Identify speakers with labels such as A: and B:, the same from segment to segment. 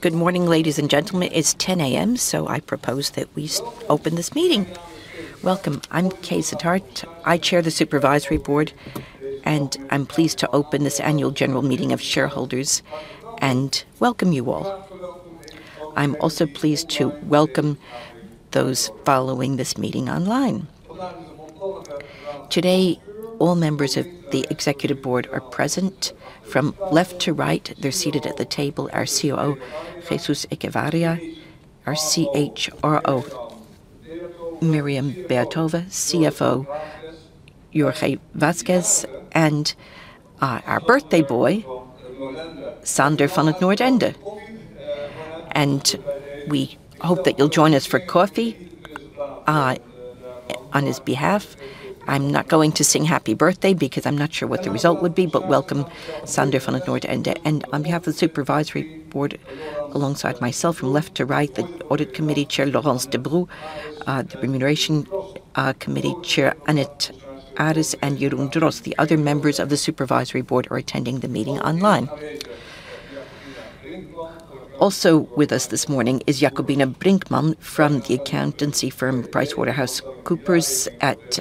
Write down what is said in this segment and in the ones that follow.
A: Good morning, ladies and gentlemen. It's 10 A.M., so I propose that we open this meeting. Welcome. I'm Cees 't Hart. I chair the supervisory board, and I'm pleased to open this annual general meeting of shareholders and welcome you all. I'm also pleased to welcome those following this meeting online. Today, all members of the executive board are present. From left to right, they're seated at the table, our COO, Jesús Echevarría, our CHRO, Myriam Beatove, CFO Jorge Vazquez, and our birthday boy, Sander van 't Noordende. We hope that you'll join us for coffee on his behalf. I'm not going to sing happy birthday because I'm not sure what the result would be, but welcome, Sander van 't Noordende. On behalf of the supervisory board, alongside myself from left to right, the audit committee chair, Laurence Debroux, the remuneration committee chair, Annet Aris, and Jeroen Drost. The other members of the supervisory board are attending the meeting online. Also with us this morning is Jacobina Brinkman from the accountancy firm PricewaterhouseCoopers. At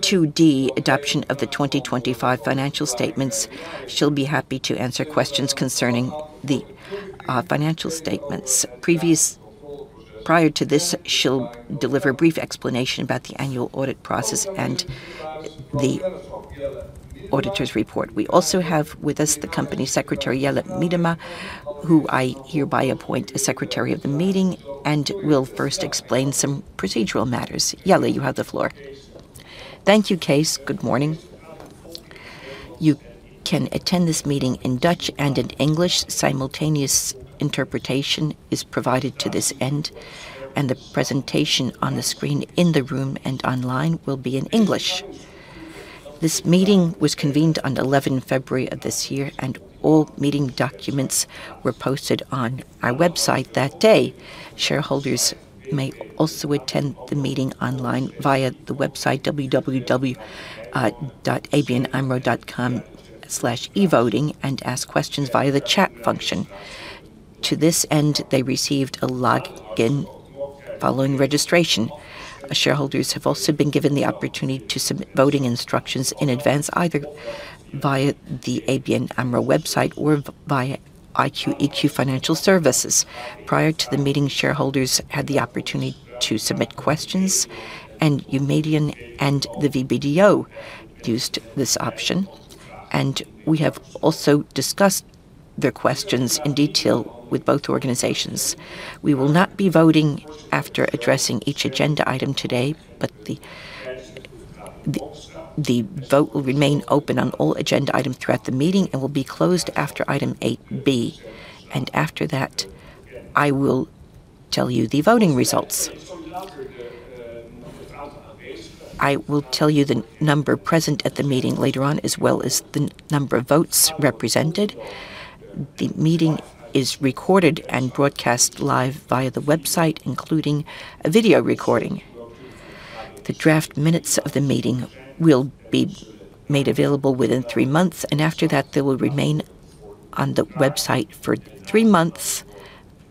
A: 2D, adoption of the 2025 financial statements, she'll be happy to answer questions concerning the financial statements. Prior to this, she'll deliver a brief explanation about the annual audit process and the auditor's report. We also have with us the company secretary, Jelle Miedema, who I hereby appoint as secretary of the meeting and will first explain some procedural matters. Jelle, you have the floor.
B: Thank you, Cees. Good morning. You can attend this meeting in Dutch and in English. Simultaneous interpretation is provided to this end, and the presentation on the screen in the room and online will be in English. This meeting was convened on 11 February of this year, and all meeting documents were posted on our website that day. Shareholders may also attend the meeting online via the website www.abnamro.com/evoting and ask questions via the chat function. To this end, they received a login following registration. Shareholders have also been given the opportunity to submit voting instructions in advance, either via the ABN AMRO website or via IQ-EQ Financial Services. Prior to the meeting, shareholders had the opportunity to submit questions, and Eumedion and the VBDO used this option, and we have also discussed their questions in detail with both organizations. We will not be voting after addressing each agenda item today, but the vote will remain open on all agenda items throughout the meeting and will be closed after item 8B. After that, I will tell you the voting results. I will tell you the number present at the meeting later on, as well as the number of votes represented. The meeting is recorded and broadcast live via the website, including a video recording. The draft minutes of the meeting will be made available within three months, and after that, they will remain on the website for three months,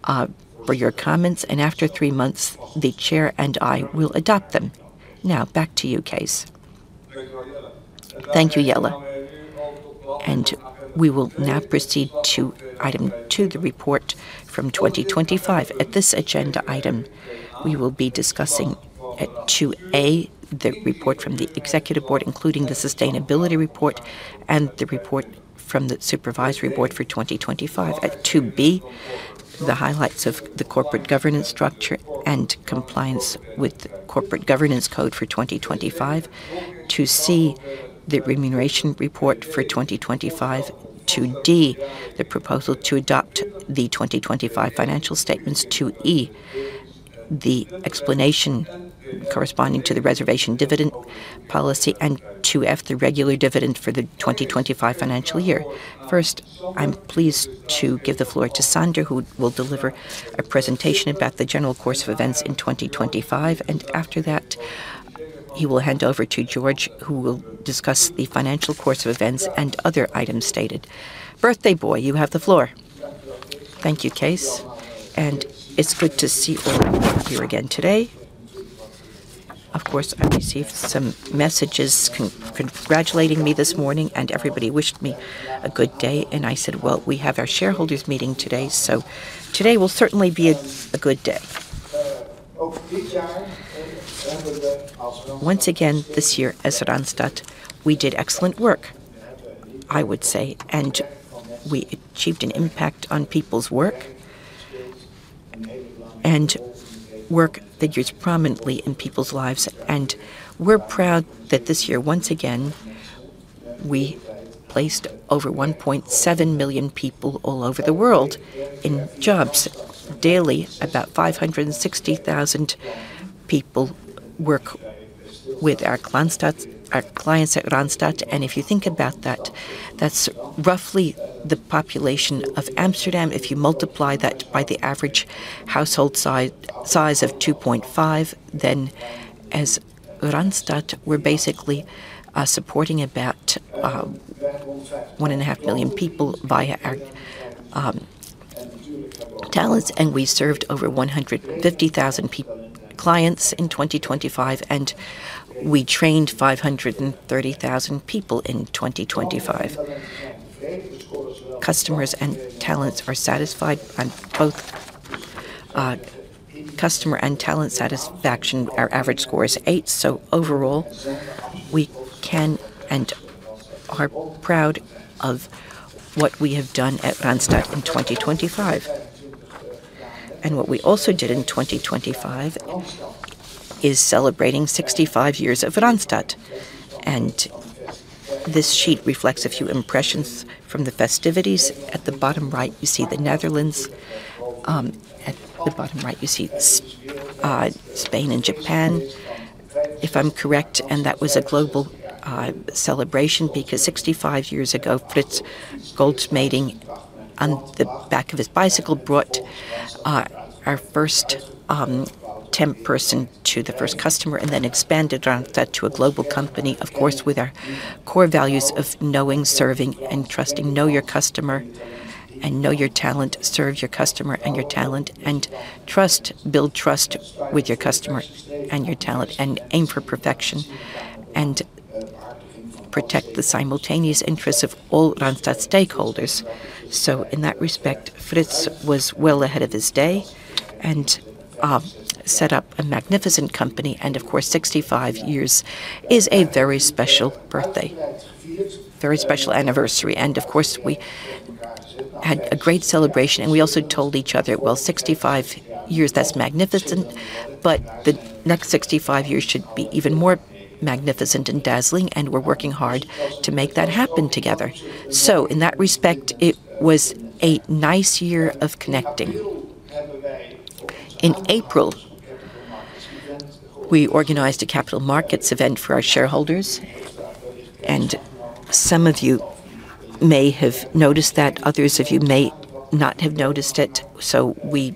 B: for your comments. After three months, the chair and I will adopt them. Now, back to you, Cees.
A: Thank you, Jelle. We will now proceed to item two, the report from 2025. At this agenda item, we will be discussing 2A, the report from the Executive Board, including the sustainability report and the report from the Supervisory Board for 2025. At 2B, the highlights of the corporate governance structure and compliance with corporate governance code for 2025. 2C, the remuneration report for 2025. 2D, the proposal to adopt the 2025 financial statements. 2E, the explanation corresponding to the reservation dividend policy. 2F, the regular dividend for the 2025 financial year. First, I'm pleased to give the floor to Sander, who will deliver a presentation about the general course of events in 2025, and after that, he will hand over to Jorge, who will discuss the financial course of events and other items stated. Birthday boy, you have the floor.
C: Thank you, Cees, and it's good to see all of you here again today. Of course, I received some messages congratulating me this morning, and everybody wished me a good day, and I said, "Well, we have our shareholders meeting today, so today will certainly be a good day." Once again, this year at Randstad, we did excellent work, I would say, and we achieved an impact on people's work. Work figures prominently in people's lives, and we're proud that this year, once again, we placed over 1.7 million people all over the world in jobs. Daily, about 560,000 people work with our clients, our clients at Randstad. If you think about that's roughly the population of Amsterdam. If you multiply that by the average household size of 2.5, then as Randstad, we're basically supporting about 1.5 million people via our talents, and we served over 150,000 clients in 2025, and we trained 530,000 people in 2025. Customers and talents are satisfied. On both customer and talent satisfaction, our average score is eight. Overall, we can and are proud of what we have done at Randstad in 2025. What we also did in 2025 is celebrating 65 years of Randstad. This sheet reflects a few impressions from the festivities. At the bottom right, you see the Netherlands. At the bottom right, you see Spain and Japan, if I'm correct. That was a global celebration because 65 years ago, Frits Goldschmeding, on the back of his bicycle, brought our first temp person to the first customer and then expanded Randstad to a global company. Of course, with our core values of knowing, serving, and trusting. Know your customer and know your talent. Serve your customer and your talent. Trust, build trust with your customer and your talent. Aim for perfection. Protect the simultaneous interests of all Randstad stakeholders. In that respect, Frits was well ahead of his day and set up a magnificent company. Of course, 65 years is a very special birthday, very special anniversary. Of course, we had a great celebration. We also told each other, "Well, 65 years, that's magnificent, but the next 65 years should be even more magnificent and dazzling," and we're working hard to make that happen together. In that respect, it was a nice year of connecting. In April, we organized a capital markets event for our shareholders, and some of you may have noticed that. Others of you may not have noticed it. We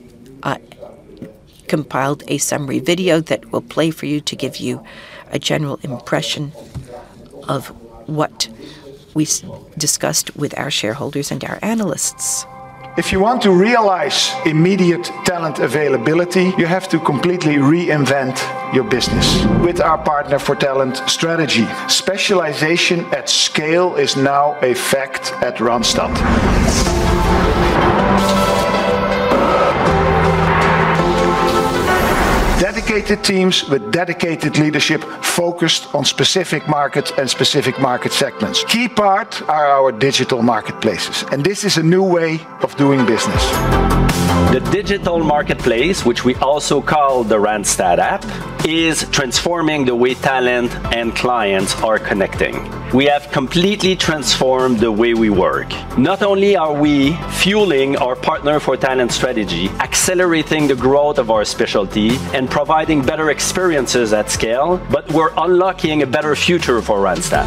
C: compiled a summary video that we'll play for you to give you a general impression of what we discussed with our shareholders and our analysts.
D: If you want to realize immediate talent availability, you have to completely reinvent your business. With our Partner for Talent strategy, specialization at scale is now a fact at Randstad. Dedicated teams with dedicated leadership focused on specific markets and specific market segments. Key part are our digital marketplaces, and this is a new way of doing business. The digital marketplace, which we also call the Randstad app, is transforming the way talent and clients are connecting. We have completely transformed the way we work. Not only are we fueling our Partner for Talent strategy, accelerating the growth of our specialty, and providing better experiences at scale, but we're unlocking a better future for Randstad.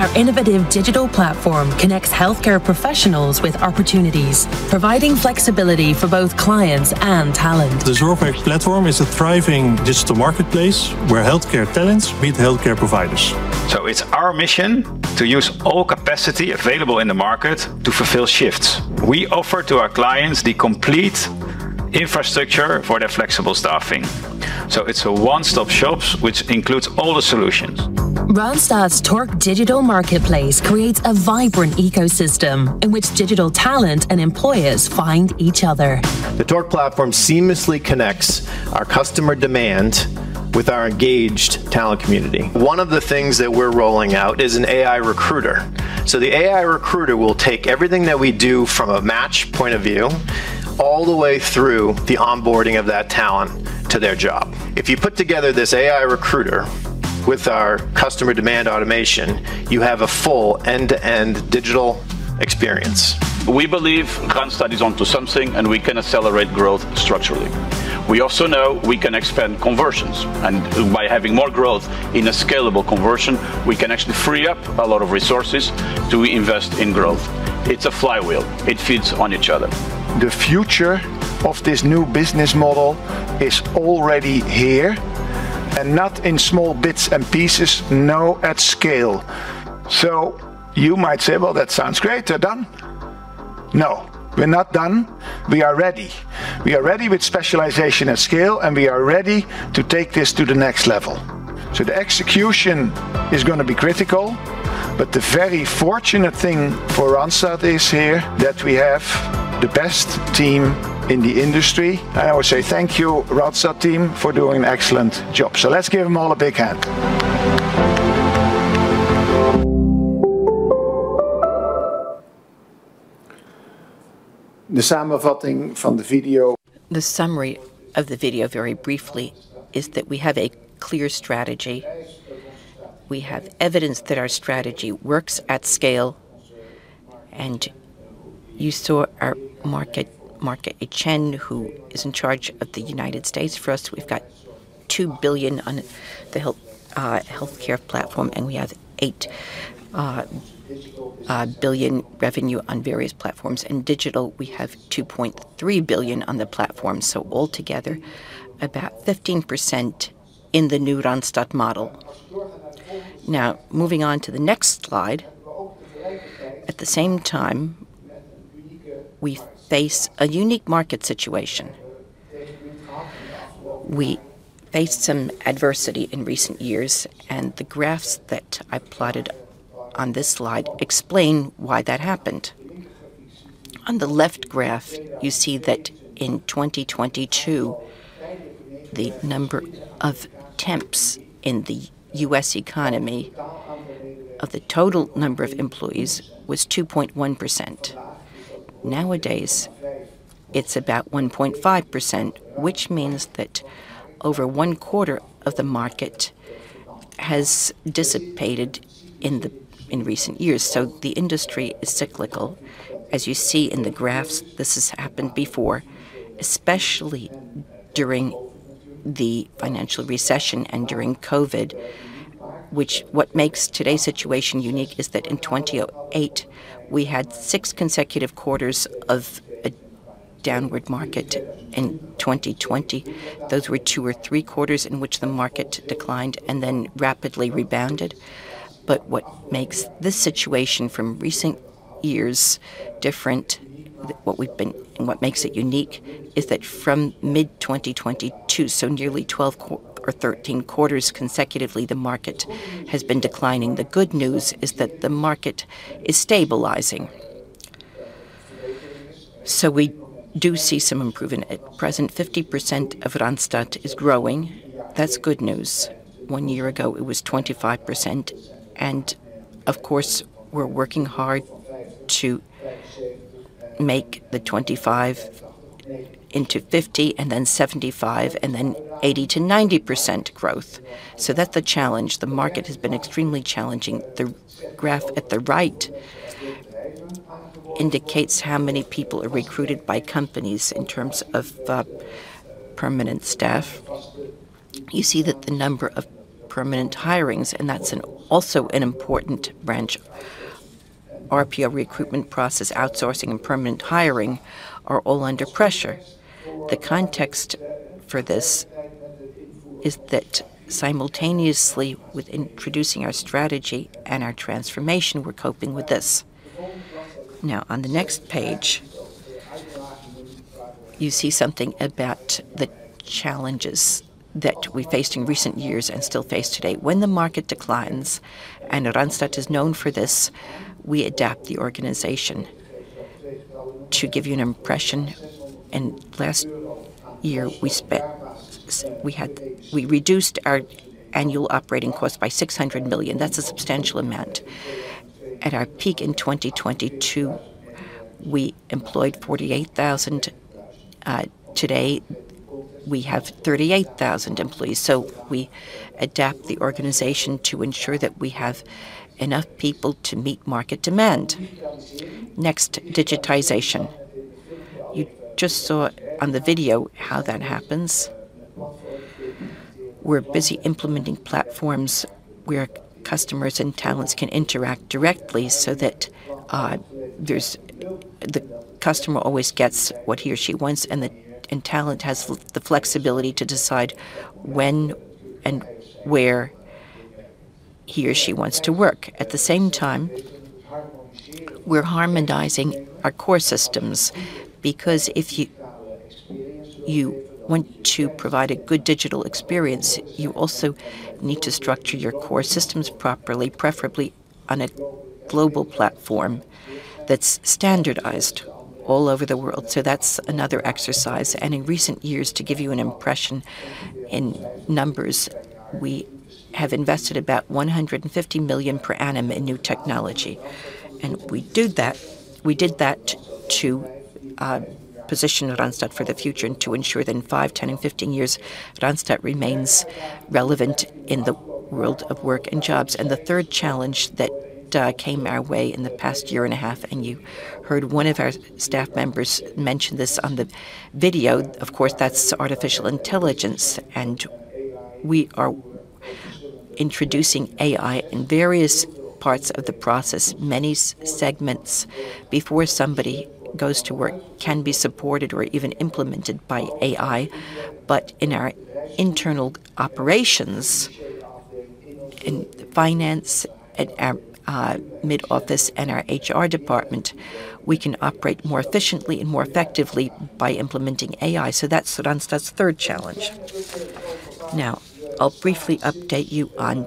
D: Our innovative digital platform connects healthcare professionals with opportunities, providing flexibility for both clients and talent. The Zorgwerk platform is a thriving digital marketplace where healthcare talents meet healthcare providers. It's our mission to use all capacity available in the market to fulfill shifts. We offer to our clients the complete infrastructure for their flexible staffing, so it's a one-stop shops which includes all the solutions. Randstad's Torc digital marketplace creates a vibrant ecosystem in which digital talent and employers find each other. The Torc platform seamlessly connects our customer demand with our engaged talent community. One of the things that we're rolling out is an AI recruiter. The AI recruiter will take everything that we do from a match point of view all the way through the onboarding of that talent to their job. If you put together this AI recruiter with our customer demand automation, you have a full end-to-end digital experience. We believe Randstad is onto something, and we can accelerate growth structurally. We also know we can expand conversions, and by having more growth in a scalable conversion, we can actually free up a lot of resources to invest in growth. It's a flywheel. It feeds on each other. The future of this new business model is already here, and not in small bits and pieces. No, at scale. You might say, "Well, that sounds great. They're done." No, we're not done. We are ready. We are ready with specialization at scale, and we are ready to take this to the next level. The execution is gonna be critical, but the very fortunate thing for Randstad is here that we have the best team in the industry. I would say thank you, Randstad team, for doing an excellent job. Let's give them all a big hand.
C: The summary of the video very briefly is that we have a clear strategy. We have evidence that our strategy works at scale. You saw our market, Marc-Etienne Julien, who is in charge of the United States for us. We've got 2 billion on the healthcare platform, and we have 8 billion revenue on various platforms. In digital, we have 2.3 billion on the platform. So altogether, about 15% in the new Randstad model. Now, moving on to the next slide. At the same time, we face a unique market situation. We faced some adversity in recent years, and the graphs that I plotted on this slide explain why that happened. On the left graph, you see that in 2022, the number of temps in the U.S. economy of the total number of employees was 2.1%. Nowadays, it's about 1.5%, which means that over one-quarter of the market has dissipated in recent years. The industry is cyclical. As you see in the graphs, this has happened before, especially during the financial recession and during COVID. What makes today's situation unique is that in 2008 we had six consecutive quarters of a downward market. In 2020, those were two or three quarters in which the market declined and then rapidly rebounded. What makes this situation from recent years different, what we've been and what makes it unique is that from mid-2022, so nearly twelve or thirteen quarters consecutively, the market has been declining. The good news is that the market is stabilizing. We do see some improvement. At present, 50% of Randstad is growing. That's good news. One year ago, it was 25%, and of course, we're working hard to make the 25 into 50 and then 75 and then 80%-90% growth. That's the challenge. The market has been extremely challenging. The graph at the right indicates how many people are recruited by companies in terms of permanent staff. You see that the number of permanent hirings, and that's also an important branch. RPO or recruitment process outsourcing, and permanent hiring are all under pressure. The context for this is that simultaneously with introducing our strategy and our transformation, we're coping with this. Now, on the next page, you see something about the challenges that we faced in recent years and still face today. When the market declines, and Randstad is known for this, we adapt the organization. We reduced our annual operating cost by 600 million last year. That's a substantial amount. At our peak in 2022, we employed 48,000. Today we have 38,000 employees. We adapt the organization to ensure that we have enough people to meet market demand. Next, digitization. You just saw on the video how that happens. We're busy implementing platforms where customers and talents can interact directly so that the customer always gets what he or she wants, and talent has the flexibility to decide when and where he or she wants to work. At the same time, we're harmonizing our core systems because if you want to provide a good digital experience, you also need to structure your core systems properly, preferably on a global platform that's standardized all over the world. That's another exercise. In recent years, to give you an impression in numbers, we have invested about 150 million per annum in new technology. We did that to position Randstad for the future and to ensure that in five, 10, and 15 years, Randstad remains relevant in the world of work and jobs. The third challenge that came our way in the past year and a half, and you heard one of our staff members mention this on the video, of course, that's artificial intelligence. We are introducing AI in various parts of the process. Many segments before somebody goes to work can be supported or even implemented by AI. But in our internal operations in finance, at our mid-office and our HR department, we can operate more efficiently and more effectively by implementing AI, so that's Randstad's third challenge. Now, I'll briefly update you on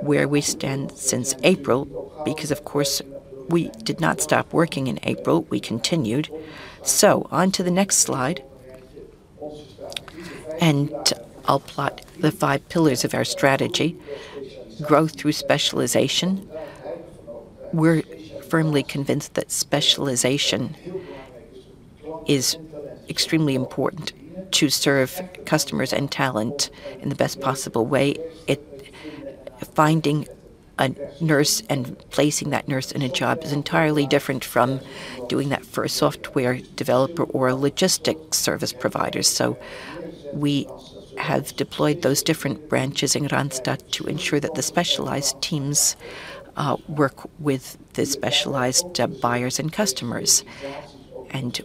C: where we stand since April because, of course, we did not stop working in April. We continued. On to the next slide, and I'll plot the five pillars of our strategy. Growth through specialization. We're firmly convinced that specialization is extremely important to serve customers and talent in the best possible way. Finding a nurse and placing that nurse in a job is entirely different from doing that for a software developer or a logistics service provider. We have deployed those different branches in Randstad to ensure that the specialized teams work with the specialized buyers and customers.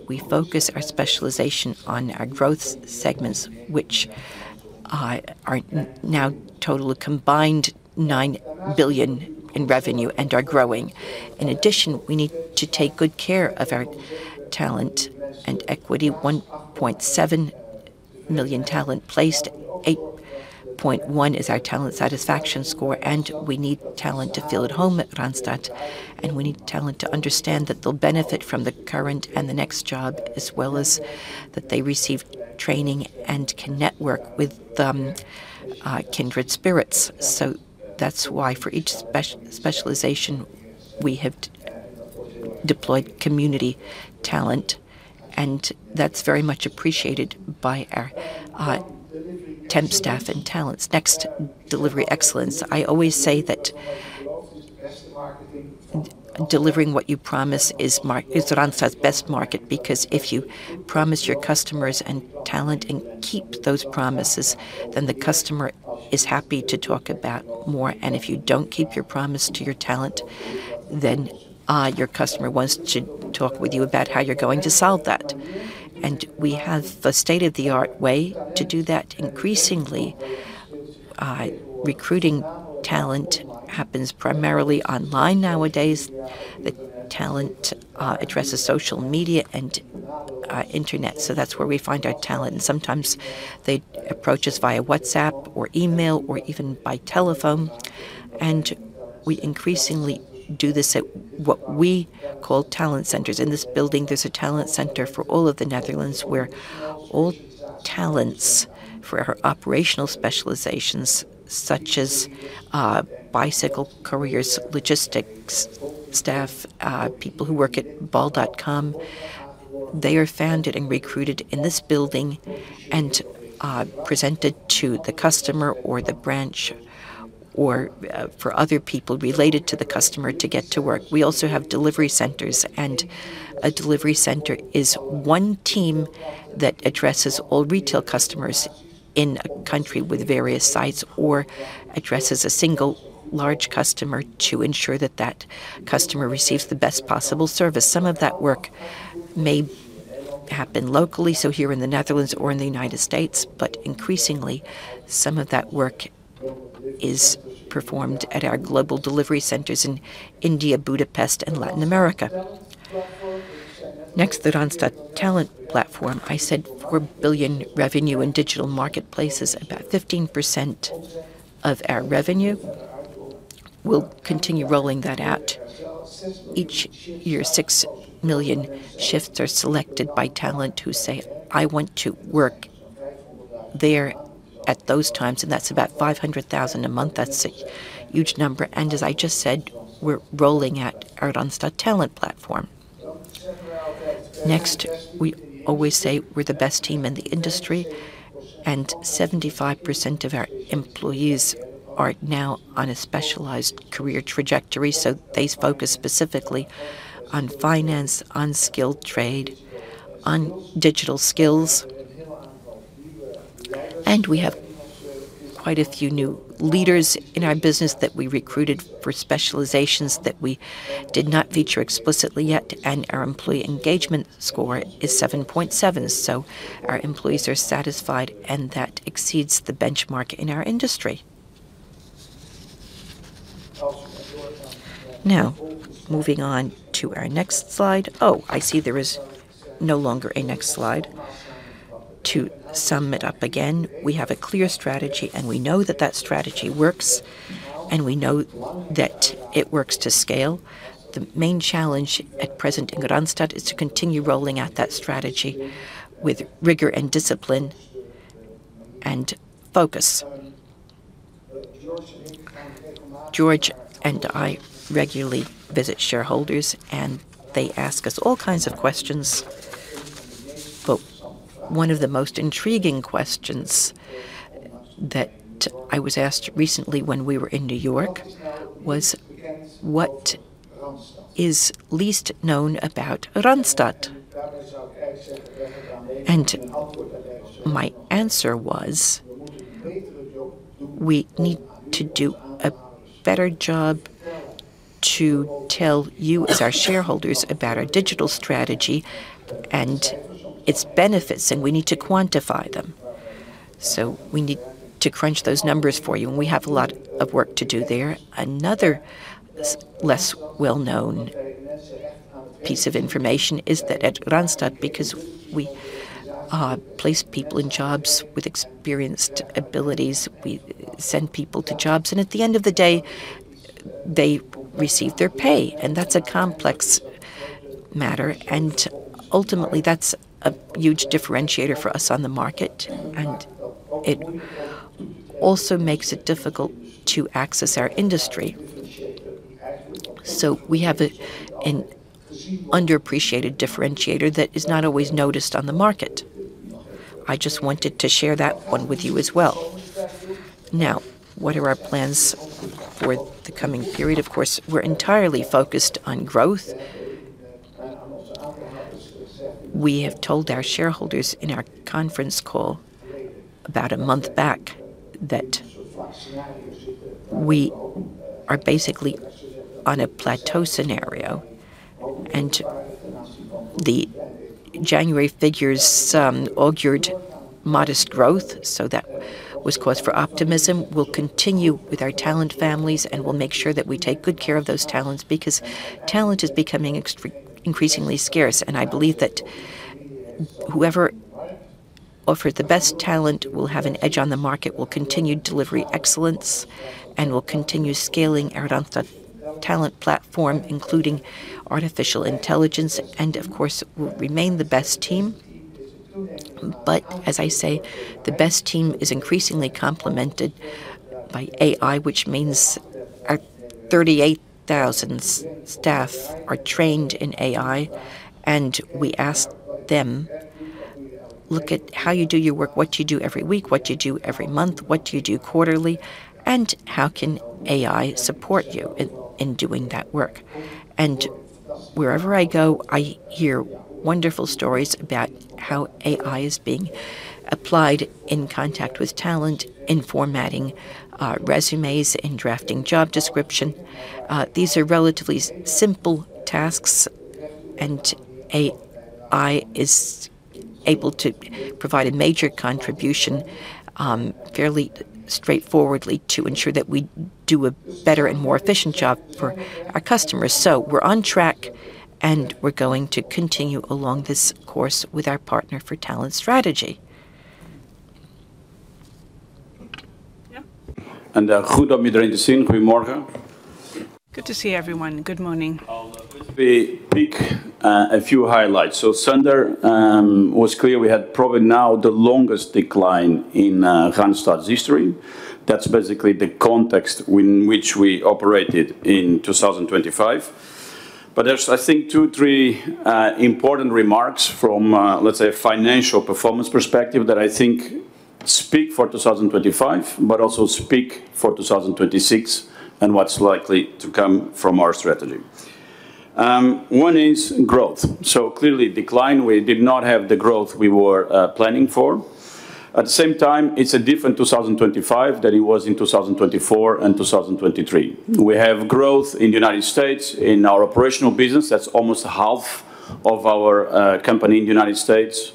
C: We focus our specialization on our growth segments, which are now total a combined 9 billion in revenue and are growing. In addition, we need to take good care of our talent and equity. 1.7 million talent placed. 8.1 is our talent satisfaction score, and we need talent to feel at home at Randstad, and we need talent to understand that they'll benefit from the current and the next job, as well as that they receive training and can network with kindred spirits. That's why for each specialization we have deployed community talent, and that's very much appreciated by our temp staff and talents. Next, delivery excellence. I always say that delivering what you promise is Randstad's best marketing because if you promise your customers and talent and keep those promises, then the customer is happy to talk about more, and if you don't keep your promise to your talent, then your customer wants to talk with you about how you're going to solve that. We have a state-of-the-art way to do that. Increasingly, recruiting talent happens primarily online nowadays. The talent addresses social media and internet, so that's where we find our talent, and sometimes they approach us via WhatsApp or email or even by telephone, and we increasingly do this at what we call talent centers. In this building, there's a talent center for all of the Netherlands where all talents for our operational specializations such as bicycle couriers, logistics staff, people who work at bol.com, they are found and recruited in this building and presented to the customer or the branch or for other people related to the customer to get to work. We also have delivery centers, and a delivery center is one team that addresses all retail customers in a country with various sites or addresses a single large customer to ensure that that customer receives the best possible service. Some of that work may happen locally, so here in the Netherlands or in the United States, but increasingly some of that work is performed at our global delivery centers in India, Budapest and Latin America. Next, the Randstad Talent Platform. I said 4 billion revenue in digital marketplaces, about 15% of our revenue. We'll continue rolling that out. Each year, 6 million shifts are selected by talent who say, "I want to work there at those times," and that's about 500,000 a month. That's a huge number, and as I just said, we're rolling out our Randstad Talent Platform. Next, we always say we're the best team in the industry, and 75% of our employees are now on a specialized career trajectory, so they focus specifically on finance, on skilled trade, on digital skills. We have quite a few new leaders in our business that we recruited for specializations that we did not feature explicitly yet, and our employee engagement score is 7.7, so our employees are satisfied, and that exceeds the benchmark in our industry. Now, moving on to our next slide. Oh, I see there is no longer a next slide. To sum it up again, we have a clear strategy, and we know that that strategy works, and we know that it works to scale. The main challenge at present in Randstad is to continue rolling out that strategy with rigor and discipline and focus. Jorge and I regularly visit shareholders, and they ask us all kinds of questions, but one of the most intriguing questions that I was asked recently when we were in New York was, "What is least known about Randstad?" My answer was, "We need to do a better job to tell you as our shareholders about our digital strategy and its benefits, and we need to quantify them." We need to crunch those numbers for you, and we have a lot of work to do there. Another less well-known piece of information is that at Randstad because we place people in jobs with experience and abilities, we send people to jobs, and at the end of the day, they receive their pay, and that's a complex matter, and ultimately that's a huge differentiator for us on the market, and it also makes it difficult to assess our industry. We have an underappreciated differentiator that is not always noticed on the market. I just wanted to share that one with you as well. Now, what are our plans for the coming period? Of course, we're entirely focused on growth. We have told our shareholders in our conference call about a month back. That we are basically on a plateau scenario, and the January figures augured modest growth, so that was cause for optimism. We'll continue with our talent families, and we'll make sure that we take good care of those talents because talent is becoming increasingly scarce. I believe that whoever offered the best talent will have an edge on the market. We'll continue delivery excellence, and we'll continue scaling our talent platform, including artificial intelligence, and of course, we'll remain the best team. As I say, the best team is increasingly complemented by AI, which means our 38,000 staff are trained in AI, and we ask them, "Look at how you do your work, what you do every week, what you do every month, what you do quarterly, and how can AI support you in doing that work?" Wherever I go, I hear wonderful stories about how AI is being applied in contact with talent, in formatting resumes, in drafting job description. These are relatively simple tasks, and AI is able to provide a major contribution, fairly straightforwardly to ensure that we do a better and more efficient job for our customers. We're on track, and we're going to continue along this course with our partner for talent strategy.
E: Good to see everyone. Good morning. I'll briefly pick a few highlights. Sander was clear we had probably now the longest decline in Randstad's history. That's basically the context in which we operated in 2025. There's, I think, two, three important remarks from, let's say, financial performance perspective that I think speak for 2025 but also speak for 2026 and what's likely to come from our strategy. One is growth. Clearly decline, we did not have the growth we were planning for. At the same time, it's a different 2025 than it was in 2024 and 2023. We have growth in the United States in our operational business. That's almost half of our company in the United States.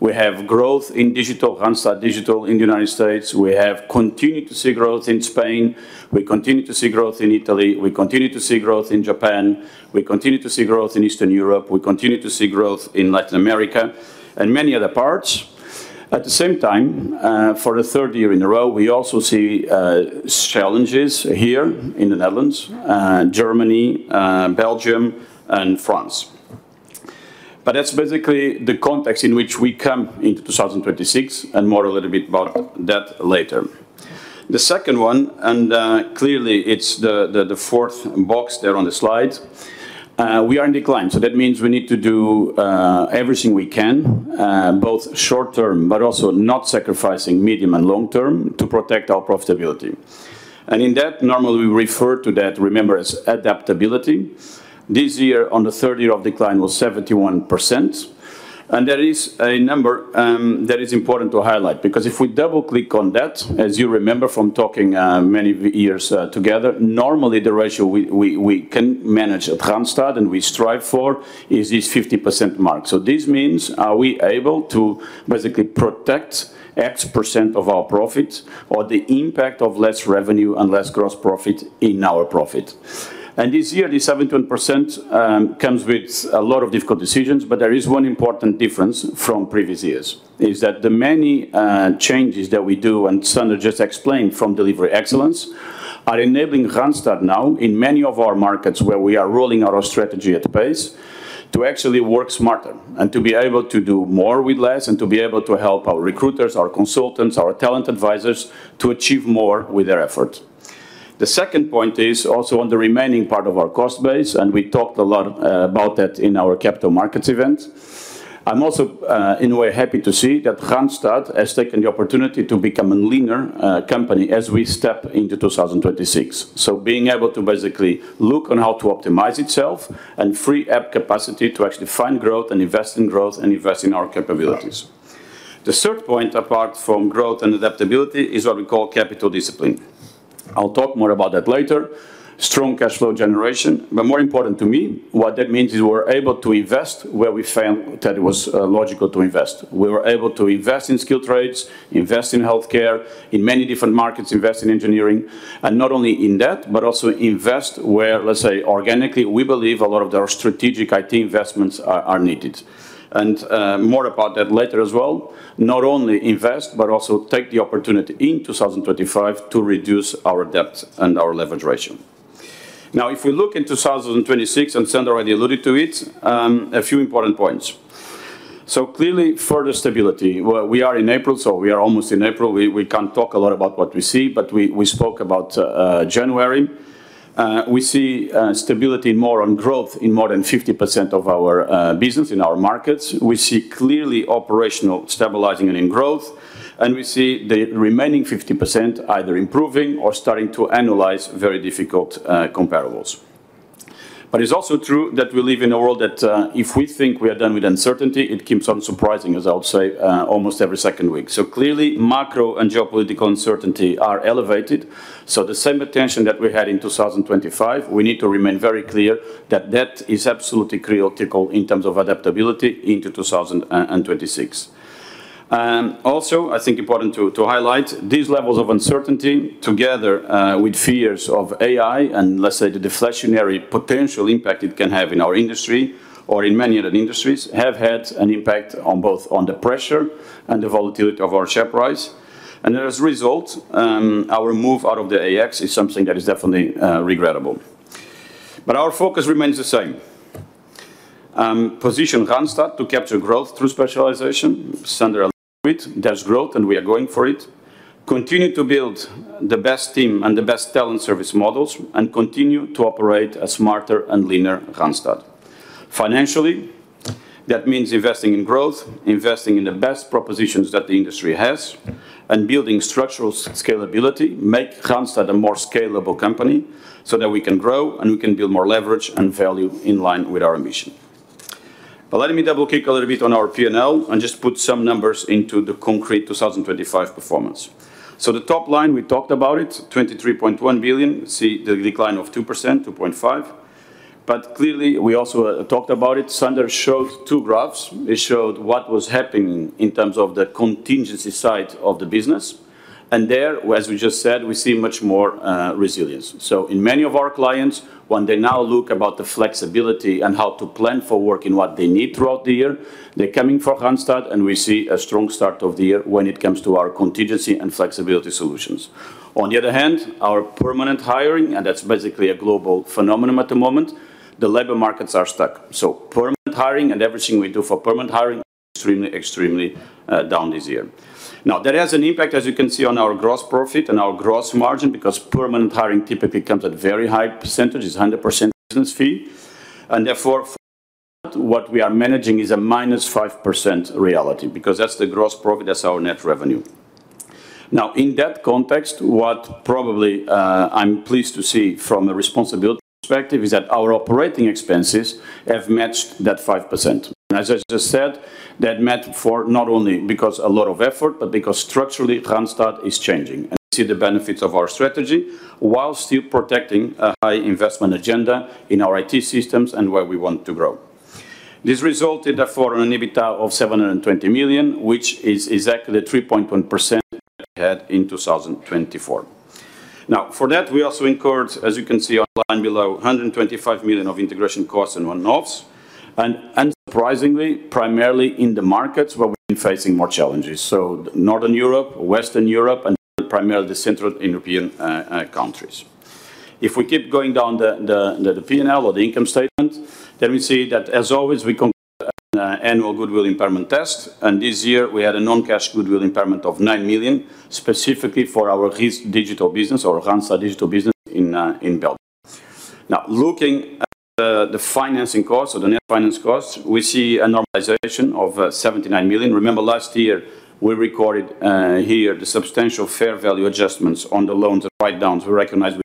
E: We have growth in digital, Randstad Digital in the United States. We have continued to see growth in Spain. We continue to see growth in Italy. We continue to see growth in Japan. We continue to see growth in Eastern Europe. We continue to see growth in Latin America and many other parts. At the same time, for the third year in a row, we also see challenges here in the Netherlands, Germany, Belgium, and France. That's basically the context in which we come into 2026, and more a little bit about that later. The second one, clearly it's the fourth box there on the slide. We are in decline, so that means we need to do everything we can, both short term but also not sacrificing medium and long term to protect our profitability. In that, normally we refer to that, remember, as adaptability. This year, on the third year of decline, was 71%, and that is a number that is important to highlight because if we double-click on that, as you remember from talking many years together, normally the ratio we can manage at Randstad and we strive for is this 50% mark. This means are we able to basically protect X% of our profit or the impact of less revenue and less gross profit in our profit. This year, this 71% comes with a lot of difficult decisions, but there is one important difference from previous years, is that the many changes that we do, and Sander just explained from delivery excellence, are enabling Randstad now in many of our markets where we are rolling out our strategy at pace, to actually work smarter and to be able to do more with less and to be able to help our recruiters, our consultants, our talent advisors to achieve more with their effort. The second point is also on the remaining part of our cost base, and we talked a lot about that in our capital markets event. I'm also in a way, happy to see that Randstad has taken the opportunity to become a leaner company as we step into 2026. Being able to basically look on how to optimize itself and free up capacity to actually find growth and invest in growth and invest in our capabilities. The third point, apart from growth and adaptability, is what we call capital discipline. I'll talk more about that later. Strong cash flow generation, but more important to me, what that means is we're able to invest where we found that it was logical to invest. We were able to invest in skilled trades, invest in healthcare, in many different markets, invest in engineering, and not only in that but also invest where, let's say, organically, we believe a lot of their strategic IT investments are needed. More about that later as well. Not only invest but also take the opportunity in 2025 to reduce our debt and our leverage ratio. Now, if we look in 2026, and Sander already alluded to it, a few important points. Clearly, further stability. Well, we are in April, so we are almost in April. We can't talk a lot about what we see, but we spoke about January. We see stability more on growth in more than 50% of our business in our markets. We see clearly operational stability and growth, and we see the remaining 50% either improving or starting to annualize very difficult comparables. It's also true that we live in a world that, if we think we are done with uncertainty, it keeps on surprising us, I would say, almost every second week. Clearly, macro and geopolitical uncertainty are elevated. The same attention that we had in 2025, we need to remain very clear that that is absolutely critical in terms of adaptability into 2026. Also, I think it's important to highlight these levels of uncertainty together with fears of AI and let's say the deflationary potential impact it can have in our industry or in many other industries have had an impact on both the pressure and the volatility of our share price. As a result, our move out of the AEX is something that is definitely regrettable. Our focus remains the same. Position Randstad to capture growth through specialization. Sander alluded to it. There's growth, and we are going for it. Continue to build the best team and the best talent service models, and continue to operate a smarter and leaner Randstad. Financially, that means investing in growth, investing in the best propositions that the industry has, and building structural scalability, make Randstad a more scalable company so that we can grow and we can build more leverage and value in line with our mission. Let me double-click a little bit on our P&L and just put some numbers into context 2025 performance. The top line, we talked about it, 23.1 billion. See the decline of 2%, 2.5%. Clearly, we also talked about it. Sander showed two graphs. It showed what was happening in terms of the contingency side of the business. There, as we just said, we see much more resilience. In many of our clients, when they now look about the flexibility and how to plan for work and what they need throughout the year, they're coming for Randstad, and we see a strong start of the year when it comes to our contingency and flexibility solutions. On the other hand, our permanent hiring, and that's basically a global phenomenon at the moment, the labor markets are stuck. Permanent hiring and everything we do for permanent hiring is extremely down this year. Now, that has an impact, as you can see, on our gross profit and our gross margin because permanent hiring typically comes at a very high percentage. It's 100% business fee. And therefore, for Randstad, what we are managing is a -5% reality because that's the gross profit, that's our net revenue. Now, in that context, what probably, I'm pleased to see from the responsibility perspective is that our operating expenses have matched that 5%. As I just said, that matched for not only because a lot of effort, but because structurally Randstad is changing. We see the benefits of our strategy while still protecting a high investment agenda in our IT systems and where we want to grow. This resulted, therefore, in an EBITDA of 720 million, which is exactly the 3.1% we had in 2024. For that, we also incurred, as you can see on the line below, 125 million of integration costs and one-offs. Unsurprisingly, primarily in the markets where we've been facing more challenges. Northern Europe, Western Europe, and primarily the Central European countries. If we keep going down the P&L or the income statement, then we see that as always, we conduct an annual goodwill impairment test. This year, we had a non-cash goodwill impairment of 9 million, specifically for our Randstad Digital business in Belgium. Now, looking at the financing costs or the net finance costs, we see a normalization of 79 million. Remember last year, we recorded here the substantial fair value adjustments on the loans and write-downs we recognized with.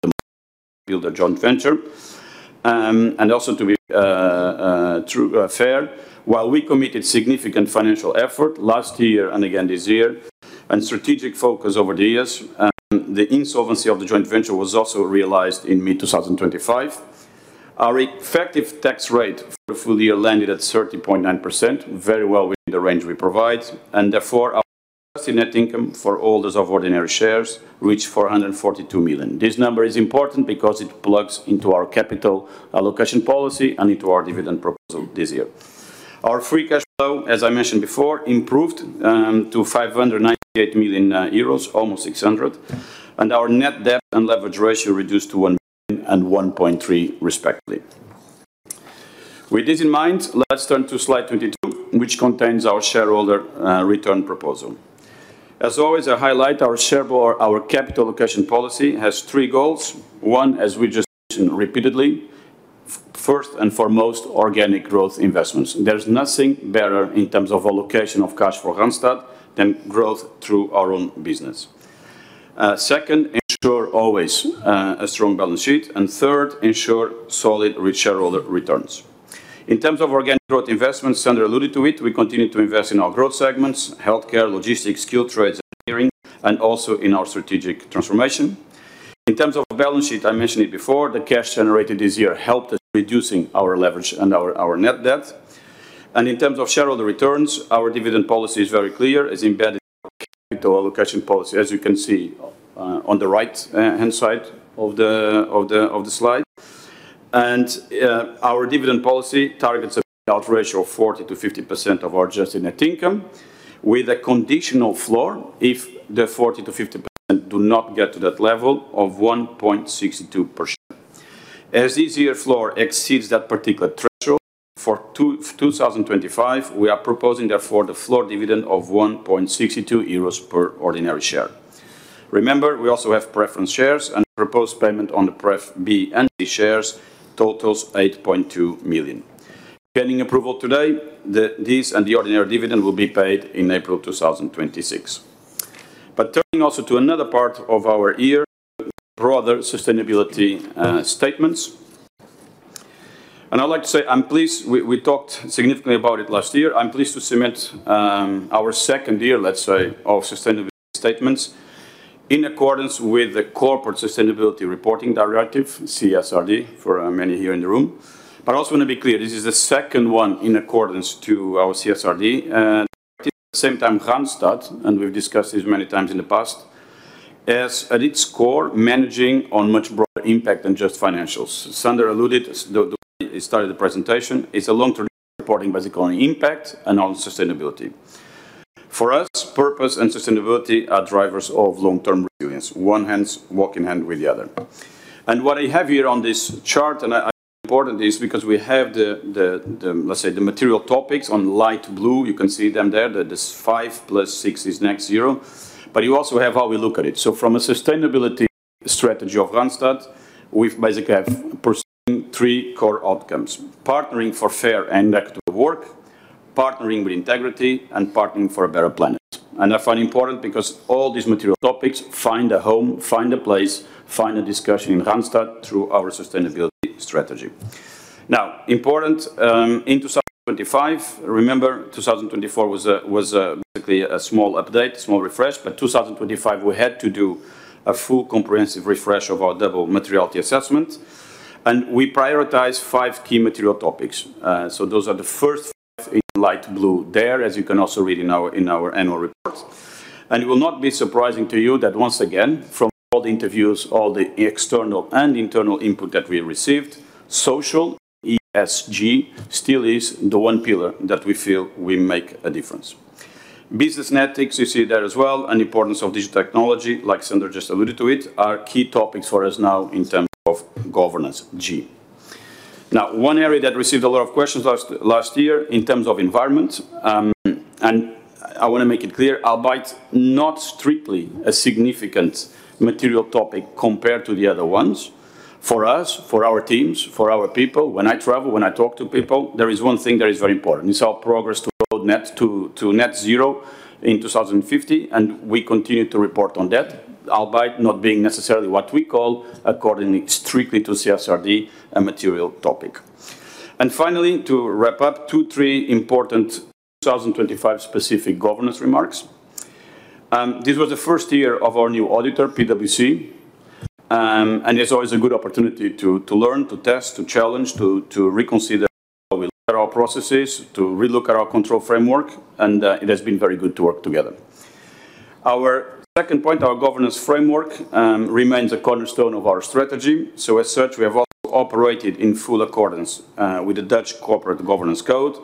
E: As this year floor exceeds that particular threshold, for 2025, we are proposing therefore the floor dividend of 1.62 euros per ordinary share. Remember, we also have preference shares, and proposed payment on the Pref B and C shares totals 8.2 million. Pending approval today, this and the ordinary dividend will be paid in April 2026. Turning also to another part of our year, broader sustainability statements. I'd like to say I'm pleased we talked significantly about it last year. I'm pleased to submit our second year, let's say, of sustainability statements in accordance with the Corporate Sustainability Reporting Directive, CSRD, for many here in the room. I also wanna be clear, this is the second one in accordance to our CSRD. At the same time, Randstad, and we've discussed this many times in the past, is at its core managing on much broader impact than just financials. Sander alluded he started the presentation, it's a long-term reporting basically on impact and on sustainability. For us, purpose and sustainability are drivers of long-term resilience. One hand walks hand in hand with the other. What I have here on this chart, and it's important because we have the, let's say, the material topics on light blue. You can see them there, that is 5 + 6 is net zero. You also have how we look at it. From a sustainability strategy of Randstad, we've basically have pursuing three core outcomes, partnering for fair and equitable work, partnering with integrity, and partnering for a better planet. I find important because all these material topics find a home, find a place, find a discussion in Randstad through our sustainability strategy. Now, important, in 2025, remember 2024 was basically a small update, a small refresh, but 2025, we had to do a full comprehensive refresh of our double materiality assessment, and we prioritized five key material topics. So those are the first five in light blue there, as you can also read in our annual report. It will not be surprising to you that once again, from all the interviews, all the external and internal input that we received, social ESG still is the one pillar that we feel we make a difference. Business integrity and ethics you see there as well, and importance of digital technology, like Sander just alluded to it, are key topics for us now in terms of governance G. Now, one area that received a lot of questions last year in terms of environment, and I wanna make it clear, albeit not strictly a significant material topic compared to the other ones, for us, for our teams, for our people, when I travel, when I talk to people, there is one thing that is very important. It's our progress towards net zero in 2050, and we continue to report on that, albeit not being necessarily what we call accordingly strictly to CSRD a material topic. Finally, to wrap up, two or three important 2025 specific governance remarks. This was the first year of our new auditor, PwC. It's always a good opportunity to learn, to test, to challenge, to reconsider how we look at our processes, to relook at our control framework, and it has been very good to work together. Our second point, our governance framework, remains a cornerstone of our strategy. As such, we have also operated in full accordance with the Dutch Corporate Governance Code,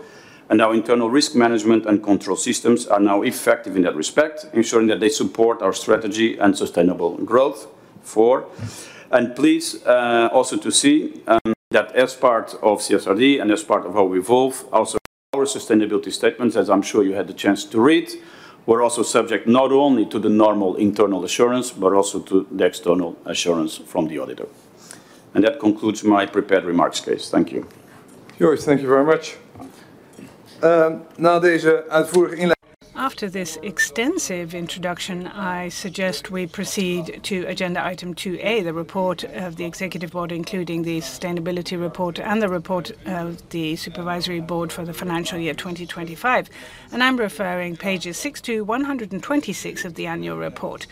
E: and our internal risk management and control systems are now effective in that respect, ensuring that they support our strategy and sustainable growth forward. I'm pleased also to see that as part of CSRD and as part of how we evolve also our sustainability statements, as I'm sure you had the chance to read, were also subject not only to the normal internal assurance, but also to the external assurance from the auditor. That concludes my prepared remarks, guys. Thank you.
A: Jorge, thank you very much. Now these, as for- After this extensive introduction, I suggest we proceed to agenda item 2A, the report of the executive board, including the sustainability report and the report of the supervisory board for the financial year 2025. I'm referring to pages 6 to 126 of the annual report.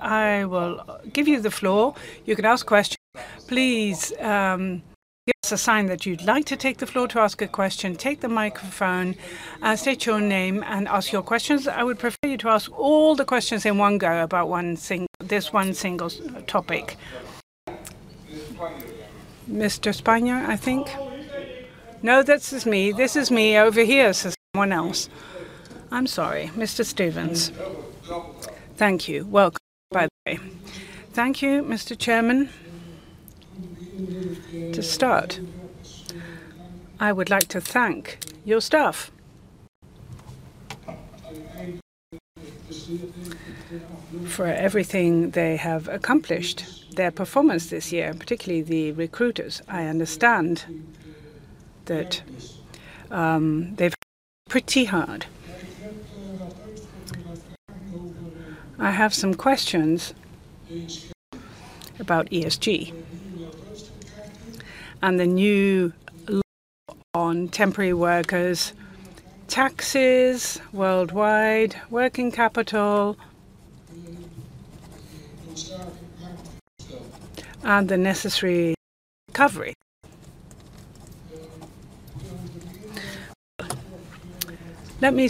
A: I will give you the floor. You can ask questions. Please, give us a sign that you'd like to take the floor to ask a question, take the microphone, state your name and ask your questions. I would prefer you to ask all the questions in one go about this one single topic. Mr. Spanjer, I think. This is me. Over here, says someone else. I'm sorry, Mr. Stevense.
F: Thank you. Welcome, by the way. Thank you, Mr. Chairman. To start, I would like to thank your staff for everything they have accomplished, their performance this year, particularly the recruiters. I understand that, they've worked pretty hard. I have some questions about ESG and the new law on temporary workers, taxes worldwide, working capital, and the necessary recovery. Let me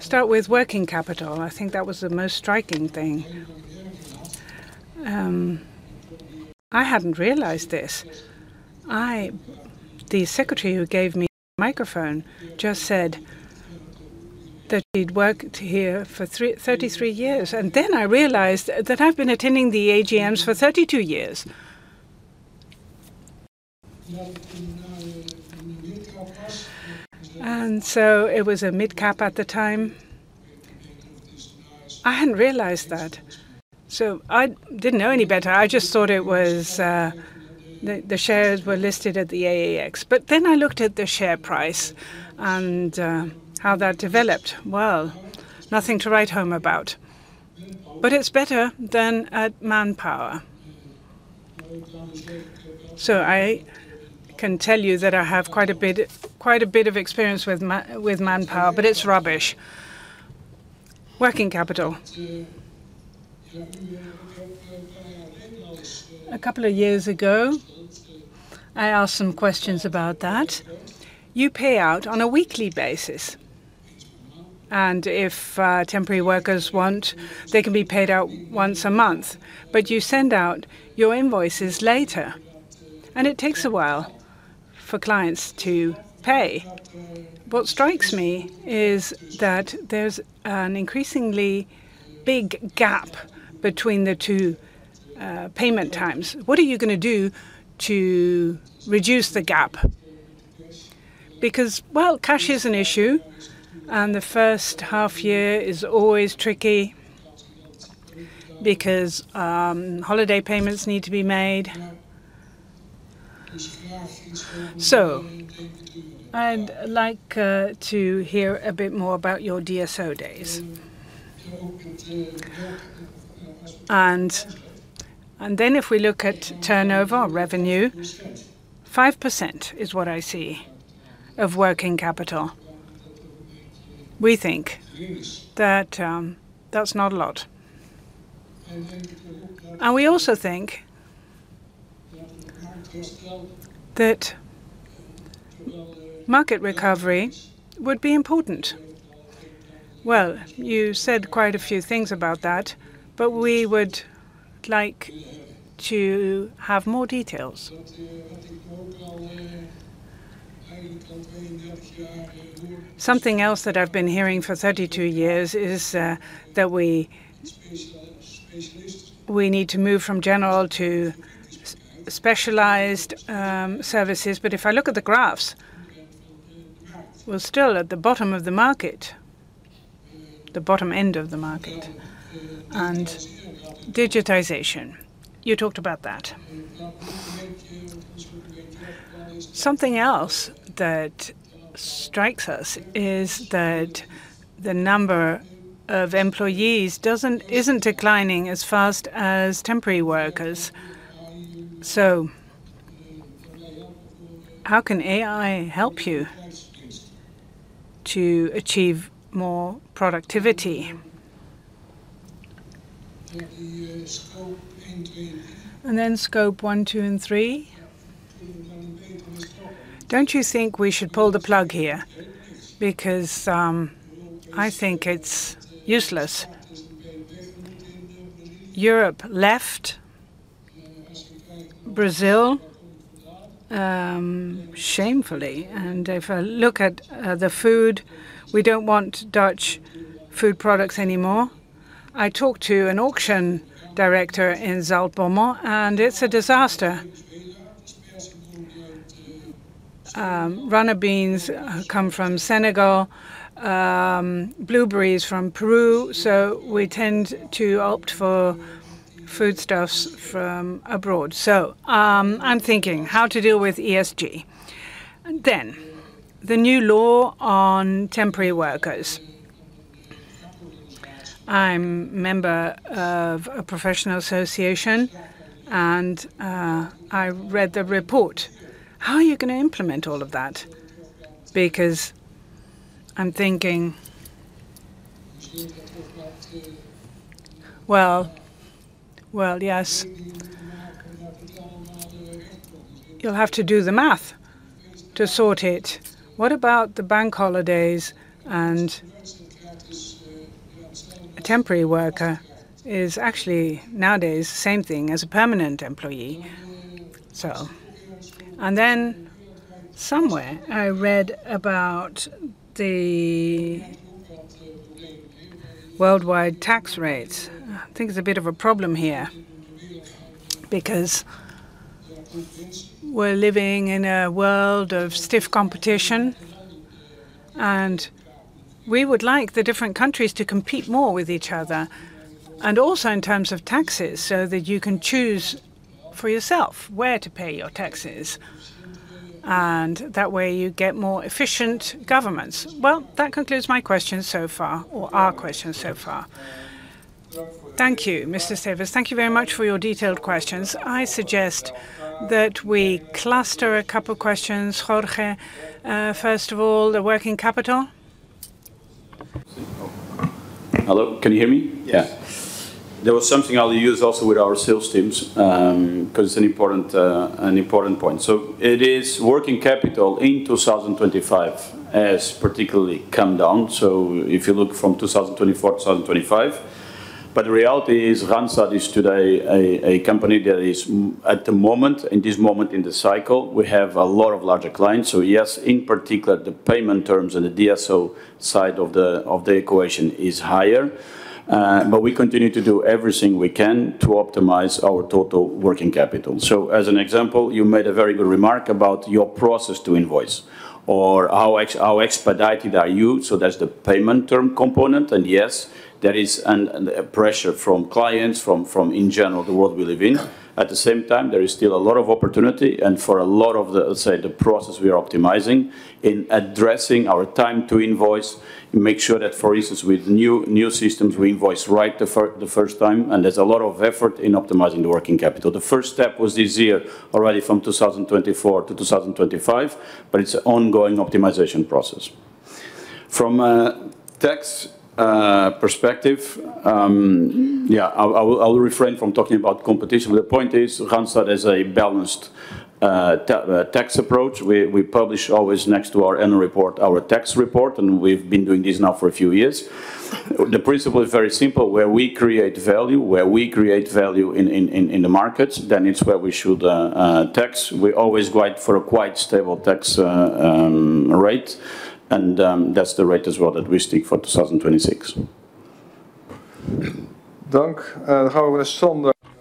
F: start with working capital. I think that was the most striking thing. I hadn't realized this. The secretary who gave me the microphone just said that she'd worked here for 33 years, and then I realized that I've been attending the AGMs for 32 years. It was a midcap at the time. I hadn't realized that. I didn't know any better. I just thought it was the shares were listed at the AEX. I looked at the share price and how that developed. Well, nothing to write home about. It's better than at Manpower. I can tell you that I have quite a bit of experience with Manpower, but it's rubbish. Working capital. A couple of years ago, I asked some questions about that. You pay out on a weekly basis, and if temporary workers want, they can be paid out once a month. But you send out your invoices later, and it takes a while for clients to pay. What strikes me is that there's an increasingly big gap between the two payment times. What are you gonna do to reduce the gap? Because, well, cash is an issue, and the first half year is always tricky because holiday payments need to be made. I'd like to hear a bit more about your DSO days. If we look at turnover or revenue, 5% is what I see of working capital. We think that that's not a lot. We also think that market recovery would be important. Well, you said quite a few things about that, but we would like to have more details. Something else that I've been hearing for 32 years is that we need to move from general to specialized services. If I look at the graphs, we're still at the bottom of the market, the bottom end of the market. Digitization, you talked about that. Something else that strikes us is that the number of employees isn't declining as fast as temporary workers. How can AI help you to achieve more productivity? Scope one, two, and three. Don't you think we should pull the plug here? Because I think it's useless. Europe left Brazil shamefully. If I look at the food, we don't want Dutch food products anymore. I talked to an auction director in Zaltbommel, and it's a disaster. Runner beans come from Senegal, blueberries from Peru, so we tend to opt for foodstuffs from abroad. I'm thinking how to deal with ESG. The new law on temporary workers. I'm member of a professional association, and I read the report. How are you gonna implement all of that? I'm thinking, well, yes, you'll have to do the math to sort it. What about the bank holidays and a temporary worker is actually nowadays the same thing as a permanent employee? Somewhere, I read about the worldwide tax rates. I think it's a bit of a problem here because we're living in a world of stiff competition, and we would like the different countries to compete more with each other, and also in terms of taxes, so that you can choose for yourself where to pay your taxes. That way you get more efficient governments. Well, that concludes my questions so far, or our questions so far.
A: Thank you, Mr. Stevense. Thank you very much for your detailed questions. I suggest that we cluster a couple questions. Jorge, first of all, the working capital.
E: Hello, can you hear me?
G: Yeah.
E: There was something I'll use also with our sales teams, 'cause it's an important point. It is working capital in 2025 has particularly come down. If you look from 2024 to 2025. But the reality is Randstad is today a company that is at the moment, in this moment in the cycle, we have a lot of larger clients. Yes, in particular, the payment terms and the DSO side of the equation is higher. We continue to do everything we can to optimize our total working capital. As an example, you made a very good remark about your process to invoice or how expedited are you, so that's the payment term component. Yes, there is a pressure from clients from in general the world we live in. At the same time, there is still a lot of opportunity and for a lot of the, say, the process we are optimizing in addressing our time to invoice, make sure that, for instance, with new systems, we invoice right the first time, and there's a lot of effort in optimizing the working capital. The first step was this year already from 2024 to 2025, but it's an ongoing optimization process. From a tax perspective, I'll refrain from talking about competition. The point is Randstad has a balanced tax approach. We publish always next to our annual report, our tax report, and we've been doing this now for a few years. The principle is very simple, where we create value in the markets, then it's where we should tax. We always go out for a quite stable tax rate. That's the rate as well that we stick for 2026.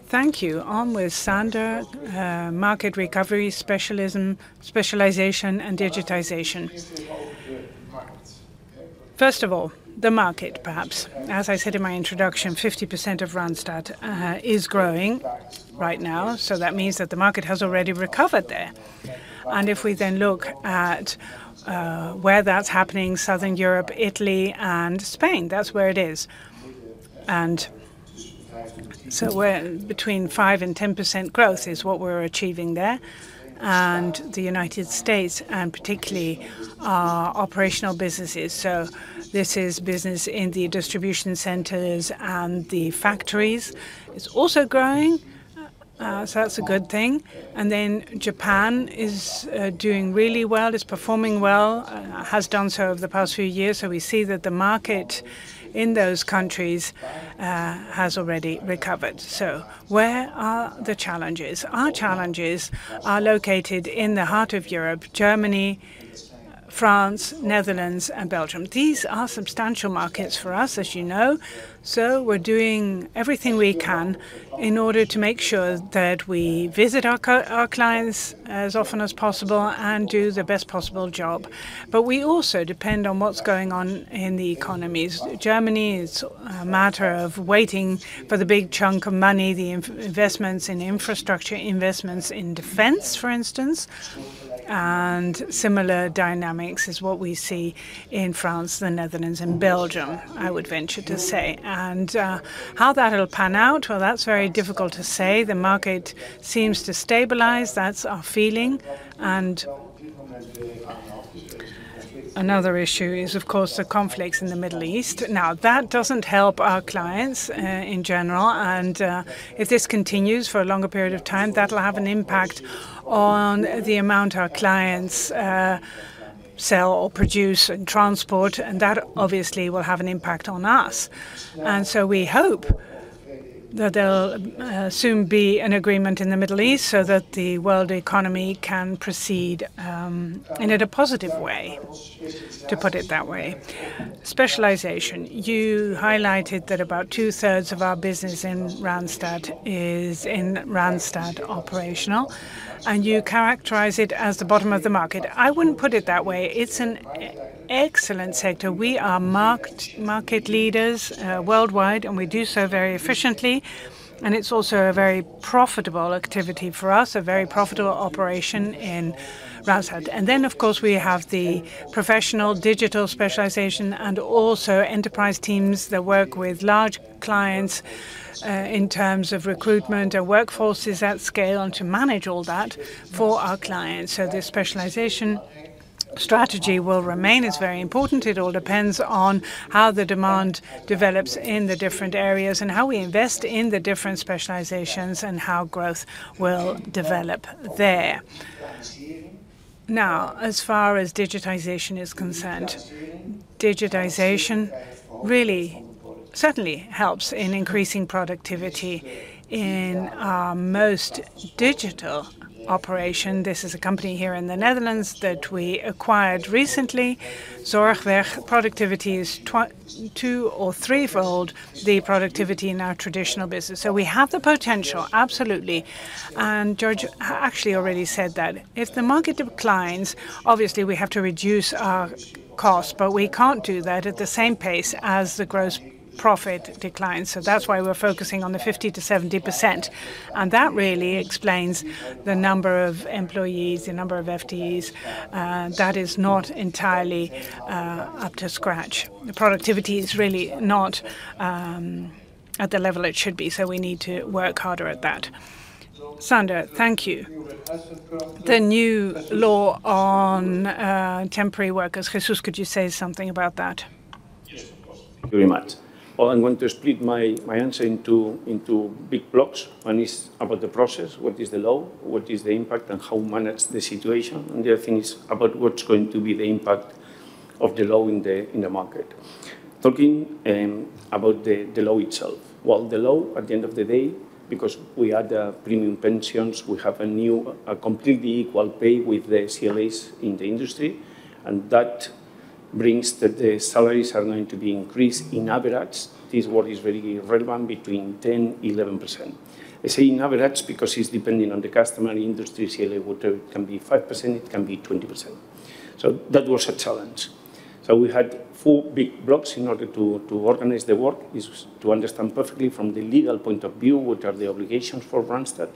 A: Thank you. On with Sander.
C: Market recovery, specialization, and digitization. First of all, the market perhaps. As I said in my introduction, 50% of Randstad is growing right now, so that means that the market has already recovered there. If we then look at where that's happening, Southern Europe, Italy, and Spain, that's where it is. We're between 5% and 10% growth is what we're achieving there. The United States, and particularly our operational businesses. This is business in the distribution centers and the factories. It's also growing, so that's a good thing. Japan is doing really well, is performing well, has done so over the past few years. We see that the market in those countries has already recovered. Where are the challenges? Our challenges are located in the heart of Europe, Germany, France, Netherlands and Belgium. These are substantial markets for us, as you know. We're doing everything we can in order to make sure that we visit our clients as often as possible and do the best possible job. We also depend on what's going on in the economies. Germany is a matter of waiting for the big chunk of money, the investments in infrastructure, investments in defense, for instance. Similar dynamics is what we see in France, the Netherlands and Belgium, I would venture to say. How that'll pan out, well, that's very difficult to say. The market seems to stabilize. That's our feeling. Another issue is, of course, the conflicts in the Middle East. Now, that doesn't help our clients in general. If this continues for a longer period of time, that'll have an impact on the amount our clients sell or produce and transport, and that obviously will have an impact on us. We hope that there'll soon be an agreement in the Middle East so that the world economy can proceed in the positive way, to put it that way. Specialization. You highlighted that about 2/3 of our business in Randstad is in Randstad Operational, and you characterize it as the bottom of the market. I wouldn't put it that way. It's an excellent sector. We are market leaders worldwide, and we do so very efficiently. It's also a very profitable activity for us, a very profitable operation in Randstad. Of course, we have the professional digital specialization and also enterprise teams that work with large clients in terms of recruitment of workforces at scale and to manage all that for our clients. The specialization strategy will remain. It's very important. It all depends on how the demand develops in the different areas and how we invest in the different specializations and how growth will develop there. Now, as far as digitization is concerned, digitization really certainly helps in increasing productivity in our most digital operation. This is a company here in the Netherlands that we acquired recently. Zorgwerk productivity is two- or three-fold the productivity in our traditional business. We have the potential, absolutely. Jorge actually already said that if the market declines, obviously we have to reduce our costs, but we can't do that at the same pace as the gross profit declines. That's why we're focusing on the 50%-70%. That really explains the number of employees, the number of FTEs, that is not entirely up to scratch. The productivity is really not at the level it should be, so we need to work harder at that.
A: Sander, thank you. The new law on temporary workers. Jesús, could you say something about that?
H: Yes, of course. Thank you very much. Well, I'm going to split my answer into big blocks. One is about the process, what is the law, what is the impact, and how we manage the situation. The other thing is about what's going to be the impact. Of the low in the market. Talking about the low itself. Well, the low, at the end of the day, because we had the premium pensions, we have a completely equal pay with the CLAs in the industry, and that brings the salaries are going to be increased on average. This work is very relevant between 10%-11%. You see now that's because it's dependent on the customer and industry. A CLA can be 5%, it can be 20%. That was a challenge. We had four big blocks in order to organize the work. Is to understand perfectly from the legal point of view what are the obligations for Randstad.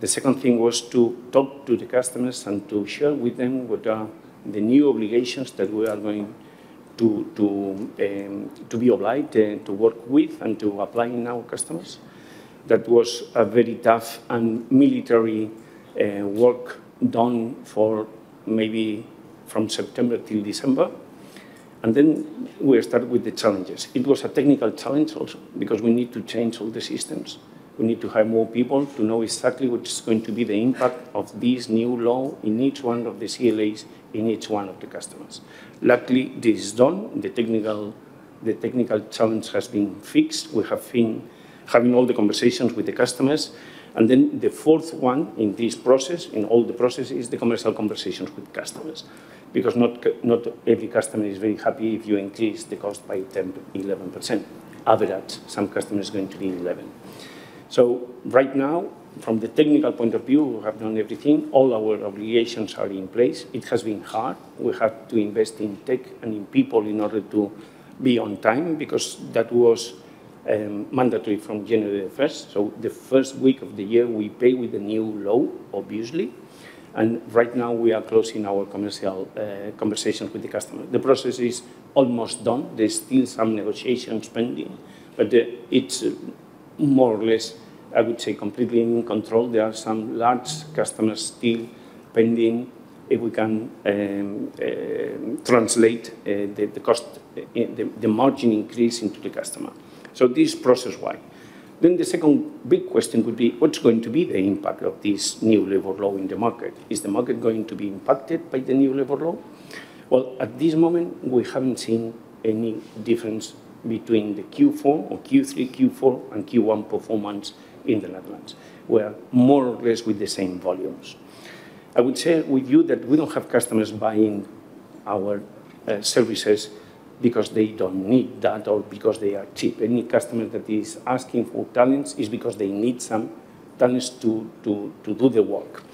H: The second thing was to talk to the customers and to share with them what are the new obligations that we are going to be obliged and to work with and to apply to our customers. That was a very tough and meticulous work done mainly from September till December. Then we started with the challenges. It was a technical challenge also because we need to change all the systems. We need to hire more people to know exactly what is going to be the impact of this new law in each one of the CLAs, in each one of the customers. Luckily, this is done. The technical challenge has been fixed. We have been having all the conversations with the customers. The fourth one in this process, in all the processes, is the commercial conversations with customers, because not every customer is very happy if you increase the cost by 10%-11%. Average, some customers are going to be 11%. Right now, from the technical point of view, we have done everything. All our obligations are in place. It has been hard. We have to invest in tech and in people in order to be on time, because that was mandatory from January 1. The first week of the year we pay with the new law, obviously, and right now we are closing our commercial conversations with the customer. The process is almost done. There's still some negotiations pending, but it's more or less, I would say, completely in control. There are some large customers still pending if we can translate the cost, the margin increase into the customer. This process why. The second big question would be: What's going to be the impact of this new labor law in the market? Is the market going to be impacted by the new labor law? Well, at this moment, we haven't seen any difference between the Q3, Q4 and Q1 performance in the Netherlands. We're more or less with the same volumes. I would share with you that we don't have customers buying our services because they don't need that or because they are cheap. Any customer that is asking for talents is because they need some talents to do the work.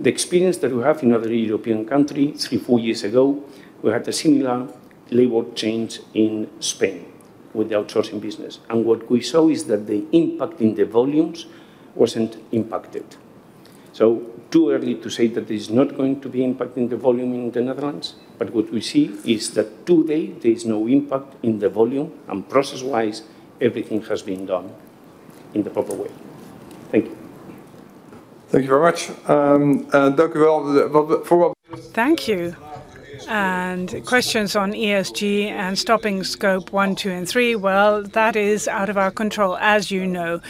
H: The experience that we have in other European countries, three, four years ago, we had a similar labor change in Spain with the outsourcing business, and what we saw is that the impact in the volumes wasn't impacted. Too early to say that this is not going to be impacting the volume in the Netherlands, but what we see is that today there is no impact in the volume and process-wise, everything has been done in the proper way. Thank you.
C: Thank you very much.
A: Thank you. Questions on ESG and scope one, two, and three. Well, that is out of our control. As you know,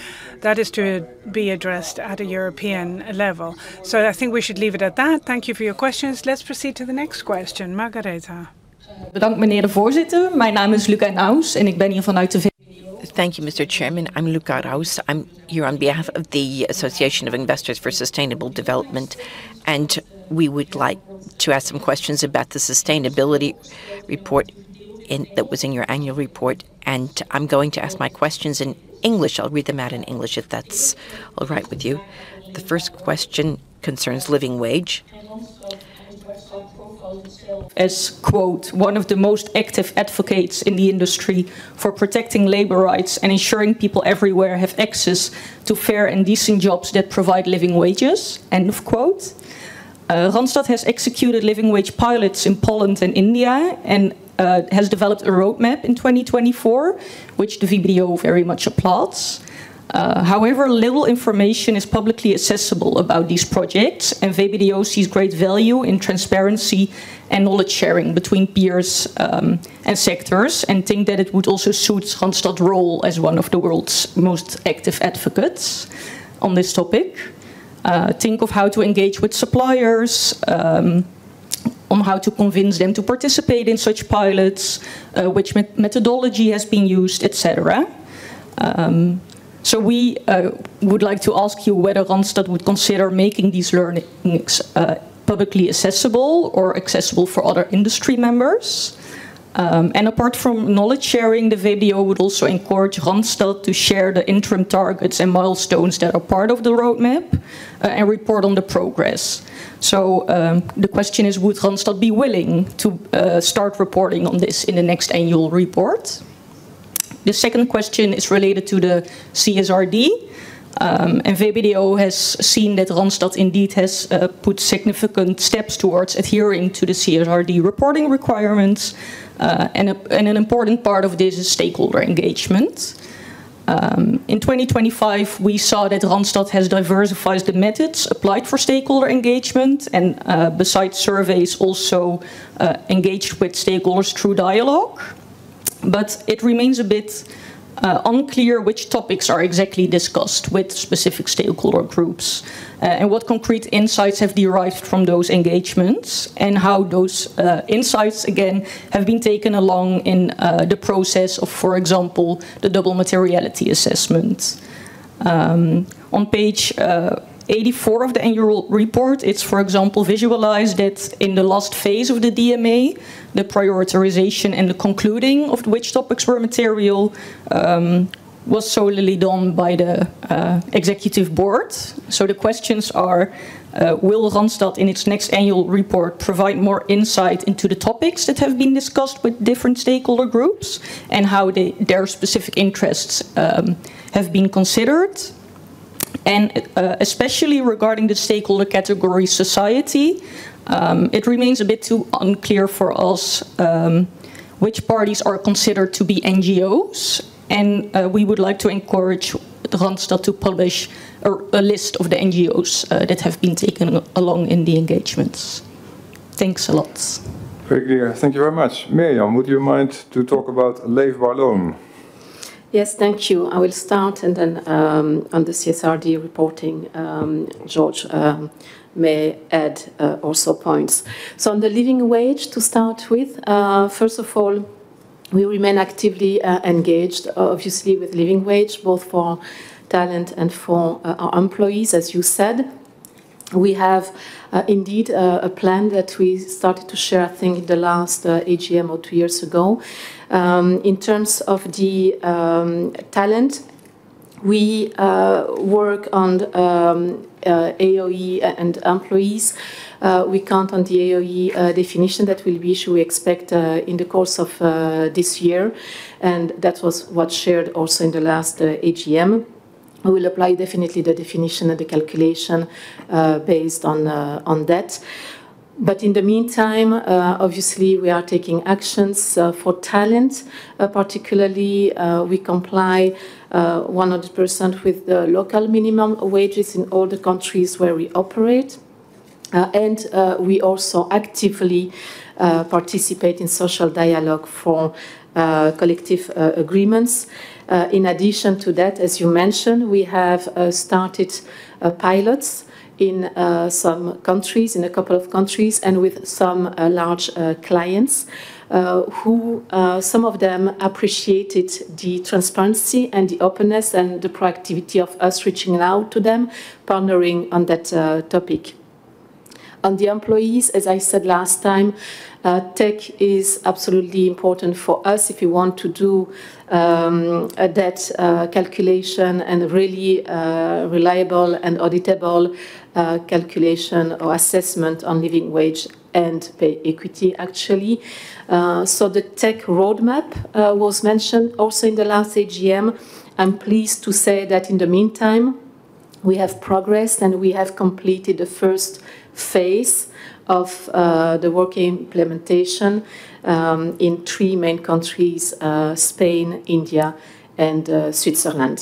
A: that is to be addressed at a European level. I think we should leave it at that. Thank you for your questions. Let's proceed to the next question. Margareta.
I: Thank you, Mr. Chairman. I'm Cecilia Rouse. I'm here on behalf of the Association of Investors for Sustainable Development, and we would like to ask some questions about the sustainability report in your annual report. I'm going to ask my questions in English. I'll read them out in English if that's all right with you. The first question concerns living wage. As, quote, "One of the most active advocates in the industry for protecting labor rights and ensuring people everywhere have access to fair and decent jobs that provide living wages." End of quote. Randstad has executed living wage pilots in Poland and India and has developed a roadmap in 2024, which the VBDO very much applauds. However, little information is publicly accessible about these projects, and VBDO sees great value in transparency and knowledge-sharing between peers, and sectors and think that it would also suit Randstad's role as one of the world's most active advocates on this topic. Think of how to engage with suppliers, on how to convince them to participate in such pilots, which methodology has been used, et cetera. We would like to ask you whether Randstad would consider making these learnings, publicly accessible or accessible for other industry members. Apart from knowledge-sharing, the VBDO would also encourage Randstad to share the interim targets and milestones that are part of the roadmap, and report on the progress. The question is: Would Randstad be willing to start reporting on this in the next annual report? The second question is related to the CSRD. VBDO has seen that Randstad indeed has put significant steps towards adhering to the CSRD reporting requirements. An important part of this is stakeholder engagement. In 2025, we saw that Randstad has diversified the methods applied for stakeholder engagement and, besides surveys, also engaged with stakeholders through dialogue. It remains a bit unclear which topics are exactly discussed with specific stakeholder groups, and what concrete insights have derived from those engagements and how those insights again have been taken along in the process of, for example, the double materiality assessment. On page 84 of the annual report, it's, for example, visualized that in the last phase of the DMA, the prioritization and the concluding of which topics were material was solely done by the executive board. The questions are, will Randstad in its next annual report provide more insight into the topics that have been discussed with different stakeholder groups and how their specific interests have been considered? Especially regarding the stakeholder category society, it remains a bit too unclear for us which parties are considered to be NGOs, and we would like to encourage Randstad to publish a list of the NGOs that have been taken along in the engagements. Thanks a lot.
A: Very clear. Thank you very much. Myriam, would you mind to talk about Live Well Loan?
J: Yes, thank you. I will start and then on the CSRD reporting, Jorge may add also points. On the living wage to start with, first of all, we remain actively engaged obviously with living wage, both for talent and for our employees, as you said. We have indeed a plan that we started to share, I think, the last AGM or two years ago. In terms of the talent, we work on EFRAG and employees. We count on the EFRAG definition that will be issued, we expect in the course of this year, and that was what shared also in the last AGM. We will apply definitely the definition and the calculation based on that. In the meantime, obviously, we are taking actions for talent. Particularly, we comply 100% with the local minimum wages in all the countries where we operate. We also actively participate in social dialogue for collective agreements. In addition to that, as you mentioned, we have started pilots in some countries, in a couple of countries, and with some large clients, who, some of them appreciated the transparency and the openness and the proactivity of us reaching out to them, partnering on that topic. On the employees, as I said last time, tech is absolutely important for us if you want to do that calculation and really reliable and auditable calculation or assessment on living wage and pay equity, actually. The tech roadmap was mentioned also in the last AGM. I'm pleased to say that in the meantime, we have progressed, and we have completed the first phase of the work implementation in three main countries, Spain, India, and Switzerland.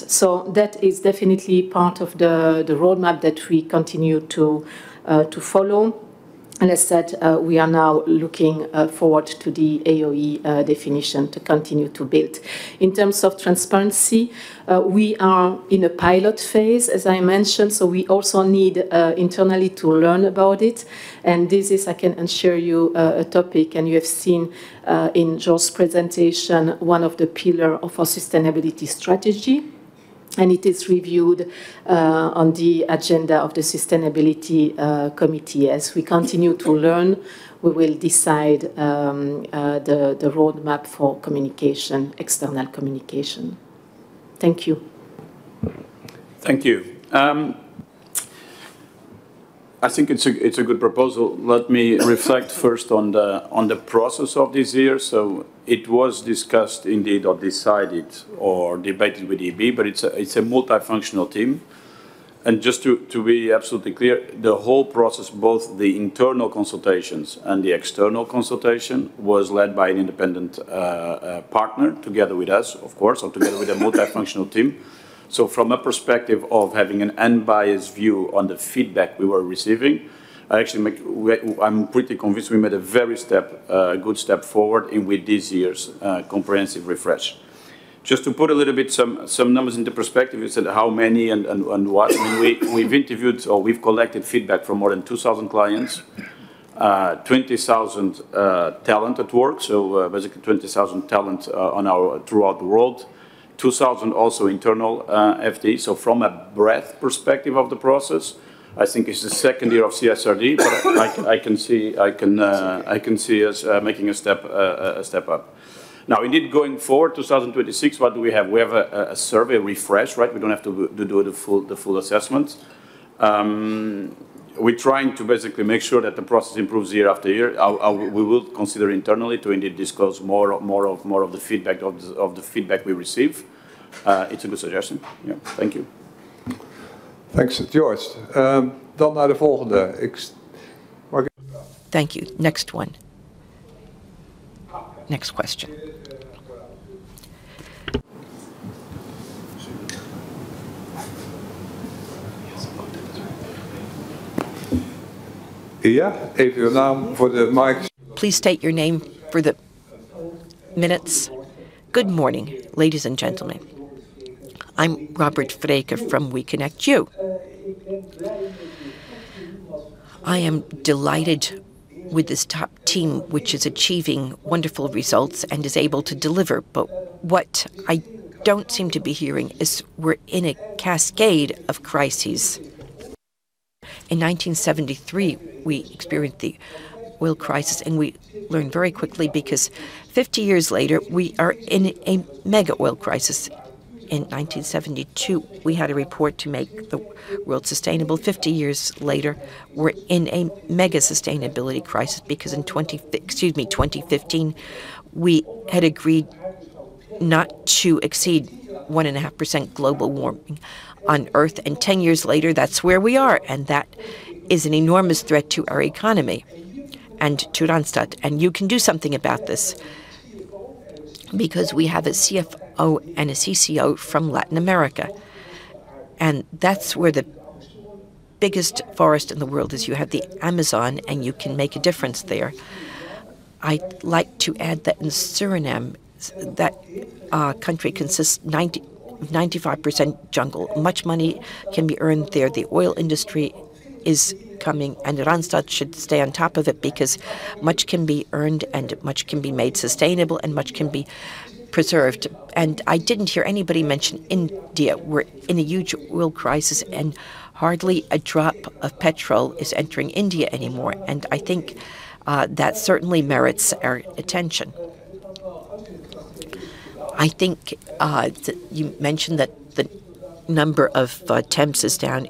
J: That is definitely part of the roadmap that we continue to follow. I said we are now looking forward to the EFRAG definition to continue to build. In terms of transparency, we are in a pilot phase, as I mentioned, so we also need internally to learn about it. This is, I can assure you, a topic, and you have seen in Jorge's presentation, one of the pillars of our sustainability strategy, and it is reviewed on the agenda of the sustainability committee. As we continue to learn, we will decide the roadmap for communication, external communication. Thank you.
E: Thank you. I think it's a good proposal. Let me reflect first on the process of this year. It was discussed indeed or decided or debated with EB, but it's a multifunctional team. Just to be absolutely clear, the whole process, both the internal consultations and the external consultation, was led by an independent partner together with us, of course, or together with a multifunctional team. From a perspective of having an unbiased view on the feedback we were receiving, I'm actually pretty convinced we made a very good step forward in with this year's comprehensive refresh. Just to put some numbers into perspective, you said how many and what. We've interviewed or collected feedback from more than 2,000 clients, 20,000 talent at work, so basically 20,000 talent throughout the world. 2,000 also internal FD. From a breadth perspective of the process, I think it's the second year of CSRD, but I can see us making a step up. Now indeed, going forward, 2026, what do we have? We have a survey refresh, right? We don't have to do the full assessment. We're trying to basically make sure that the process improves year after year. We will consider internally to indeed disclose more of the feedback we receive. It's a good suggestion. Yeah. Thank you.
A: Thanks. It's yours. Now the next. Next, Margareta.
I: Thank you. Next one. Next question.
A: Yeah. If you now put the mic
G: Please state your name for the minutes. Good morning, ladies and gentlemen. I'm from WeconnectU. I am delighted with this top team, which is achieving wonderful results and is able to deliver. What I don't seem to be hearing is we're in a cascade of crises. In 1973, we experienced the oil crisis, and we learned very quickly because 50 years later, we are in a mega oil crisis. In 1972, we had a report to make the world sustainable. 50 years later, we're in a mega sustainability crisis because in 2015, we had agreed not to exceed 1.5% global warming on Earth. Ten years later, that's where we are, and that is an enormous threat to our economy and to Randstad. You can do something about this because we have a CFO and a CCO from Latin America, and that's where the biggest forest in the world is. You have the Amazon, and you can make a difference there. I'd like to add that in Suriname, that country consists of 90%-95% jungle. Much money can be earned there. The oil industry is coming, and Randstad should stay on top of it because much can be earned, and much can be made sustainable, and much can be preserved. I didn't hear anybody mention India. We're in a huge oil crisis, and hardly a drop of petrol is entering India anymore. I think that certainly merits our attention. I think you mentioned that the number of temps is down.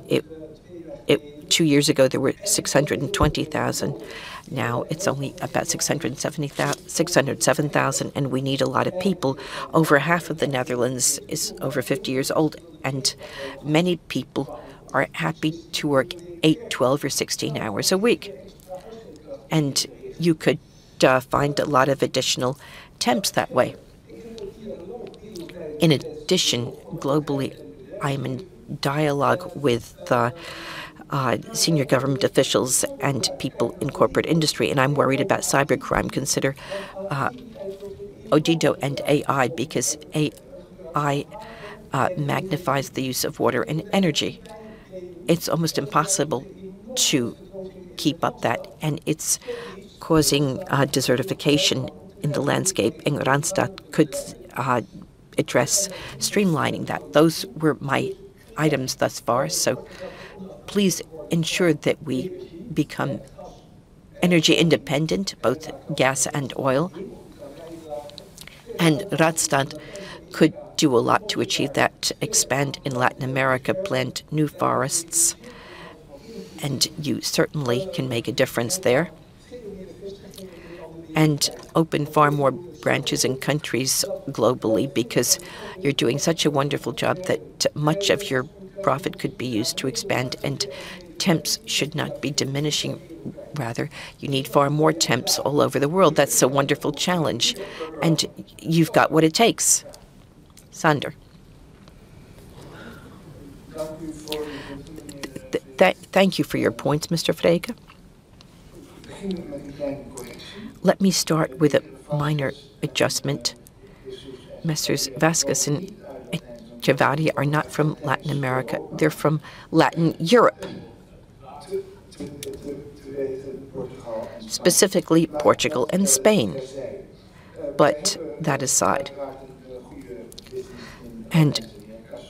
G: Two years ago, there were 620,000. Now it's only about 607,000, and we need a lot of people. Over half of the Netherlands is over 50 years old, and many people are happy to work eight, 12, or 16 hours a week. You could find a lot of additional temps that way. In addition, globally, I am in dialogue with senior government officials and people in corporate industry, and I'm worried about cybercrime. Consider Odido and AI because AI magnifies the use of water and energy. It's almost impossible to keep up that, and it's causing desertification in the landscape, and Randstad could address streamlining that. Those were my items thus far. Please ensure that we become energy independent, both gas and oil. Randstad could do a lot to achieve that. Expand in Latin America, plant new forests, and you certainly can make a difference there. Open far more branches and countries globally because you're doing such a wonderful job that much of your profit could be used to expand. Temps should not be diminishing. Rather, you need far more temps all over the world. That's a wonderful challenge, and you've got what it takes. Sander.
C: Thank you for your points, Mr. Fricke. Let me start with a minor adjustment. Messrs. Vazquez and Javadi are not from Latin America. They're from Latin Europe. Specifically Portugal and Spain. That aside.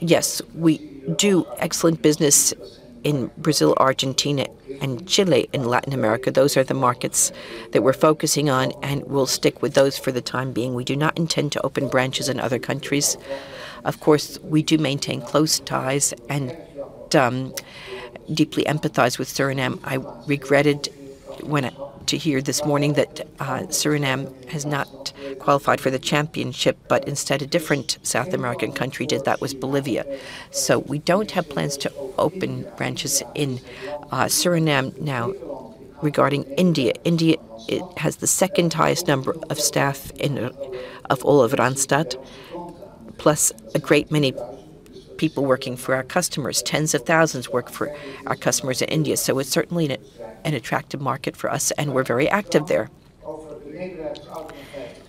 C: Yes, we do excellent business in Brazil, Argentina, and Chile in Latin America. Those are the markets that we're focusing on, and we'll stick with those for the time being. We do not intend to open branches in other countries. Of course, we do maintain close ties and deeply empathize with Suriname. I regretted to hear this morning that Suriname has not qualified for the championship, but instead a different South American country did. That was Bolivia. We don't have plans to open branches in Suriname. Now, regarding India. India, it has the second highest number of staff in of all of Randstad, plus a great many people working for our customers. Tens of thousands work for our customers in India. It's certainly an attractive market for us, and we're very active there.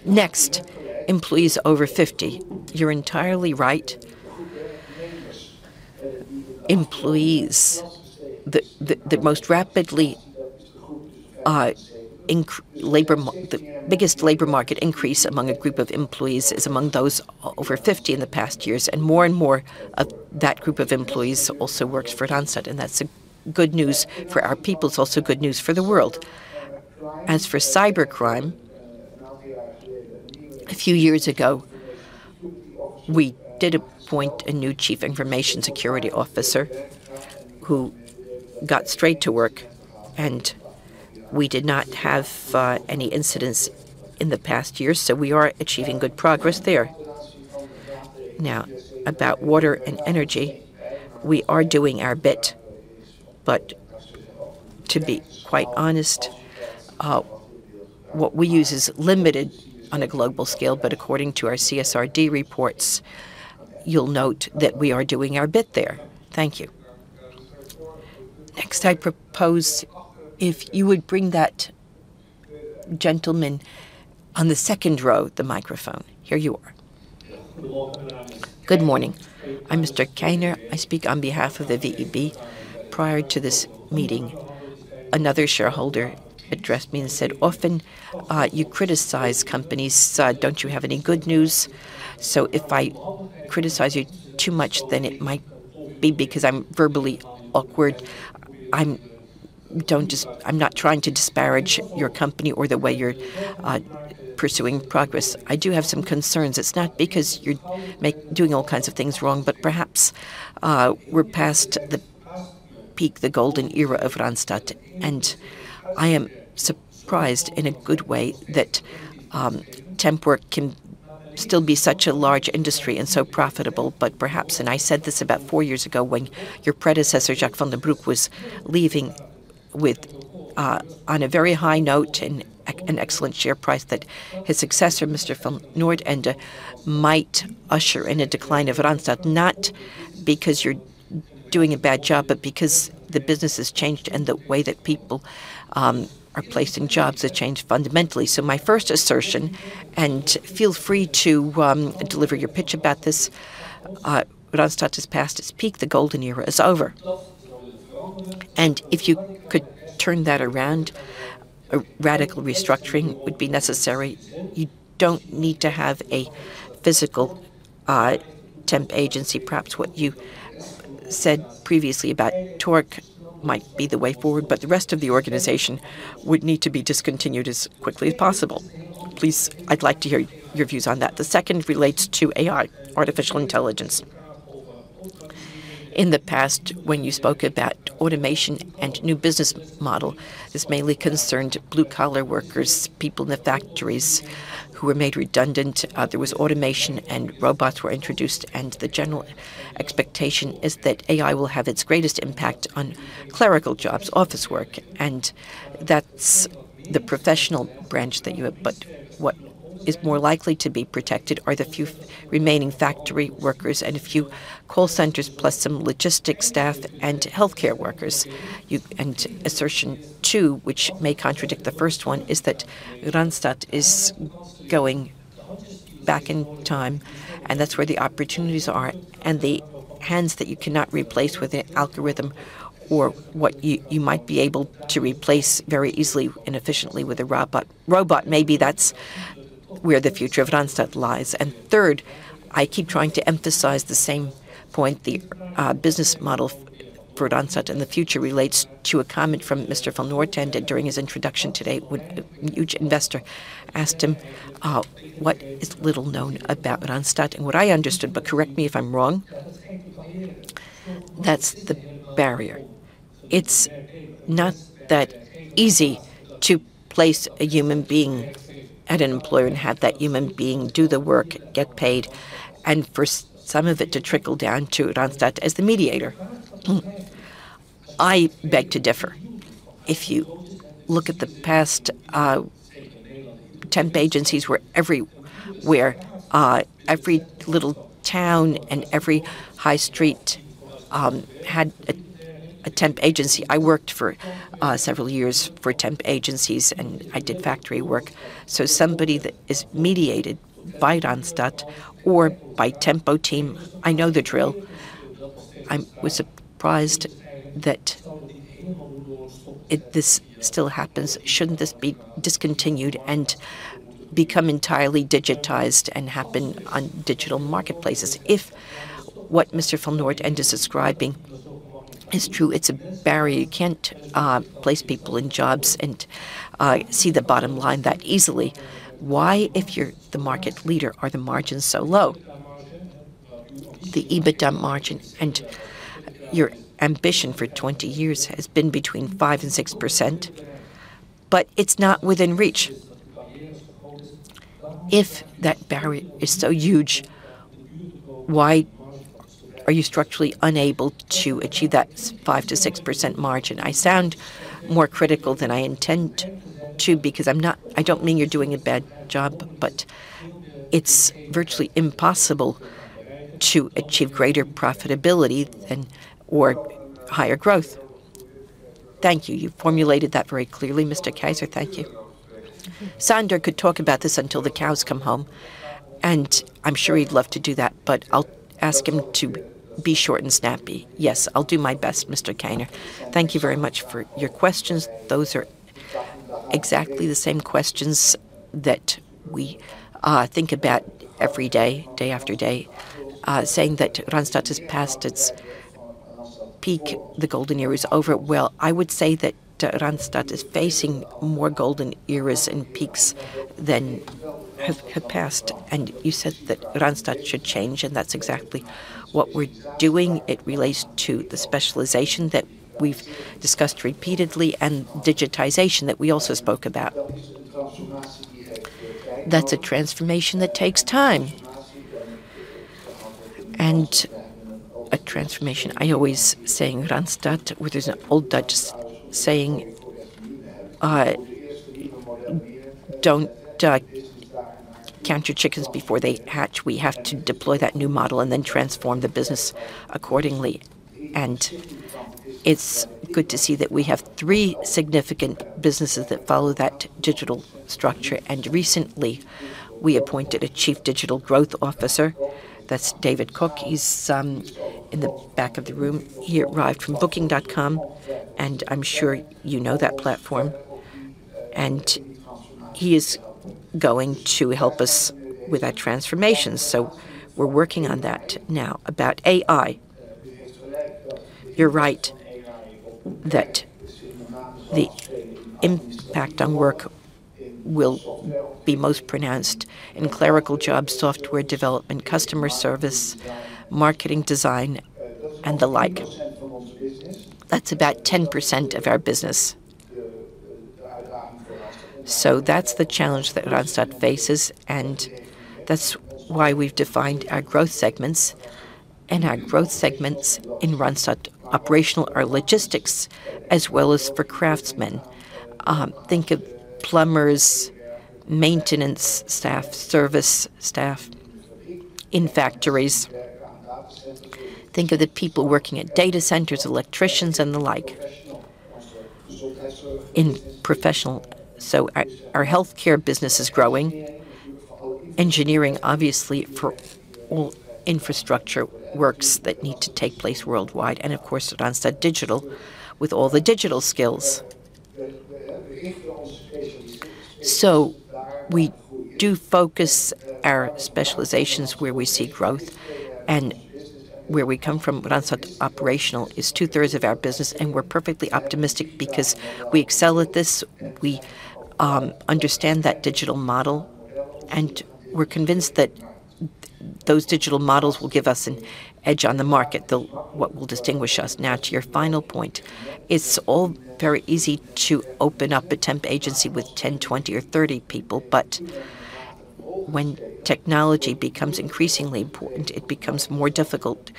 C: Next, employees over 50. You're entirely right. Employees, the biggest labor market increase among a group of employees is among those over 50 in the past years. More and more of that group of employees also works for Randstad, and that's good news for our people. It's also good news for the world. As for cybercrime, a few years ago, we did appoint a new chief information security officer who got straight to work, and we did not have any incidents in the past year. We are achieving good progress there. Now, about water and energy, we are doing our bit. To be quite honest, what we use is limited on a global scale, but according to our CSRD reports, you'll note that we are doing our bit there. Thank you.
A: Next, I propose if you would bring that gentleman on the second row the microphone. Here you are.
K: Good morning. I'm Mr. Keyner. I speak on behalf of the VEB. Prior to this meeting, another shareholder addressed me and said, "Often, you criticize companies, so don't you have any good news?" If I criticize you too much, then it might be because I'm verbally awkward. I'm not trying to disparage your company or the way you're pursuing progress. I do have some concerns. It's not because you're doing all kinds of things wrong, but perhaps we're past the peak, the golden era of Randstad, and I am surprised in a good way that temp work can still be such a large industry and so profitable. Perhaps, and I said this about four years ago when your predecessor, Jacques van den Broek, was leaving with on a very high note and an excellent share price, that his successor, Mr. van 't Noordende, might usher in a decline of Randstad. Not because you're doing a bad job, but because the business has changed and the way that people are placing jobs have changed fundamentally. My first assertion, and feel free to deliver your pitch about this, Randstad has passed its peak. The golden era is over. If you could turn that around, a radical restructuring would be necessary. You don't need to have a physical temp agency. Perhaps what you said previously about Torc might be the way forward, but the rest of the organization would need to be discontinued as quickly as possible. Please, I'd like to hear your views on that. The second relates to AI, artificial intelligence. In the past, when you spoke about automation and new business model, this mainly concerned blue-collar workers, people in the factories who were made redundant. There was automation, and robots were introduced, and the general expectation is that AI will have its greatest impact on clerical jobs, office work, and that's the professional branch that you have. But what is more likely to be protected are the few remaining factory workers and a few call centers, plus some logistics staff and healthcare workers. Assertion two, which may contradict the first one, is that Randstad is going back in time, and that's where the opportunities are and the hands that you cannot replace with an algorithm or what you might be able to replace very easily and efficiently with a robot. Maybe that's where the future of Randstad lies. Third, I keep trying to emphasize the same point. The business model for Randstad in the future relates to a comment from Mr. van 't Noordende during his introduction today when a huge investor asked him what is little known about Randstad. What I understood, but correct me if I'm wrong, that's the barrier. It's not that easy to place a human being at an employer and have that human being do the work, get paid, and for some of it to trickle down to Randstad as the mediator. I beg to differ. If you look at the past, temp agencies were everywhere. Every little town and every high street had a temp agency. I worked for several years for temp agencies, and I did factory work. So somebody that is mediated by Randstad or by Tempo-Team, I know the drill. Was surprised that this still happens. Shouldn't this be discontinued and become entirely digitized and happen on digital marketplaces? If what Mr. van 't Noordende is describing is true, it's a barrier. You can't place people in jobs and see the bottom line that easily. Why, if you're the market leader, are the margins so low? The EBITDA margin and your ambition for 20 years has been between 5% and 6%, but it's not within reach. If that barrier is so huge, why are you structurally unable to achieve that 5%-6% margin? I sound more critical than I intend to because I don't mean you're doing a bad job, but it's virtually impossible to achieve greater profitability than, or higher growth. Thank you.
A: You formulated that very clearly, Mr. Keyner. Thank you. Sander could talk about this until the cows come home, and I'm sure he'd love to do that, but I'll ask him to be short and snappy.
C: Yes, I'll do my best, Mr. Keyner. Thank you very much for your questions. Those are exactly the same questions that we think about every day after day. Saying that Randstad has passed its peak, the golden era is over, well, I would say that Randstad is facing more golden eras and peaks than have passed. You said that Randstad should change, and that's exactly what we're doing. It relates to the specialization that we've discussed repeatedly and digitization that we also spoke about. That's a transformation that takes time. A transformation. I always saying Randstad, which is an old Dutch saying, don't count your chickens before they hatch. We have to deploy that new model and then transform the business accordingly. It's good to see that we have three significant businesses that follow that digital structure. Recently, we appointed a Chief Digital Growth Officer. That's David Koker. He's in the back of the room. He arrived from booking.com, and I'm sure you know that platform. He is going to help us with our transformation. We're working on that now. About AI, you're right that the impact on work will be most pronounced in clerical jobs, software development, customer service, marketing, design, and the like. That's about 10% of our business. That's the challenge that Randstad faces, and that's why we've defined our growth segments. Our growth segments in Randstad Operational are logistics as well as for craftsmen. Think of plumbers, maintenance staff, service staff in factories. Think of the people working at data centers, electricians, and the like. In professional, our healthcare business is growing. Engineering, obviously for all infrastructure works that need to take place worldwide, and of course, at Randstad Digital with all the digital skills. We do focus our specializations where we see growth and where we come from. Randstad Operational is 2/3 of our business, and we're perfectly optimistic because we excel at this, we understand that digital model, and we're convinced that those digital models will give us an edge on the market, what will distinguish us. Now to your final point, it's all very easy to open up a temp agency with 10, 20, or 30 people. When technology becomes increasingly important, it becomes more difficult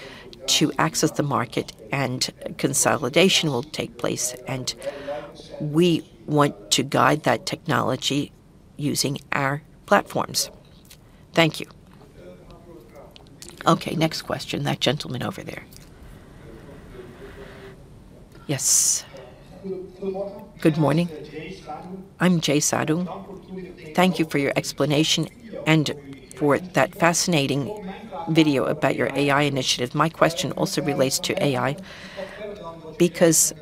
C: to access the market and consolidation will take place. We want to guide that technology using our platforms.
A: Thank you. Okay, next question. That gentleman over there.
L: Yes. Good morning. I'm Jay Sadhu. Thank you for your explanation and for that fascinating video about your AI initiative. My question also relates to AI because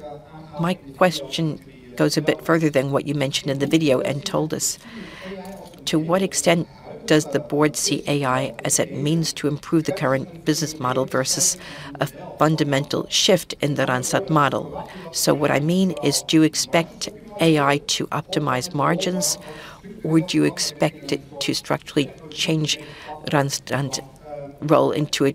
L: my question goes a bit further than what you mentioned in the video and told us. To what extent does the board see AI as a means to improve the current business model versus a fundamental shift in the Randstad model? What I mean is, do you expect AI to optimize margins? Would you expect it to structurally change Randstad's role into a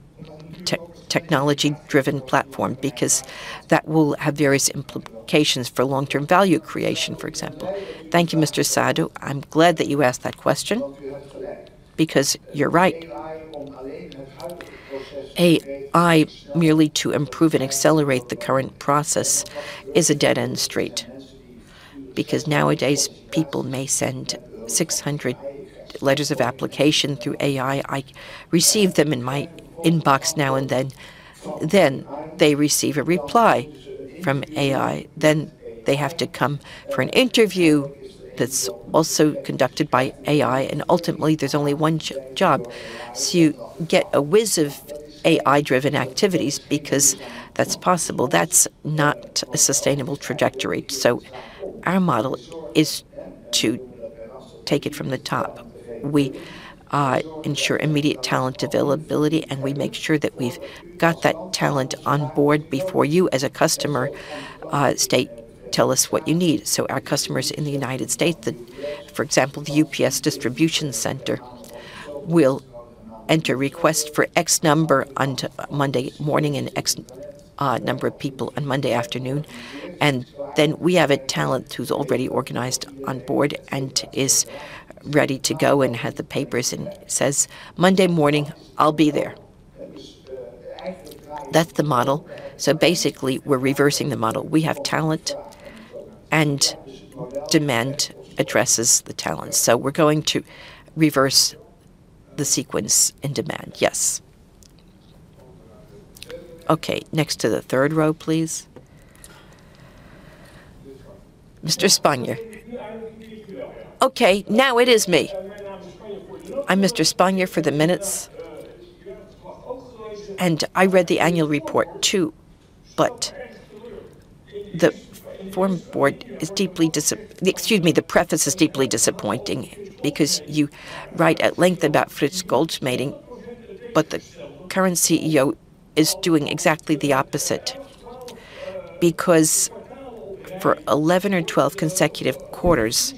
L: tech, technology-driven platform? Because that will have various implications for long-term value creation, for example.
A: Thank you, Mr. Sadhu. I'm glad that you asked that question because you're right. AI merely to improve and accelerate the current process is a dead-end street because nowadays people may send 600 letters of application through AI. I receive them in my inbox now and then. Then they receive a reply from AI. They have to come for an interview that's also conducted by AI, and ultimately, there's only one job. You get a whiz of AI-driven activities because that's possible. That's not a sustainable trajectory. Our model is to take it from the top. We ensure immediate talent availability, and we make sure that we've got that talent on board before you, as a customer, tell us what you need. Our customers in the United States, for example, the UPS distribution center, will enter request for X number onto Monday morning and X number of people on Monday afternoon. Then we have a talent who's already organized on board and is ready to go and has the papers and says, "Monday morning, I'll be there." That's the model. Basically, we're reversing the model. We have talent, and demand addresses the talent. We're going to reverse the sequence in demand. Yes. Okay, next to the third row, please. Mr. Spanjer.
M: Okay, now it is me. I'm Mr. Spanjer for the minutes, and I read the annual report too. The preface is deeply disappointing because you write at length about Frits Goldschmeding, but the current CEO is doing exactly the opposite. Because for 11 or 12 consecutive quarters,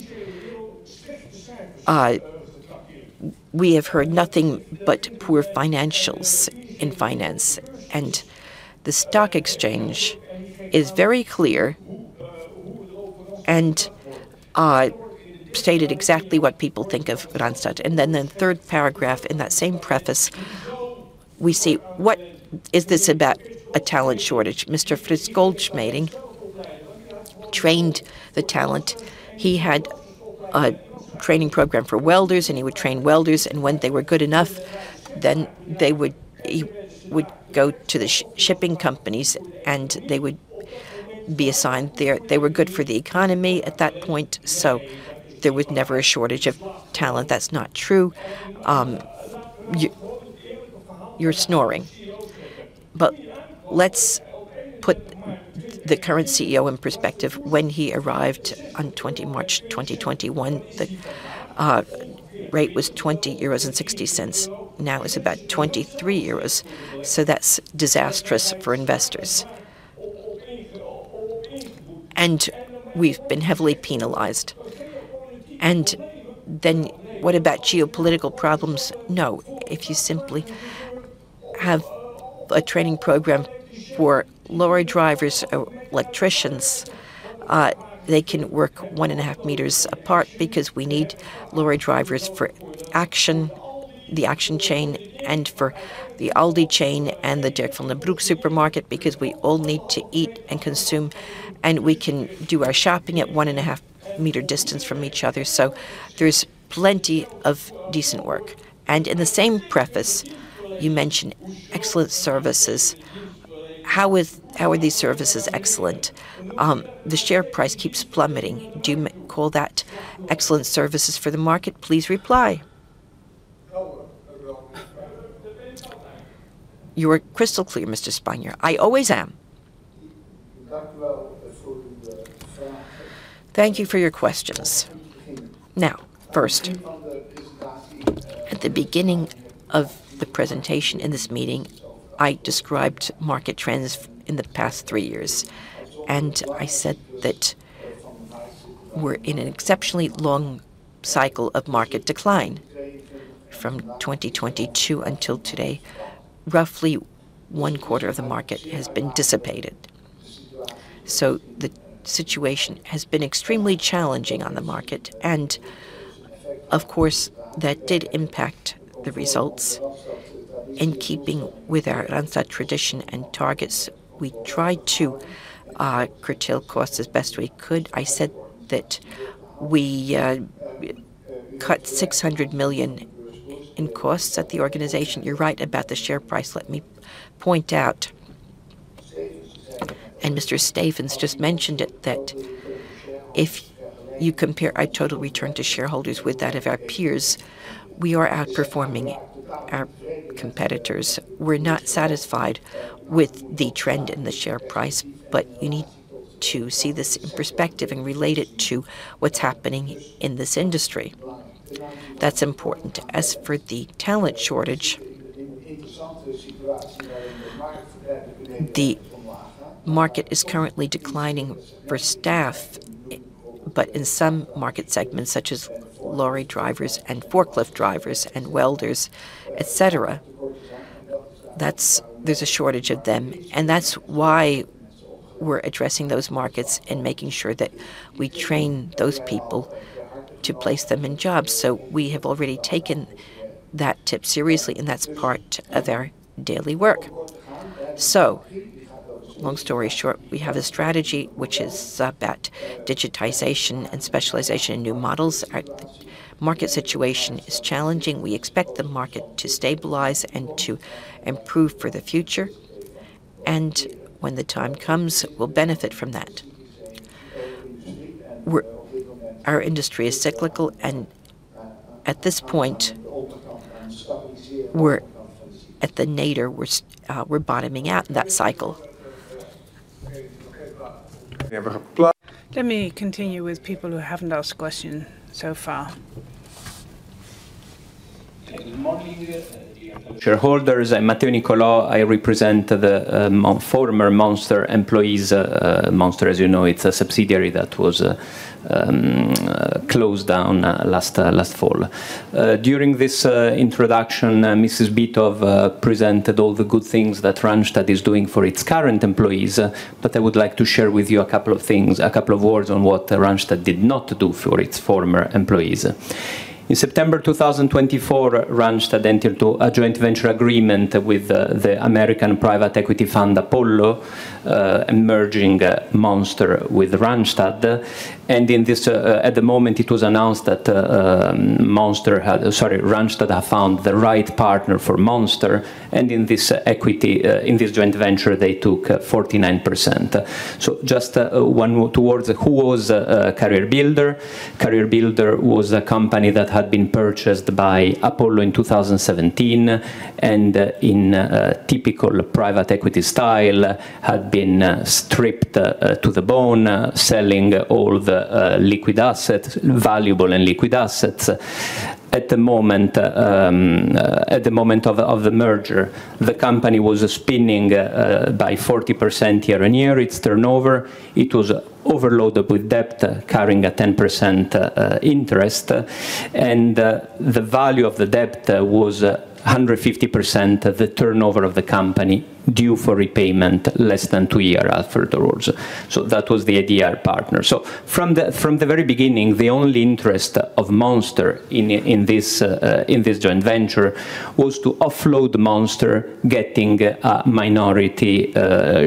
M: we have heard nothing but poor financials in finance. The stock exchange is very clear. I stated exactly what people think of Randstad. Then the third paragraph in that same preface, we see what is this about a talent shortage? Frits Goldschmeding trained the talent. He had a training program for welders, and he would train welders, and when they were good enough, then they would go to the shipping companies, and they would be assigned there. They were good for the economy at that point, so there was never a shortage of talent. That's not true. You, you're snoring. Let's put the current CEO in perspective. When he arrived on 20 March 2021, the rate was 20.60 euros. Now it's about 23 euros, so that's disastrous for investors. We've been heavily penalized. Then what about geopolitical problems? No. If you simply have a training program for truck drivers or electricians, they can work 1.5 meters apart because we need truck drivers for Action, the Action chain, and for the Aldi chain and the Dirk van den Broek supermarket because we all need to eat and consume, and we can do our shopping at 1.5-meter distance from each other. There's plenty of decent work. In the same preface, you mention excellent services. How are these services excellent? The share price keeps plummeting. Do you call that excellent services for the market? Please reply.
A: Thank you for your questions.
C: Now, first, at the beginning of the presentation in this meeting, I described market trends in the past three years, and I said that we're in an exceptionally long cycle of market decline. From 2022 until today, roughly one quarter of the market has been dissipated. The situation has been extremely challenging on the market, and of course, that did impact the results. In keeping with our Randstad tradition and targets, we tried to curtail costs as best we could. I said that we cut 600 million in costs at the organization. You're right about the share price. Let me point out, and Mr. Stevense just mentioned it, that if you compare our total return to shareholders with that of our peers, we are outperforming our competitors. We're not satisfied with the trend in the share price, but you need to see this in perspective and relate it to what's happening in this industry. That's important. As for the talent shortage, the market is currently declining for staff, but in some market segments, such as lorry drivers and forklift drivers and welders, et cetera, there's a shortage of them. That's why we're addressing those markets and making sure that we train those people to place them in jobs. We have already taken that tip seriously, and that's part of our daily work. Long story short, we have a strategy which is bet digitization and specialization in new models. Our market situation is challenging. We expect the market to stabilize and to improve for the future. When the time comes, we'll benefit from that.
A: Our industry is cyclical, and at this point, we're at the nadir. We're bottoming out that cycle. Let me continue with people who haven't asked question so far.
N: Good morning, shareholders. I'm Matteo Nicolò. I represent the former Monster employees. Monster, as you know, it's a subsidiary that was closed down last fall. During this introduction, Myriam Beatove presented all the good things that Randstad is doing for its current employees, but I would like to share with you a couple of things, a couple of words on what Randstad did not do for its former employees. In September 2024, Randstad entered into a joint venture agreement with the American private equity fund, Apollo, merging Monster with Randstad. At the moment it was announced that Randstad had found the right partner for Monster, and in this equity, in this joint venture, they took 49%. So just one more... Who was CareerBuilder? CareerBuilder was a company that had been purchased by Apollo in 2017, and in typical private equity style, had been stripped to the bone, selling all the liquid assets, valuable and liquid assets. At the moment of the merger, the company was shrinking by 40% year-on-year, its turnover. It was overloaded with debt, carrying a 10% interest, and the value of the debt was 150% of the turnover of the company due for repayment less than two years afterwards. That was the ideal partner. From the very beginning, the only interest of Monster in this joint venture was to offload Monster getting a minority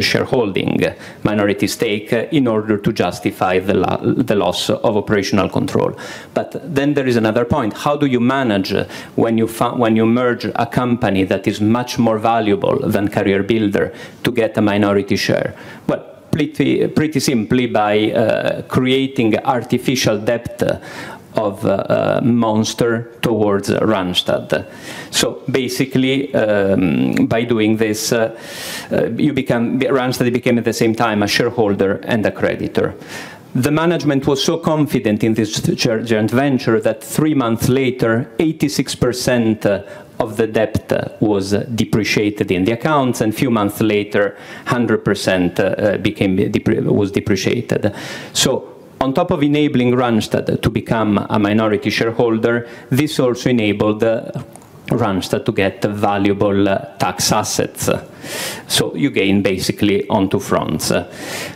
N: shareholding, minority stake in order to justify the loss of operational control. There is another point. How do you manage when you merge a company that is much more valuable than CareerBuilder to get a minority share? Pretty simply by creating artificial debt of Monster towards Randstad. Basically, by doing this, Randstad became at the same time a shareholder and a creditor. The management was so confident in this joint venture that three months later, 86% of the debt was depreciated in the accounts, and a few months later, 100% was depreciated. On top of enabling Randstad to become a minority shareholder, this also enabled Randstad to get valuable tax assets. You gain basically on two fronts.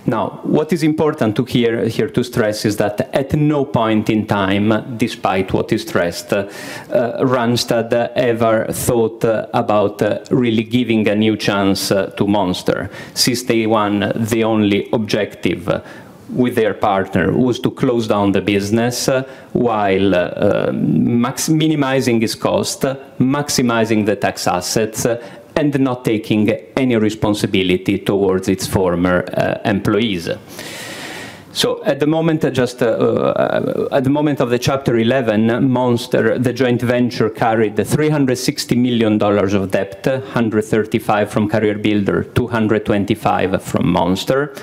N: Now, what is important to stress here is that at no point in time, despite what is stressed, Randstad ever thought about really giving a new chance to Monster. Since day one, the only objective with their partner was to close down the business while minimizing its cost, maximizing the tax assets, and not taking any responsibility towards its former employees. At the moment of the Chapter 11, Monster, the joint venture, carried EUR 360 million of debt, 135 from CareerBuilder, 225 from Monster,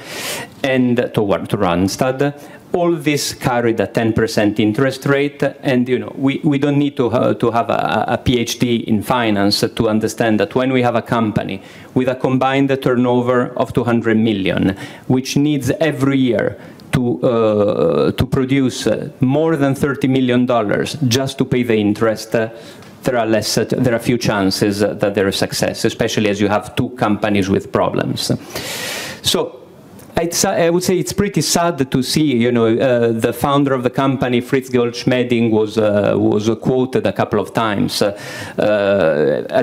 N: and toward Randstad. All this carried a 10% interest rate. You know, we don't need to have a PhD in finance to understand that when we have a company with a combined turnover of 200 million, which needs every year to produce more than EUR 30 million just to pay the interest, there are few chances that they're a success, especially as you have two companies with problems. I would say it's pretty sad to see, you know, the founder of the company, Frits Goldschmeding, was quoted a couple of times. At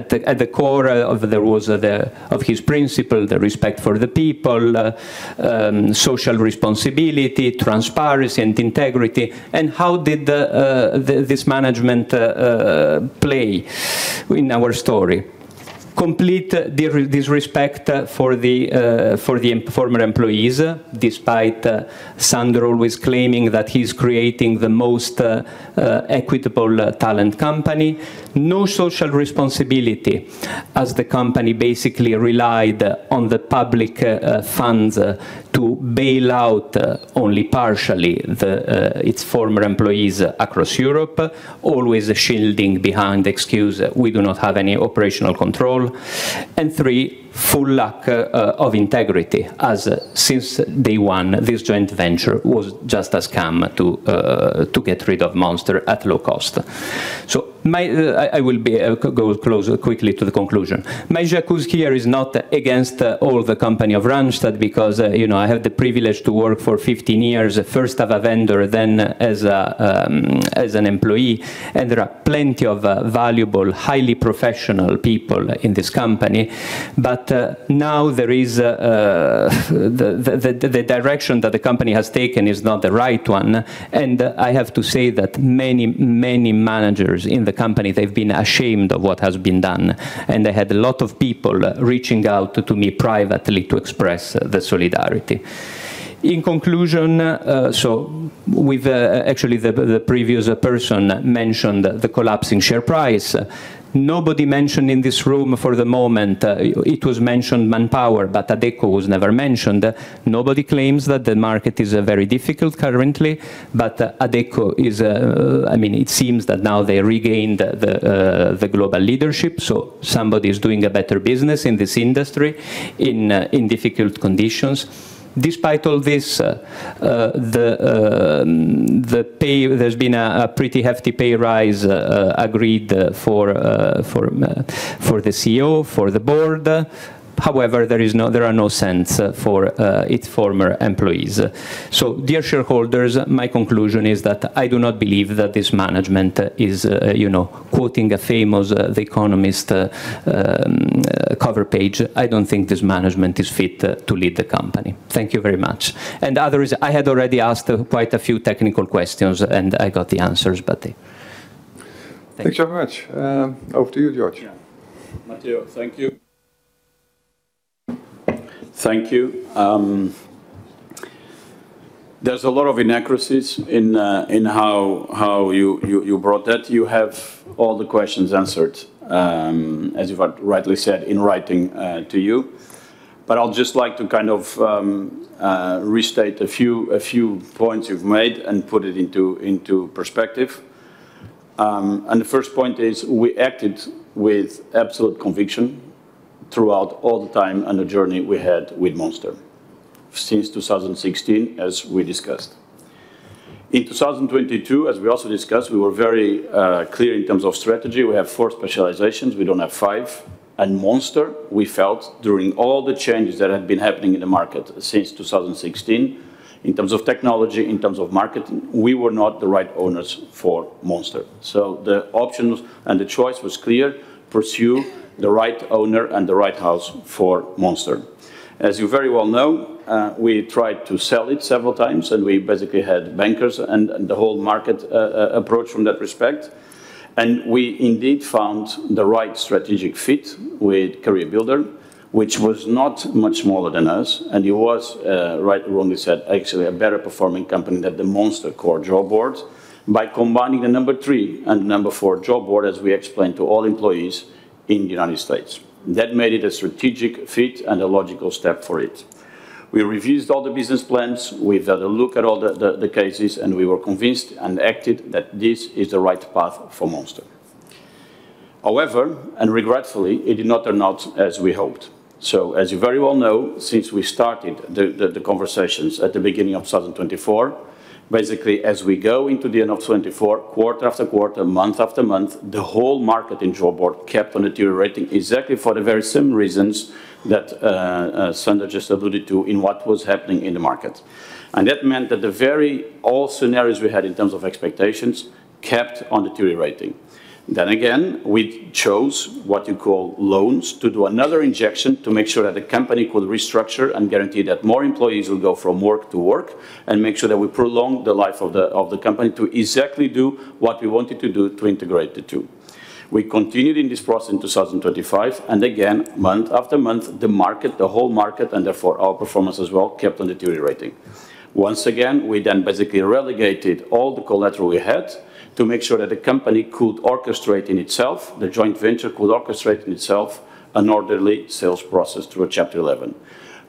N: the core there was the of his principle, the respect for the people, social responsibility, transparency, and integrity. How did this management play in our story? Complete disrespect for the former employees, despite Sander always claiming that he's creating the most equitable talent company. No social responsibility, as the company basically relied on the public funds to bail out only partially its former employees across Europe, always shielding behind the excuse, "We do not have any operational control." Three, full lack of integrity, as since day one, this joint venture was just a scam to get rid of Monster at low cost. I will be going to close quickly to the conclusion. My j'accuse here is not against all the company of Randstad because, you know, I had the privilege to work for 15 years, first as a vendor, then as an employee, and there are plenty of valuable, highly professional people in this company. Now there is the direction that the company has taken is not the right one. I have to say that many managers in the company, they've been ashamed of what has been done, and I had a lot of people reaching out to me privately to express their solidarity. In conclusion, actually the previous person mentioned the collapsing share price. Nobody mentioned in this room for the moment. It was mentioned Manpower, but Adecco was never mentioned. Nobody claims that the market is very difficult currently, but Adecco is. I mean, it seems that now they regained the global leadership, so somebody is doing a better business in this industry in difficult conditions. Despite all this, the pay, there's been a pretty hefty pay rise agreed for the CEO, for the board. However, there is no sense for its former employees. Dear shareholders, my conclusion is that I do not believe that this management is, you know, quoting a famous The Economist cover page, I don't think this management is fit to lead the company. Thank you very much. The other is I had already asked quite a few technical questions, and I got the answers, but thank you.
A: Thanks so much. Over to you, Jorge.
E: Yeah. Matteo, thank you. Thank you. There's a lot of inaccuracies in how you brought that. You have all the questions answered, as you've rightly said in writing, to you. But I'll just like to kind of restate a few points you've made and put it into perspective. The first point is we acted with absolute conviction throughout all the time and the journey we had with Monster since 2016, as we discussed. In 2022, as we also discussed, we were very clear in terms of strategy. We have four specializations, we don't have five. Monster, we felt during all the changes that had been happening in the market since 2016, in terms of technology, in terms of market, we were not the right owners for Monster. The options and the choice was clear, pursue the right owner and the right house for Monster. As you very well know, we tried to sell it several times, and we basically had bankers and the whole market approach from that respect. We indeed found the right strategic fit with CareerBuilder, which was not much smaller than us, and it was, right or wrongly said, actually a better performing company than the Monster core job boards, by combining the number three and number four job board, as we explained to all employees in the United States. That made it a strategic fit and a logical step for it. We reviewed all the business plans. We've had a look at all the cases, and we were convinced and acted that this is the right path for Monster. However, and regretfully, it did not turn out as we hoped. As you very well know, since we started the conversations at the beginning of 2024, basically as we go into the end of 2024, quarter after quarter, month after month, the whole market in job board kept on deteriorating exactly for the very same reasons that Sander just alluded to in what was happening in the market. That meant that the overall scenarios we had in terms of expectations kept on deteriorating. Again, we chose what you call loans to do another injection to make sure that the company could restructure and guarantee that more employees will go from work to work and make sure that we prolong the life of the company to exactly do what we wanted to do to integrate the two. We continued in this process in 2025, and again, month after month, the market, the whole market, and therefore our performance as well, kept on deteriorating. Once again, we then basically allocated all the collateral we had to make sure that the company could restructure itself, the joint venture could restructure itself an orderly sales process through a Chapter 11.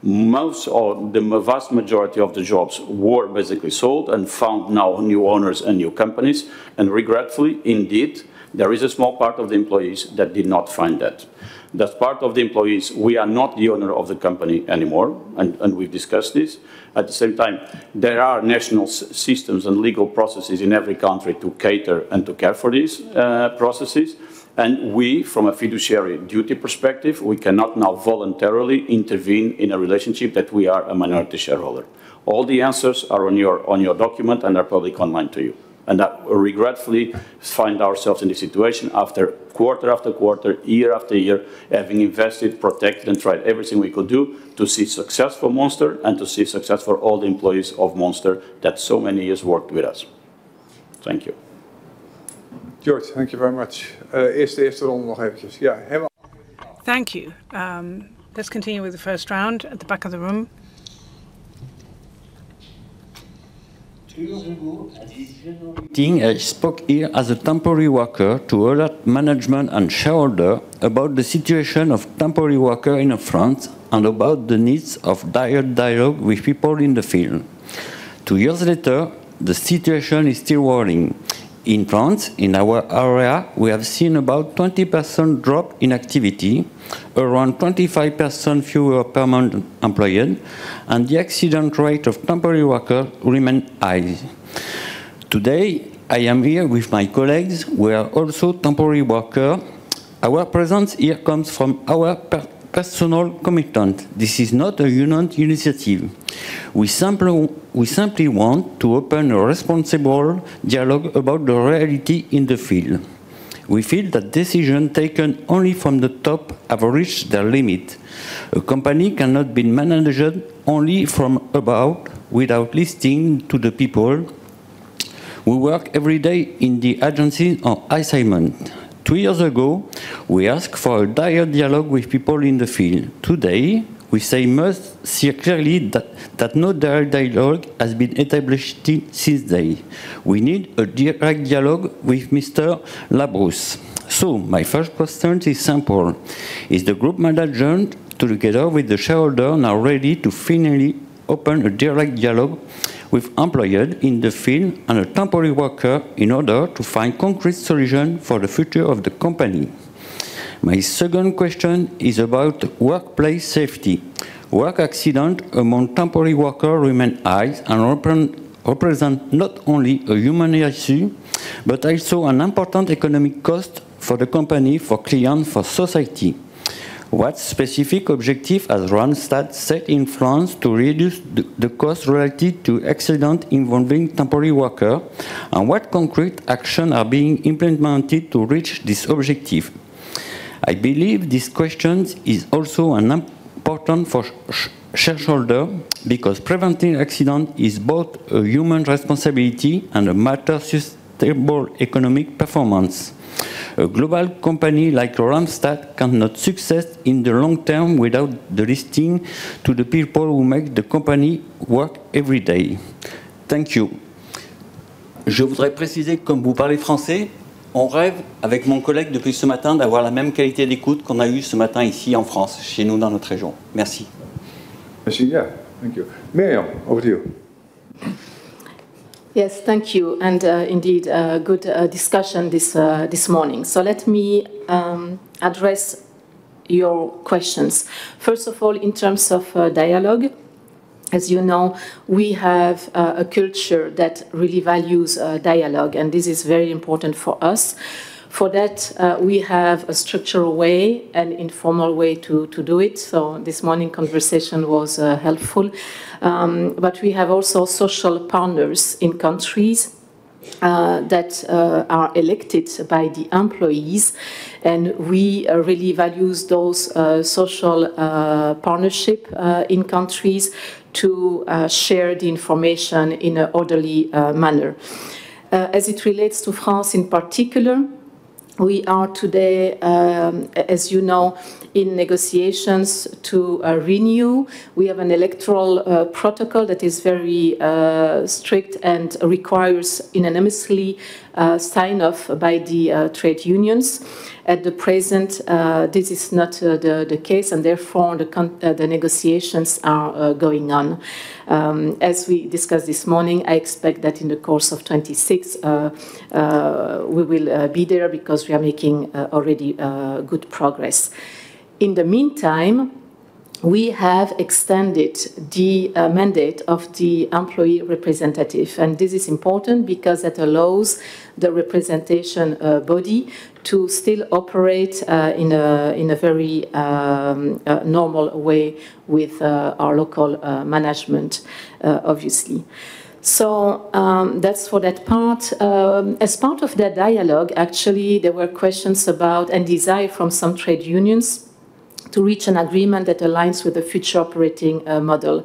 E: Vast majority of the jobs were basically sold and have found new owners and new companies. Regretfully, indeed, there is a small part of the employees that did not find that. That part of the employees, we are not the owner of the company anymore, and we've discussed this. At the same time, there are national systems and legal processes in every country to cater and to care for these processes. We, from a fiduciary duty perspective, we cannot now voluntarily intervene in a relationship that we are a minority shareholder. All the answers are on your document and are public online to you. We regretfully find ourselves in this situation after quarter after quarter, year after year, having invested, protected, and tried everything we could do to see success for Monster and to see success for all the employees of Monster that so many years worked with us. Thank you.
A: Jorge, thank you very much. Thank you. Let's continue with the first round at the back of the room.
O: Two years ago at this general meeting, I spoke here as a temporary worker to alert management and shareholder about the situation of temporary worker in France and about the need for direct dialogue with people in the field. Two years later, the situation is still worrying. In France, in our area, we have seen about 20% drop in activity, around 25% fewer permanent employee, and the accident rate of temporary worker remain high. Today, I am here with my colleagues, we are also temporary worker. Our presence here comes from our personal commitment. This is not a union initiative. We simply want to open a responsible dialogue about the reality in the field. We feel the decision taken only from the top have reached their limit. A company cannot be managed only from above without listening to the people who work every day in the agency on assignment. Two years ago, we asked for a direct dialogue with people in the field. Today, we must see clearly that no direct dialogue has been established since then. We need a direct dialogue with Benoit Labrousse. My first question is simple: Is the group management together with the shareholder now ready to finally open a direct dialogue with employee in the field and a temporary worker in order to find concrete solution for the future of the company? My second question is about workplace safety. Work accident among temporary worker remain high and represent not only a human issue, but also an important economic cost for the company, for client, for society. What specific objective has Randstad set in France to reduce the cost related to accident involving temporary worker, and what concrete action are being implemented to reach this objective? I believe this question is also an important for shareholder because preventing accident is both a human responsibility and a matter sustainable economic performance. A global company like Randstad cannot succeed in the long term without the listening to the people who make the company work every day. Thank you.
A: Yeah. Thank you. Myriam, over to you.
J: Yes, thank you, and indeed, a good discussion this morning. Let me address your questions. First of all, in terms of dialogue, as you know, we have a culture that really values dialogue, and this is very important for us. For that, we have a structured way and informal way to do it. This morning conversation was helpful. We have also social partners in countries that are elected by the employees, and we really values those social partnership in countries to share the information in an orderly manner. As it relates to France in particular, we are today, as you know, in negotiations to renew. We have an electoral protocol that is very strict and requires unanimous sign off by the trade unions. At present this is not the case, and therefore the negotiations are going on. As we discussed this morning, I expect that in the course of 2026 we will be there because we are making already good progress. In the meantime We have extended the mandate of the employee representative, and this is important because it allows the representation body to still operate in a very normal way with our local management, obviously. That's for that part. As part of that dialogue, actually, there were questions about and desire from some trade unions to reach an agreement that aligns with the future operating model.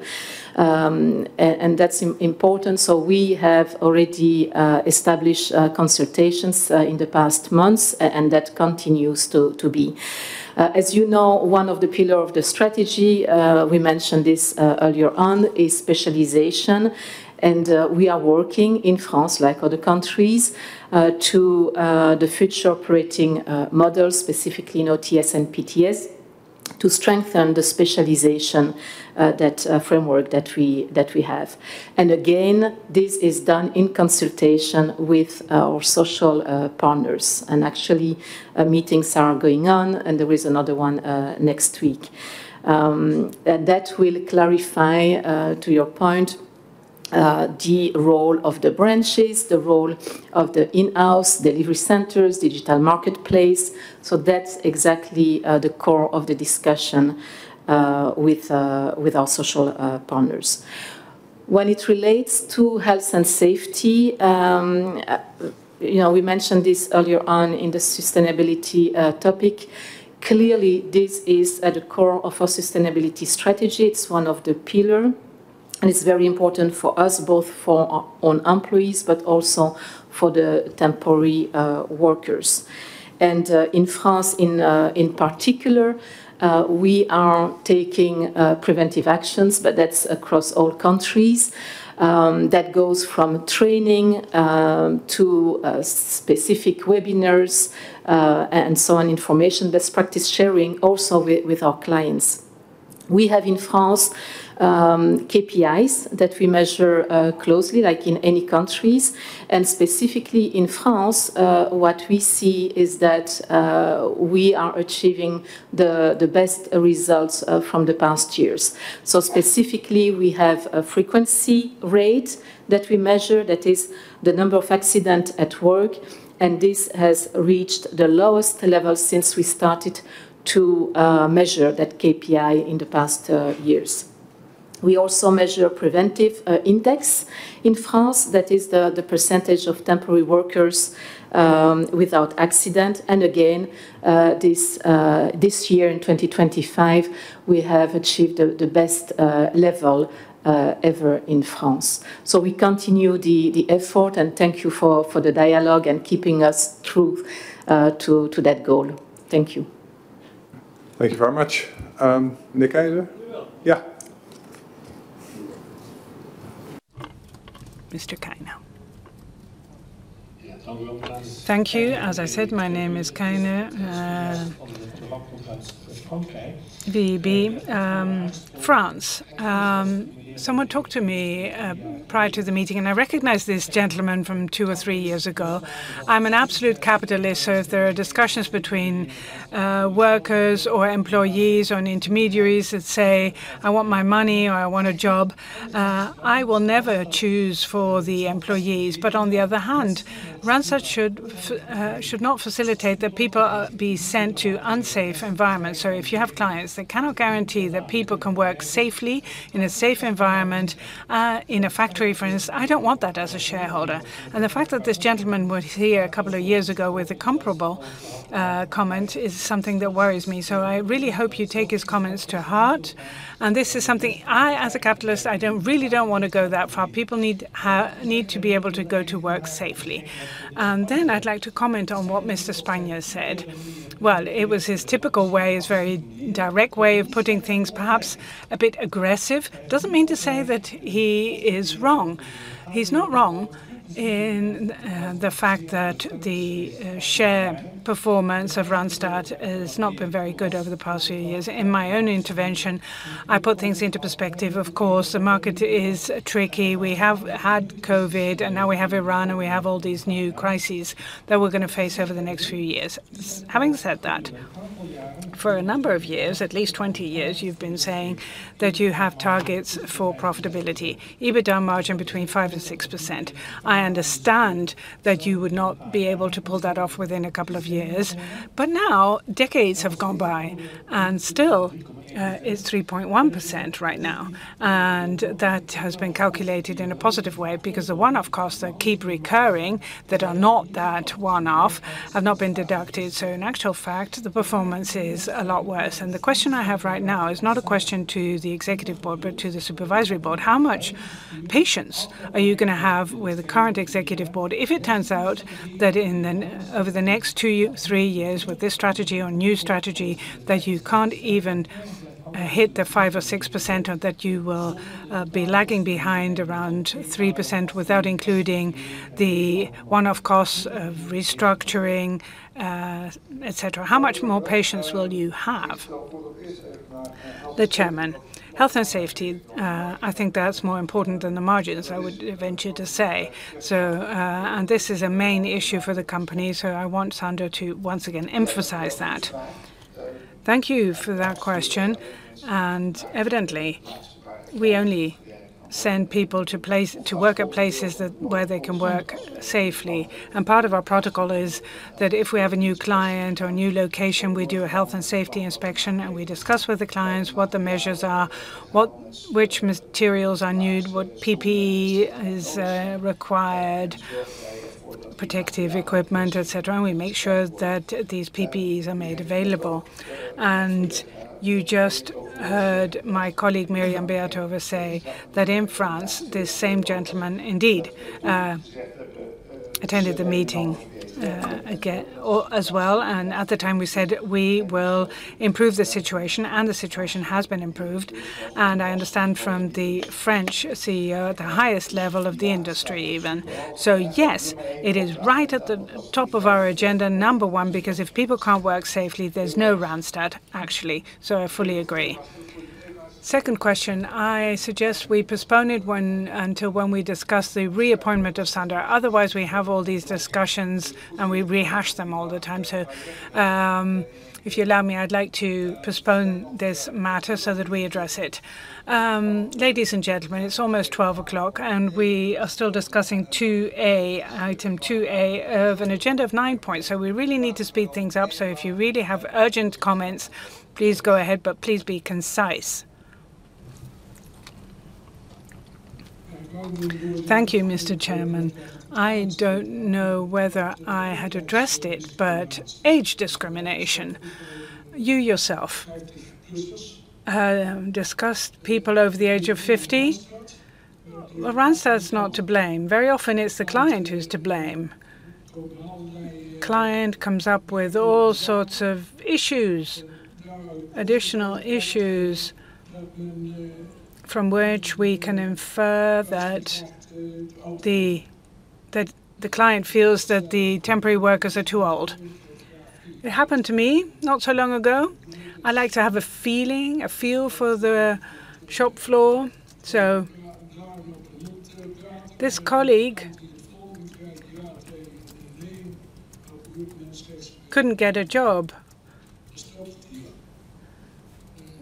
J: That's important, so we have already established consultations in the past months and that continues to be. As you know, one of the pillar of the strategy we mentioned this earlier on is specialization, and we are working in France, like other countries, to the future operating models, specifically in OTS and PTS, to strengthen the specialization that framework that we have. Again, this is done in consultation with our social partners. Actually, meetings are going on, and there is another one next week. That will clarify, to your point, the role of the branches, the role of the in-house delivery centers, digital marketplace. That's exactly the core of the discussion with our social partners. When it relates to health and safety, you know, we mentioned this earlier on in the sustainability topic. Clearly, this is at the core of our sustainability strategy. It's one of the pillar, and it's very important for us, both for our own employees, but also for the temporary workers. In France, in particular, we are taking preventive actions, but that's across all countries. That goes from training to specific webinars and so on, information, best practice sharing also with our clients. We have in France KPIs that we measure closely, like in any countries. Specifically in France, what we see is that we are achieving the best results from the past years. Specifically, we have a frequency rate that we measure, that is the number of accidents at work, and this has reached the lowest level since we started to measure that KPI in the past years. We also measure preventive index in France, that is the percentage of temporary workers without accidents. Again, this year in 2025, we have achieved the best level ever in France. We continue the effort, and thank you for the dialogue and keeping us true to that goal. Thank you.
A: Thank you very much. Mr. Keyner? Yeah. Yeah.
K: Mr. Keyner. Yeah. Thank you. As I said, my name is Keyner, VEB. Someone talked to me prior to the meeting, and I recognize this gentleman from two or three years ago. I'm an absolute capitalist, so if there are discussions between workers or employees or intermediaries that say, "I want my money," or, "I want a job," I will never choose for the employees. On the other hand, Randstad should not facilitate that people are be sent to unsafe environments. If you have clients that cannot guarantee that people can work safely in a safe environment in a factory, for instance, I don't want that as a shareholder. The fact that this gentleman was here a couple of years ago with a comparable comment is something that worries me. I really hope you take his comments to heart. This is something I, as a capitalist, really don't wanna go that far. People need to be able to go to work safely. Then I'd like to comment on what Mr. Spanjer said. Well, it was his typical way, his very direct way of putting things, perhaps a bit aggressive. Doesn't mean to say that he is wrong. He's not wrong in the fact that the share performance of Randstad has not been very good over the past few years. In my own intervention, I put things into perspective. Of course, the market is tricky. We have had COVID, and now we have inflation, and we have all these new crises that we're gonna face over the next few years. Having said that, for a number of years, at least 20 years, you've been saying that you have targets for profitability, EBITDA margin between 5%-6%. I understand that you would not be able to pull that off within a couple of years. Now, decades have gone by, and still, it's 3.1% right now. That has been calculated in a positive way because the one-off costs that keep recurring that are not that one-off have not been deducted. In actual fact, the performance is a lot worse. The question I have right now is not a question to the Executive Board but to the Supervisory Board. How much patience are you gonna have with the current executive board if it turns out that in the next two or three years with this strategy or new strategy, that you can't even hit the 5% or 6% or that you will be lagging behind around 3% without including the one-off costs of restructuring, et cetera? How much more patience will you have?
A: The Chairman. Health and safety, I think that's more important than the margins, I would venture to say. This is a main issue for the company, so I want Sander to once again emphasize that. Thank you for that question. Evidently, we only send people to work at places where they can work safely. Part of our protocol is that if we have a new client or a new location, we do a health and safety inspection, and we discuss with the clients what the measures are, which materials are needed, what PPE is required, protective equipment, et cetera. We make sure that these PPEs are made available. You just heard my colleague, Myriam Beatove, say that in France, this same gentleman indeed attended the meeting as well. At the time, we said we will improve the situation, and the situation has been improved. I understand from the French CEO at the highest level of the industry even. Yes, it is right at the top of our agenda, number 1, because if people can't work safely, there's no Randstad, actually. I fully agree. Second question, I suggest we postpone it until when we discuss the reappointment of Sander. Otherwise, we have all these discussions, and we rehash them all the time. If you allow me, I'd like to postpone this matter so that we address it. Ladies and gentlemen, it's almost 12 o'clock, and we are still discussing 2A, item 2A of an agenda of 9 points. We really need to speed things up. If you really have urgent comments, please go ahead, but please be concise.
O: Thank you, Mr. Chairman. I don't know whether I had addressed it, but age discrimination. You yourself discussed people over the age of 50. Randstad's not to blame. Very often, it's the client who's to blame. Client comes up with all sorts of issues, additional issues from which we can infer that the client feels that the temporary workers are too old. It happened to me not so long ago. I like to have a feeling, a feel for the shop floor. This colleague couldn't get a job,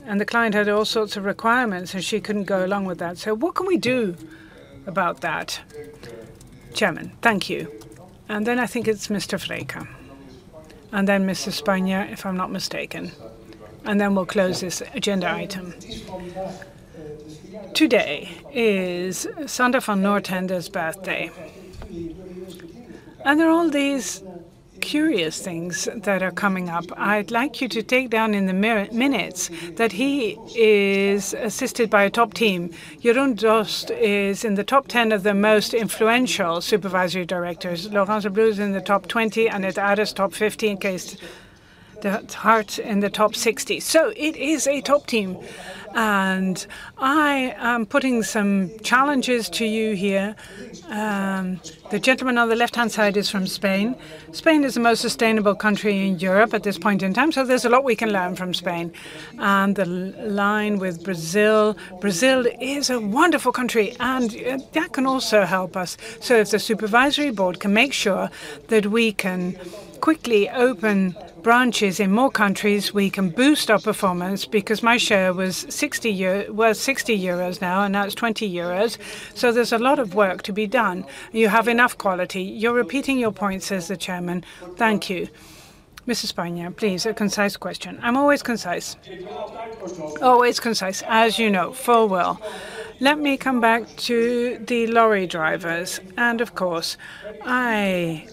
O: and the client had all sorts of requirements, and she couldn't go along with that. What can we do about that, Chairman?
A: Thank you. Then I think it's Mr. Fricke, and then Mr. Spanjer, if I'm not mistaken, and then we'll close this agenda item. Today is Sander van 't Noordende's birthday. There are all these curious things that are coming up. I'd like you to take down in the minutes that he is assisted by a top team. Jeroen Drost is in the top 10 of the most influential supervisory directors. Laurence Debroux is in the top 20, and it added top 15 case. Cees 't Hart in the top 60. It is a top team, and I am putting some challenges to you here. The gentleman on the left-hand side is from Spain. Spain is the most sustainable country in Europe at this point in time, so there's a lot we can learn from Spain. The alliance with Brazil. Brazil is a wonderful country, and that can also help us. If the supervisory board can make sure that we can quickly open branches in more countries, we can boost our performance because my share was 60 euro, now it's 20 euros. There's a lot of work to be done. You have enough quality. You're repeating your points as the chairman. Thank you. Mr. Spanjer, please, a concise question.
M: I'm always concise. Always concise, as you know full well. Let me come back to the truck drivers. Of course, I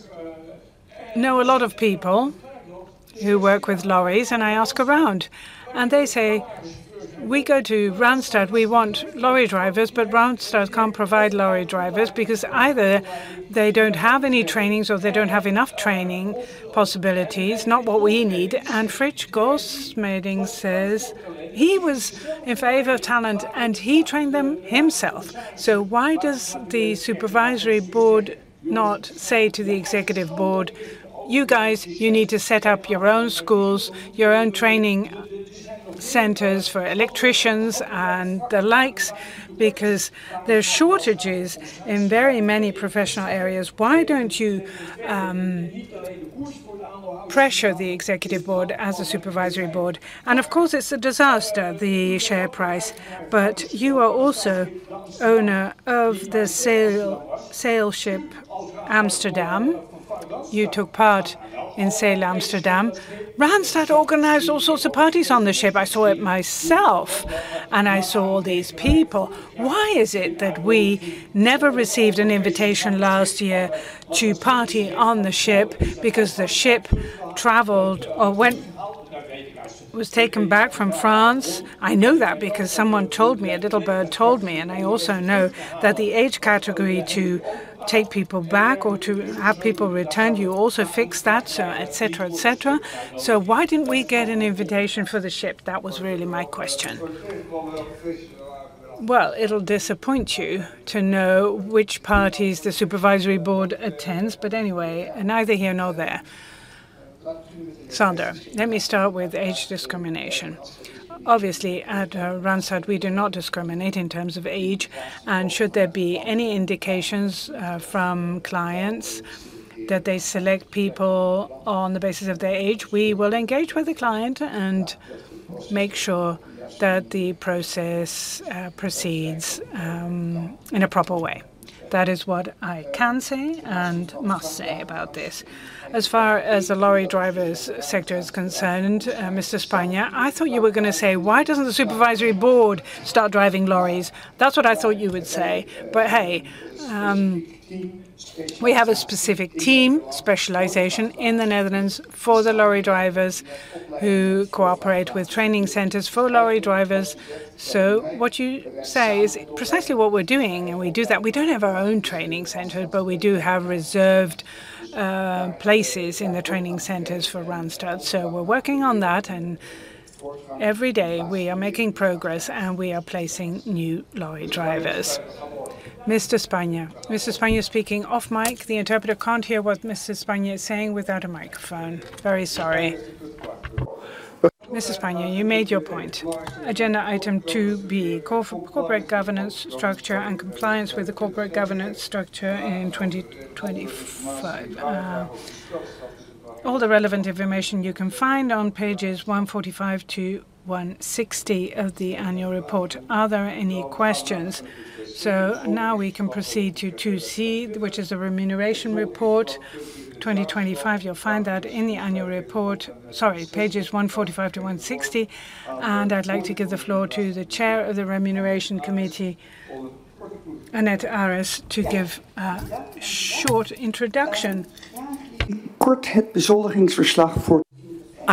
M: know a lot of people who work with trucks, and I ask around, and they say, "We go to Randstad. We want truck drivers, but Randstad can't provide truck drivers because either they don't have any trainings or they don't have enough training possibilities, not what we need." Frits Goldschmeding says he was in favor of talent, and he trained them himself. Why does the supervisory board not say to the executive board, "You guys, you need to set up your own schools, your own training centers for electricians and the likes because there are shortages in very many professional areas." Why don't you pressure the executive board as a supervisory board? Of course, it's a disaster, the share price, but you are also owner of the SAIL ship Amsterdam. You took part in SAIL Amsterdam. Randstad organized all sorts of parties on the ship. I saw it myself, and I saw all these people. Why is it that we never received an invitation last year to party on the ship? Because the ship was taken back from France. I know that because someone told me, a little bird told me, and I also know that the age category to take people back or to have people returned, you also fixed that, so et cetera, et cetera. Why didn't we get an invitation for the ship? That was really my question.
A: Well, it'll disappoint you to know which parties the supervisory board attends, but anyway, neither here nor there. Sander, let me start with age discrimination.
C: Obviously, at Randstad, we do not discriminate in terms of age. Should there be any indications from clients that they select people on the basis of their age, we will engage with the client and make sure that the process proceeds in a proper way.
A: That is what I can say and must say about this. As far as the truck drivers sector is concerned, and Wouter van de Bunt, I thought you were gonna say, "Why doesn't the Supervisory Board start driving trucks?" That's what I thought you would say. Hey, we have a specific team specialization in the Netherlands for the truck drivers who cooperate with training centers for truck drivers. What you say is precisely what we're doing, and we do that. We don't have our own training center, but we do have reserved places in the training centers for Randstad. We're working on that, and every day we are making progress, and we are placing new truck drivers. Wouter van de Bunt. Wouter van de Bunt, speaking off mic. The interpreter can't hear what Wouter van de Bunt is saying without a microphone. Very sorry. Wouter van de Bunt, you made your point. Agenda item 2B, corporate governance structure and compliance with the corporate governance structure in 2025. All the relevant information you can find on pages 145 to 160 of the annual report. Are there any questions? Now we can proceed to 2C, which is the remuneration report 2025. You'll find that in the annual report. Sorry, pages 145 to 160. I'd like to give the floor to the Chair of the Remuneration Committee, Annet Aris, to give a short introduction.
P: I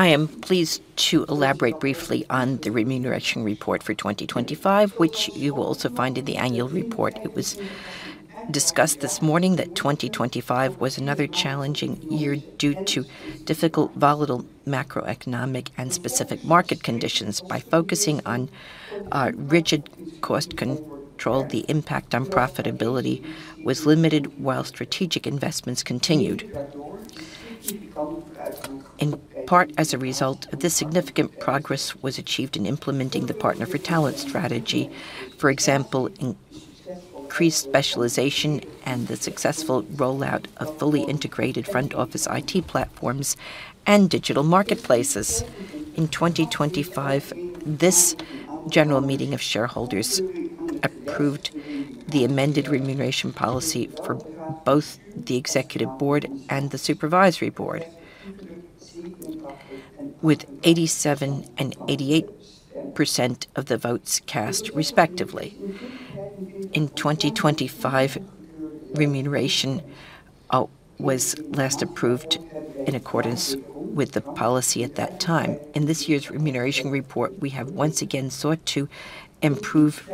P: am pleased to elaborate briefly on the remuneration report for 2025, which you will also find in the annual report. It was discussed this morning that 2025 was another challenging year due to difficult, volatile macroeconomic and specific market conditions. By focusing on rigid cost control, the impact on profitability was limited while strategic investments continued. In part as a result, significant progress was achieved in implementing the Partner for Talent strategy. For example, increased specialization and the successful rollout of fully integrated front office IT platforms and digital marketplaces. In 2025, this general meeting of shareholders approved the amended remuneration policy for both the executive board and the supervisory board, with 87% and 88% of the votes cast respectively. In 2025, remuneration was last approved in accordance with the policy at that time. In this year's remuneration report, we have once again sought to improve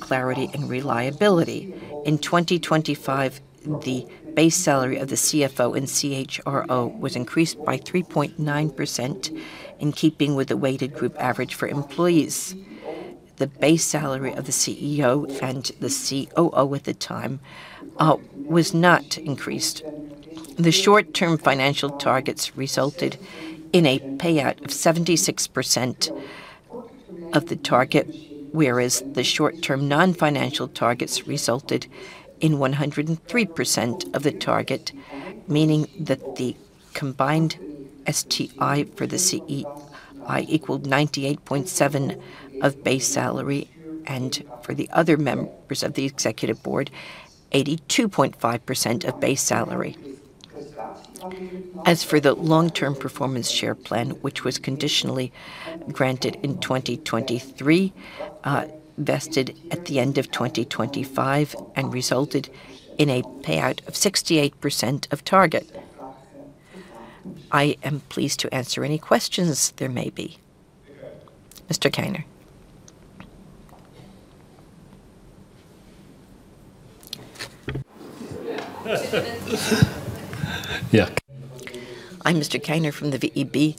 P: clarity and reliability. In 2025, the base salary of the CFO and CHRO was increased by 3.9% in keeping with the weighted group average for employees. The base salary of the CEO and the COO at the time was not increased. The short-term financial targets resulted in a payout of 76% of the target, whereas the short-term non-financial targets resulted in 103% of the target, meaning that the combined STI for the CEO equaled 98.7% of base salary, and for the other members of the executive board, 82.5% of base salary. As for the long-term performance share plan, which was conditionally granted in 2023, vested at the end of 2025 and resulted in a payout of 68% of target.
A: I am pleased to answer any questions there may be. Mr. Keyner. Yeah.
K: I'm Mr. Keyner from the VEB.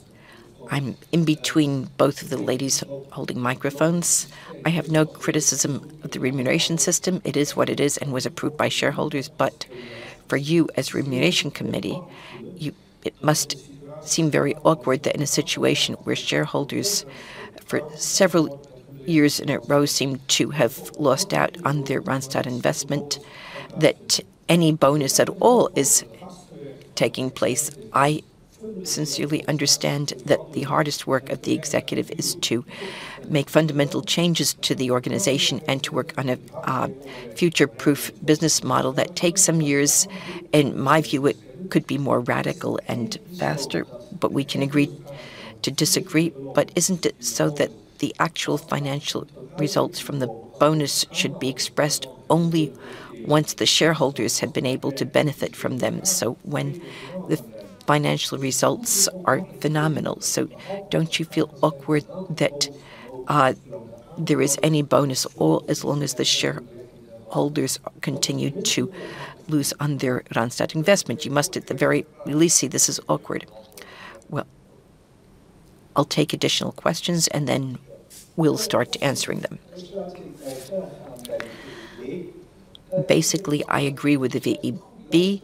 K: I'm in between both of the ladies holding microphones. I have no criticism of the remuneration system. It is what it is and was approved by shareholders. For you as Remuneration Committee, you it must seem very awkward that in a situation where shareholders for several years in a row seem to have lost out on their Randstad investment, that any bonus at all is taking place. I sincerely understand that the hardest work of the executive is to make fundamental changes to the organization and to work on a future-proof business model that takes some years. In my view, it could be more radical and faster, but we can agree to disagree. Isn't it so that the actual financial results from the bonus should be expressed only once the shareholders have been able to benefit from them, so when the financial results are phenomenal? Don't you feel awkward that there is any bonus at all as long as the shareholders continue to lose on their Randstad investment? You must at the very least see this as awkward. Well, I'll take additional questions, and then we'll start answering them.
G: Basically, I agree with the VEB.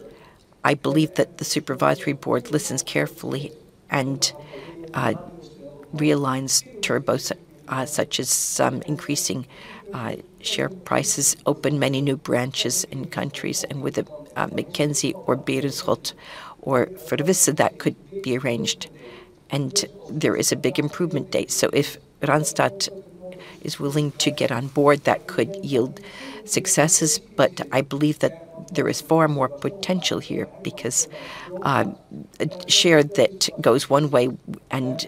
G: I believe that the supervisory board listens carefully and realigns turbos such as some increasing share prices, open many new branches in countries, and with a McKinsey or BDO or for the VEB that could be arranged. There is a big improvement ahead. If Randstad is willing to get on board, that could yield successes. I believe that there is far more potential here because a share that goes one way and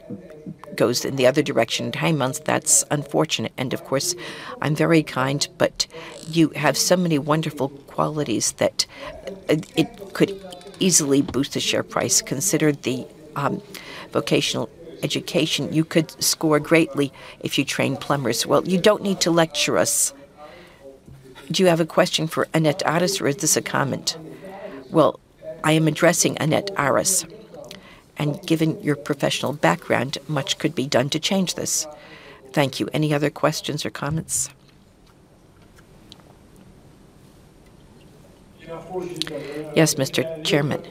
G: goes in the other direction. Hey, Mans, that's unfortunate. Of course, I'm very kind, but you have so many wonderful qualities that it could easily boost the share price. Consider the vocational education. You could score greatly if you train plumbers. Well, you don't need to lecture us.
A: Do you have a question for Annette Aris, or is this a comment?
G: Well, I am addressing Annet Aris, and given your professional background, much could be done to change this.
A: Thank you. Any other questions or comments?
K: Yes, Mr. Chairman.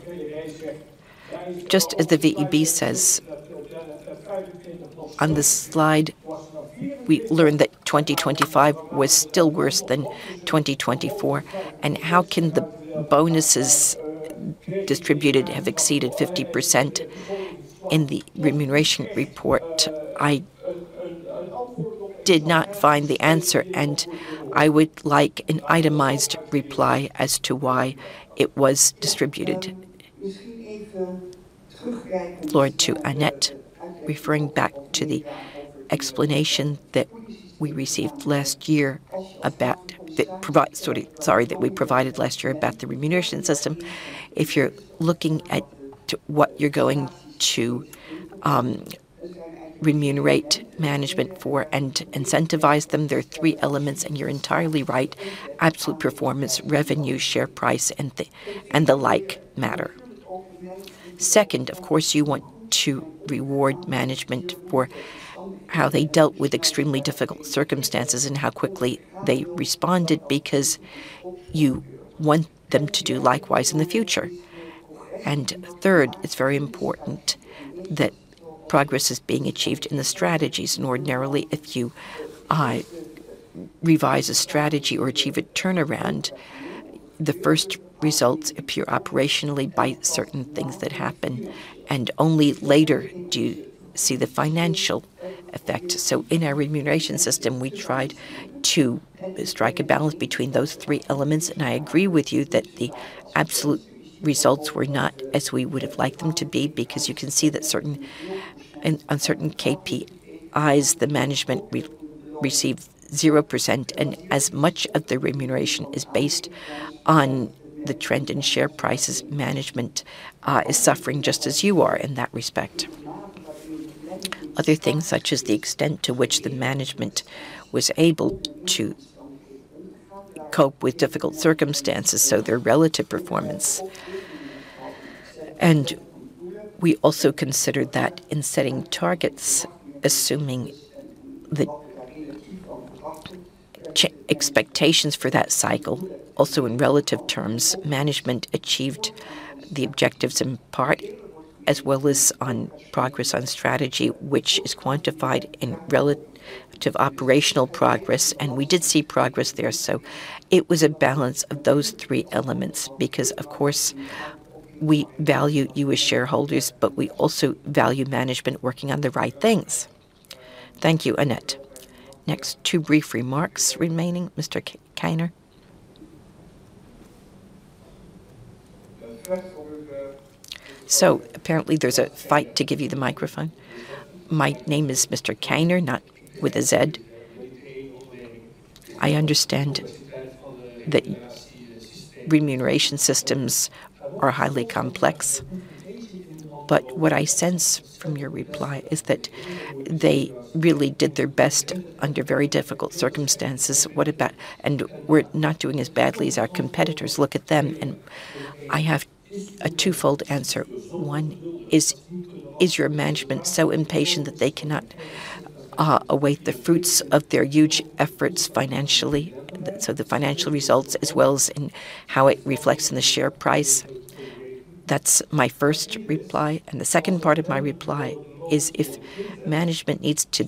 K: Just as the VEB says, on this slide, we learned that 2025 was still worse than 2024. How can the bonuses distributed have exceeded 50% in the remuneration report? I did not find the answer, and I would like an itemized reply as to why it was distributed. The floor to Annet.
P: Referring back to the explanation that we provided last year about the remuneration system. If you're looking at what you're going to remunerate management for and incentivize them, there are three elements, and you're entirely right. Absolute performance, revenue, share price, and the like matter. Second, of course, you want to reward management for how they dealt with extremely difficult circumstances and how quickly they responded because you want them to do likewise in the future. Third, it's very important that progress is being achieved in the strategies. Ordinarily, if you revise a strategy or achieve a turnaround, the first results appear operationally by certain things that happen, and only later do you see the financial effect. In our remuneration system, we tried to strike a balance between those three elements. I agree with you that the absolute results were not as we would have liked them to be because you can see that on certain KPIs, the management received 0%, and as much of the remuneration is based on the trend in share prices, management is suffering just as you are in that respect. Other things such as the extent to which the management was able to cope with difficult circumstances, so their relative performance. We also considered that in setting targets, assuming the expectations for that cycle, also in relative terms, management achieved the objectives in part, as well as on progress on strategy, which is quantified in relative operational progress, and we did see progress there. It was a balance of those three elements because, of course, we value you as shareholders, but we also value management working on the right things.
A: Thank you, Annet. Next, two brief remarks remaining. Mr. Keyner. Apparently, there's a fight to give you the microphone.
K: My name is Mr. Keyner, not with a Z. I understand that remuneration systems are highly complex, but what I sense from your reply is that they really did their best under very difficult circumstances. What about, "And we're not doing as badly as our competitors. Look at them." I have a twofold answer. One, is your management so impatient that they cannot await the fruits of their huge efforts financially? So the financial results as well as in how it reflects in the share price. That's my first reply. The second part of my reply is if management needs to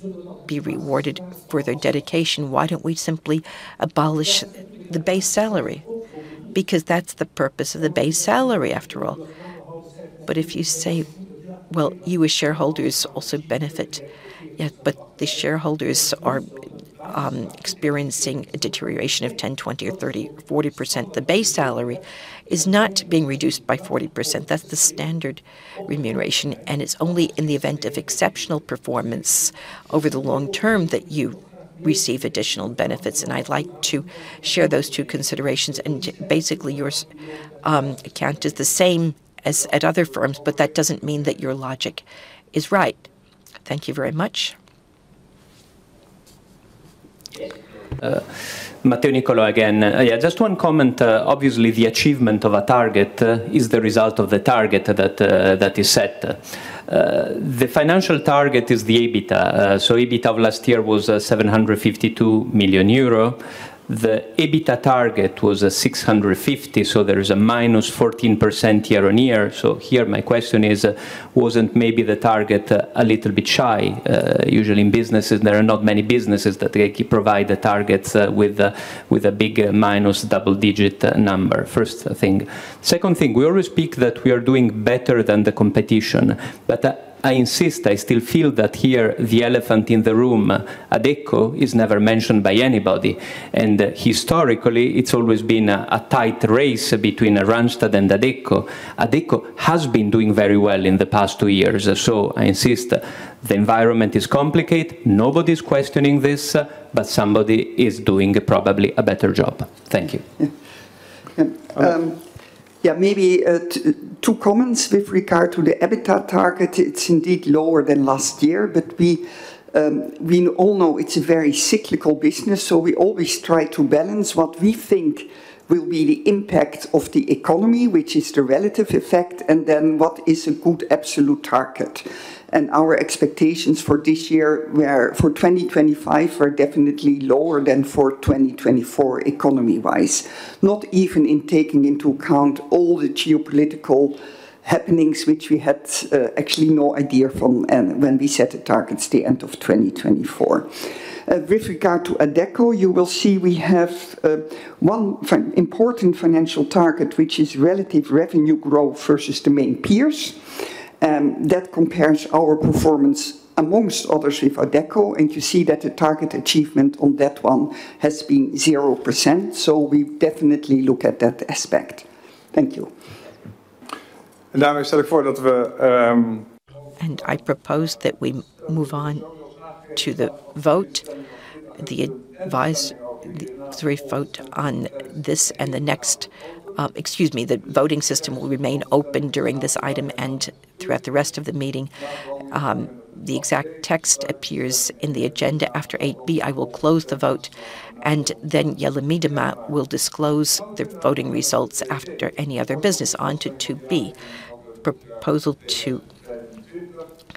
K: be rewarded for their dedication, why don't we simply abolish the base salary? Because that's the purpose of the base salary, after all. If you say, well, you as shareholders also benefit. Yeah, but the shareholders are experiencing a deterioration of 10%, 20% or 30%, 40%. The base salary is not being reduced by 40%. That's the standard remuneration, and it's only in the event of exceptional performance over the long term that you receive additional benefits. I'd like to share those two considerations. Basically, your account is the same as at other firms, but that doesn't mean that your logic is right. Thank you very much.
N: Matteo Nicolò again. Yeah, just one comment. Obviously, the achievement of a target is the result of the target that is set. The financial target is the EBITDA. EBITDA of last year was 752 million euro. The EBITDA target was 650 million, so there is a -14% year-on-year. Here my question is, wasn't maybe the target a little bit shy? Usually in businesses, there are not many businesses that they provide the targets with a big minus double-digit number. First thing. Second thing, we always speak that we are doing better than the competition, but I insist, I still feel that here the elephant in the room, Adecco, is never mentioned by anybody. Historically, it's always been a tight race between Randstad and Adecco. Adecco has been doing very well in the past two years. I insist the environment is complicated. Nobody's questioning this, but somebody is doing probably a better job. Thank you.
P: Yeah. Yeah, maybe, two comments with regard to the EBITDA target. It's indeed lower than last year, but we all know it's a very cyclical business, so we always try to balance what we think will be the impact of the economy, which is the relative effect, and then what is a good absolute target. Our expectations for this year for 2025 are definitely lower than for 2024 economy-wise. Not even taking into account all the geopolitical happenings which we had, actually no idea of and when we set the targets the end of 2024. With regard to Adecco, you will see we have one important financial target, which is relative revenue growth versus the main peers. That compares our performance among others with Adecco, and you see that the target achievement on that one has been 0%. We definitely look at that aspect. Thank you.
A: I propose that we move on to the vote. The vote on this and the next. Excuse me. The voting system will remain open during this item and throughout the rest of the meeting. The exact text appears in the agenda. After 8B, I will close the vote, and then Jelle Miedema will disclose the voting results after any other business. On to 2B, proposal to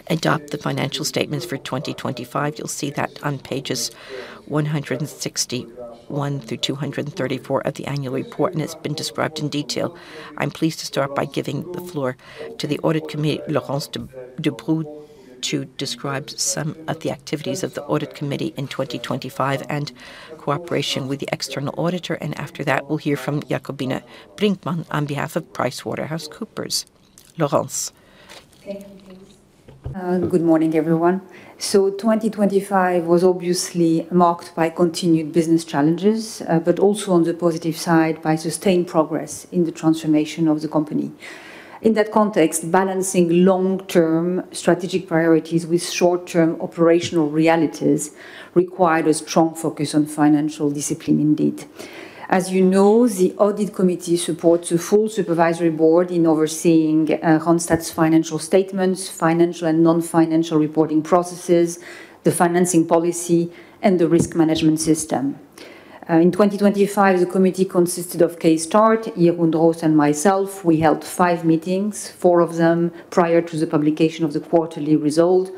A: adopt the financial statements for 2025. You'll see that on pages 161 through 234 of the annual report, and it's been described in detail. I'm pleased to start by giving the floor to the audit committee, Laurence Debroux to describe some of the activities of the audit committee in 2025 and cooperation with the external auditor. After that, we'll hear from Jacobina Brinkman on behalf of PricewaterhouseCoopers. Laurence.
Q: Good morning, everyone. 2025 was obviously marked by continued business challenges, but also on the positive side by sustained progress in the transformation of the company. In that context, balancing long-term strategic priorities with short-term operational realities required a strong focus on financial discipline indeed. As you know, the audit committee supports a full supervisory board in overseeing Randstad's financial statements, financial and non-financial reporting processes, the financing policy, and the risk management system. In 2025, the committee consisted of Cees 't Hart, Jeroen Drost, and myself. We held five meetings, four of them prior to the publication of the quarterly result.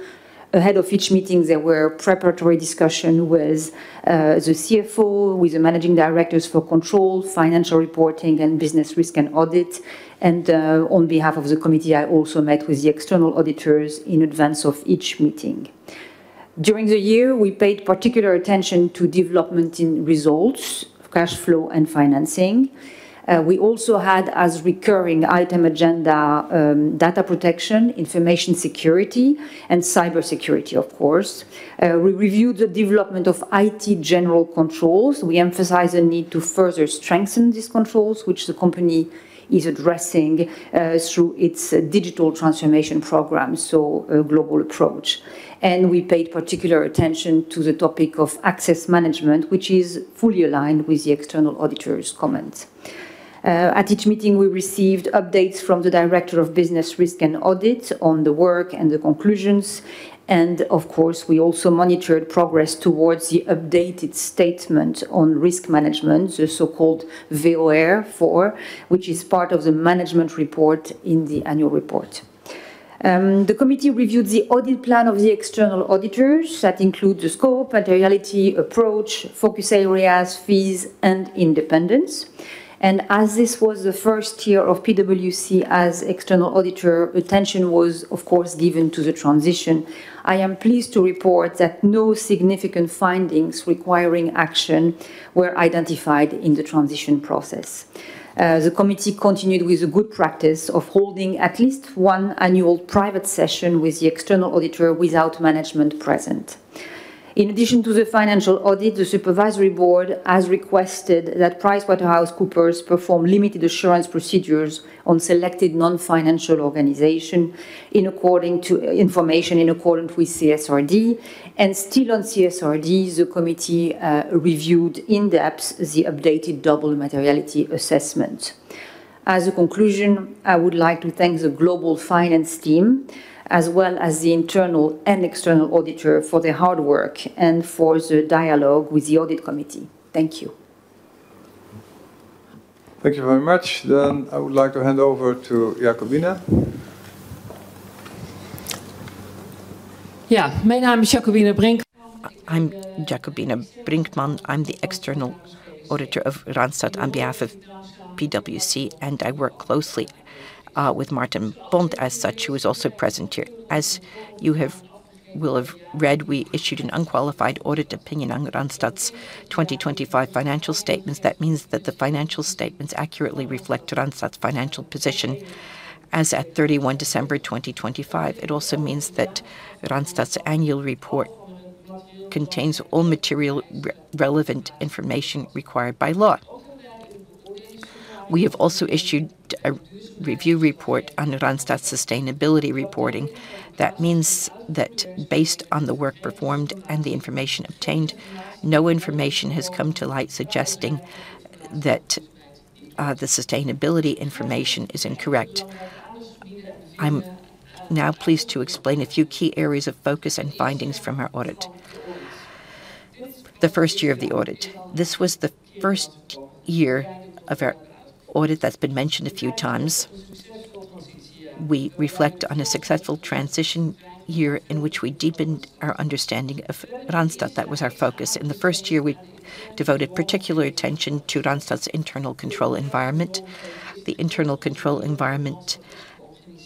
Q: Ahead of each meeting, there were preparatory discussion with the CFO, with the managing directors for control, financial reporting, and business risk and audit. On behalf of the committee, I also met with the external auditors in advance of each meeting. During the year, we paid particular attention to development in results, cash flow, and financing. We also had as a recurring item on the agenda, data protection, information security, and cybersecurity, of course. We reviewed the development of IT general controls. We emphasized the need to further strengthen these controls, which the company is addressing, through its digital transformation program, so a global approach. We paid particular attention to the topic of access management, which is fully aligned with the external auditor's comments. At each meeting, we received updates from the director of business risk and audit on the work and the conclusions. Of course, we also monitored progress towards the updated statement on risk management, the so-called VOR for which is part of the management report in the annual report. The committee reviewed the audit plan of the external auditors. That includes the scope, materiality approach, focus areas, fees, and independence. As this was the first year of PwC as external auditor, attention was of course given to the transition. I am pleased to report that no significant findings requiring action were identified in the transition process. The committee continued with the good practice of holding at least one annual private session with the external auditor without management present. In addition to the financial audit, the supervisory board has requested that PricewaterhouseCoopers perform limited assurance procedures on selected non-financial information in accordance with CSRD. Still on CSRD, the committee reviewed in depth the updated double materiality assessment. As a conclusion, I would like to thank the global finance team, as well as the internal and external auditor for their hard work and for the dialogue with the audit committee. Thank you.
A: Thank you very much. I would like to hand over to Jacobina.
R: Yeah. My name is Jacobina Brinkman. I'm Jacobina Brinkman. I'm the external auditor of Randstad on behalf of PwC, and I work closely with Martin Bont as such, who is also present here. As you will have read, we issued an unqualified audit opinion on Randstad's 2025 financial statements. That means that the financial statements accurately reflect Randstad's financial position as at 31 December 2025. It also means that Randstad's annual report contains all material relevant information required by law. We have also issued a review report on Randstad's sustainability reporting. That means that based on the work performed and the information obtained, no information has come to light suggesting that the sustainability information is incorrect. I'm now pleased to explain a few key areas of focus and findings from our audit. This was the first year of our audit that's been mentioned a few times. We reflect on a successful transition year in which we deepened our understanding of Randstad. That was our focus. In the first year, we devoted particular attention to Randstad's internal control environment. The internal control environment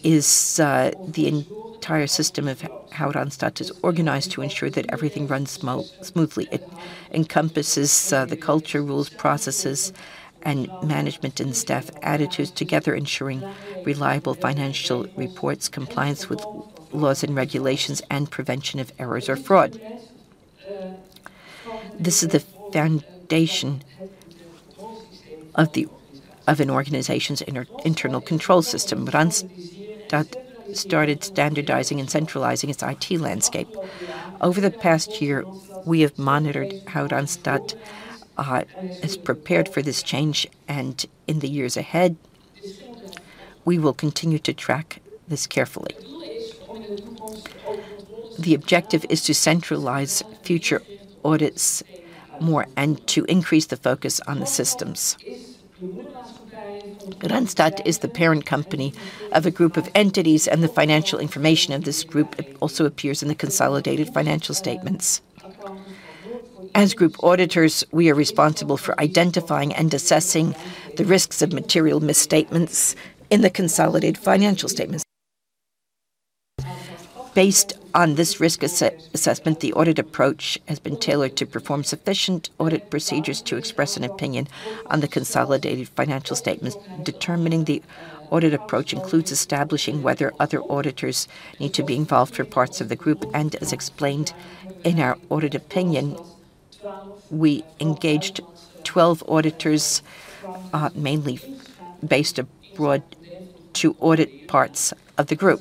R: is the entire system of how Randstad is organized to ensure that everything runs smoothly. It encompasses the culture, rules, processes, and management and staff attitudes together, ensuring reliable financial reports, compliance with laws and regulations, and prevention of errors or fraud. This is the foundation of an organization's internal control system. Randstad started standardizing and centralizing its IT landscape. Over the past year, we have monitored how Randstad has prepared for this change, and in the years ahead, we will continue to track this carefully. The objective is to centralize future audits more and to increase the focus on the systems. Randstad is the parent company of a group of entities, and the financial information of this group also appears in the consolidated financial statements. As group auditors, we are responsible for identifying and assessing the risks of material misstatements in the consolidated financial statements. Based on this risk assessment, the audit approach has been tailored to perform sufficient audit procedures to express an opinion on the consolidated financial statements. Determining the audit approach includes establishing whether other auditors need to be involved for parts of the group and as explained in our audit opinion, we engaged 12 auditors, mainly based abroad to audit parts of the group.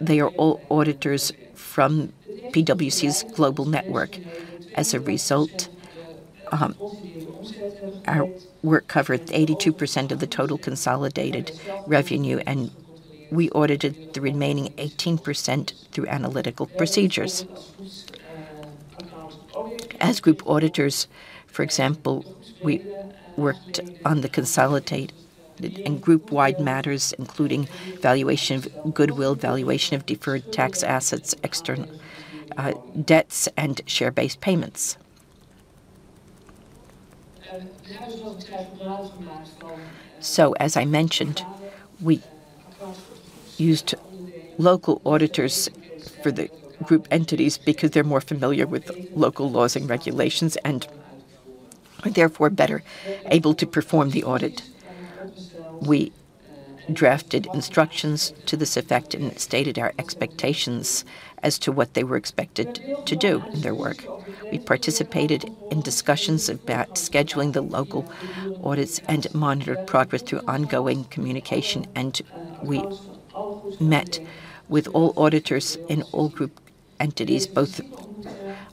R: They are all auditors from PwC's global network. As a result, our work covered 82% of the total consolidated revenue, and we audited the remaining 18% through analytical procedures. As group auditors, for example, we worked on the consolidated and group-wide matters, including valuation of goodwill, valuation of deferred tax assets, external debts, and share-based payments. As I mentioned, we used local auditors for the group entities because they're more familiar with local laws and regulations and are therefore better able to perform the audit. We drafted instructions to this effect and it stated our expectations as to what they were expected to do in their work. We participated in discussions about scheduling the local audits and monitored progress through ongoing communication, and we met with all auditors in all group entities, both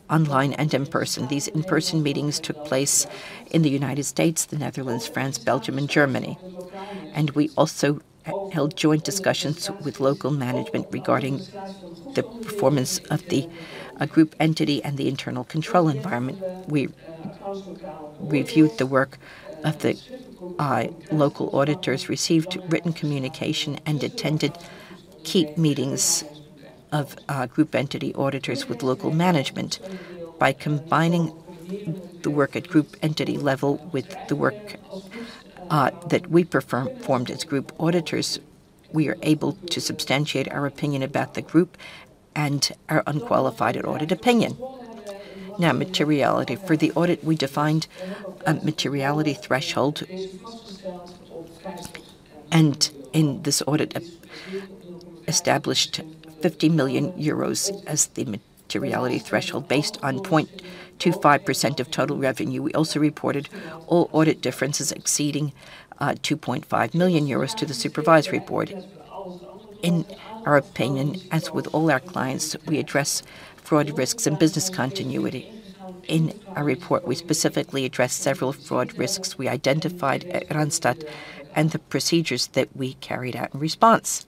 R: online and in person. These in-person meetings took place in the United States, the Netherlands, France, Belgium, and Germany. We also held joint discussions with local management regarding the performance of the group entity and the internal control environment. We reviewed the work of the local auditors, received written communication, and attended key meetings of group entity auditors with local management. By combining the work at group entity level with the work that we performed as group auditors, we are able to substantiate our opinion about the group and our unqualified audit opinion. Now, materiality. For the audit, we defined a materiality threshold and in this audit, established 50 million euros as the materiality threshold based on 0.25% of total revenue. We also reported all audit differences exceeding 2.5 million euros to the Supervisory Board. In our opinion, as with all our clients, we address fraud risks and business continuity. In our report, we specifically addressed several fraud risks we identified at Randstad and the procedures that we carried out in response.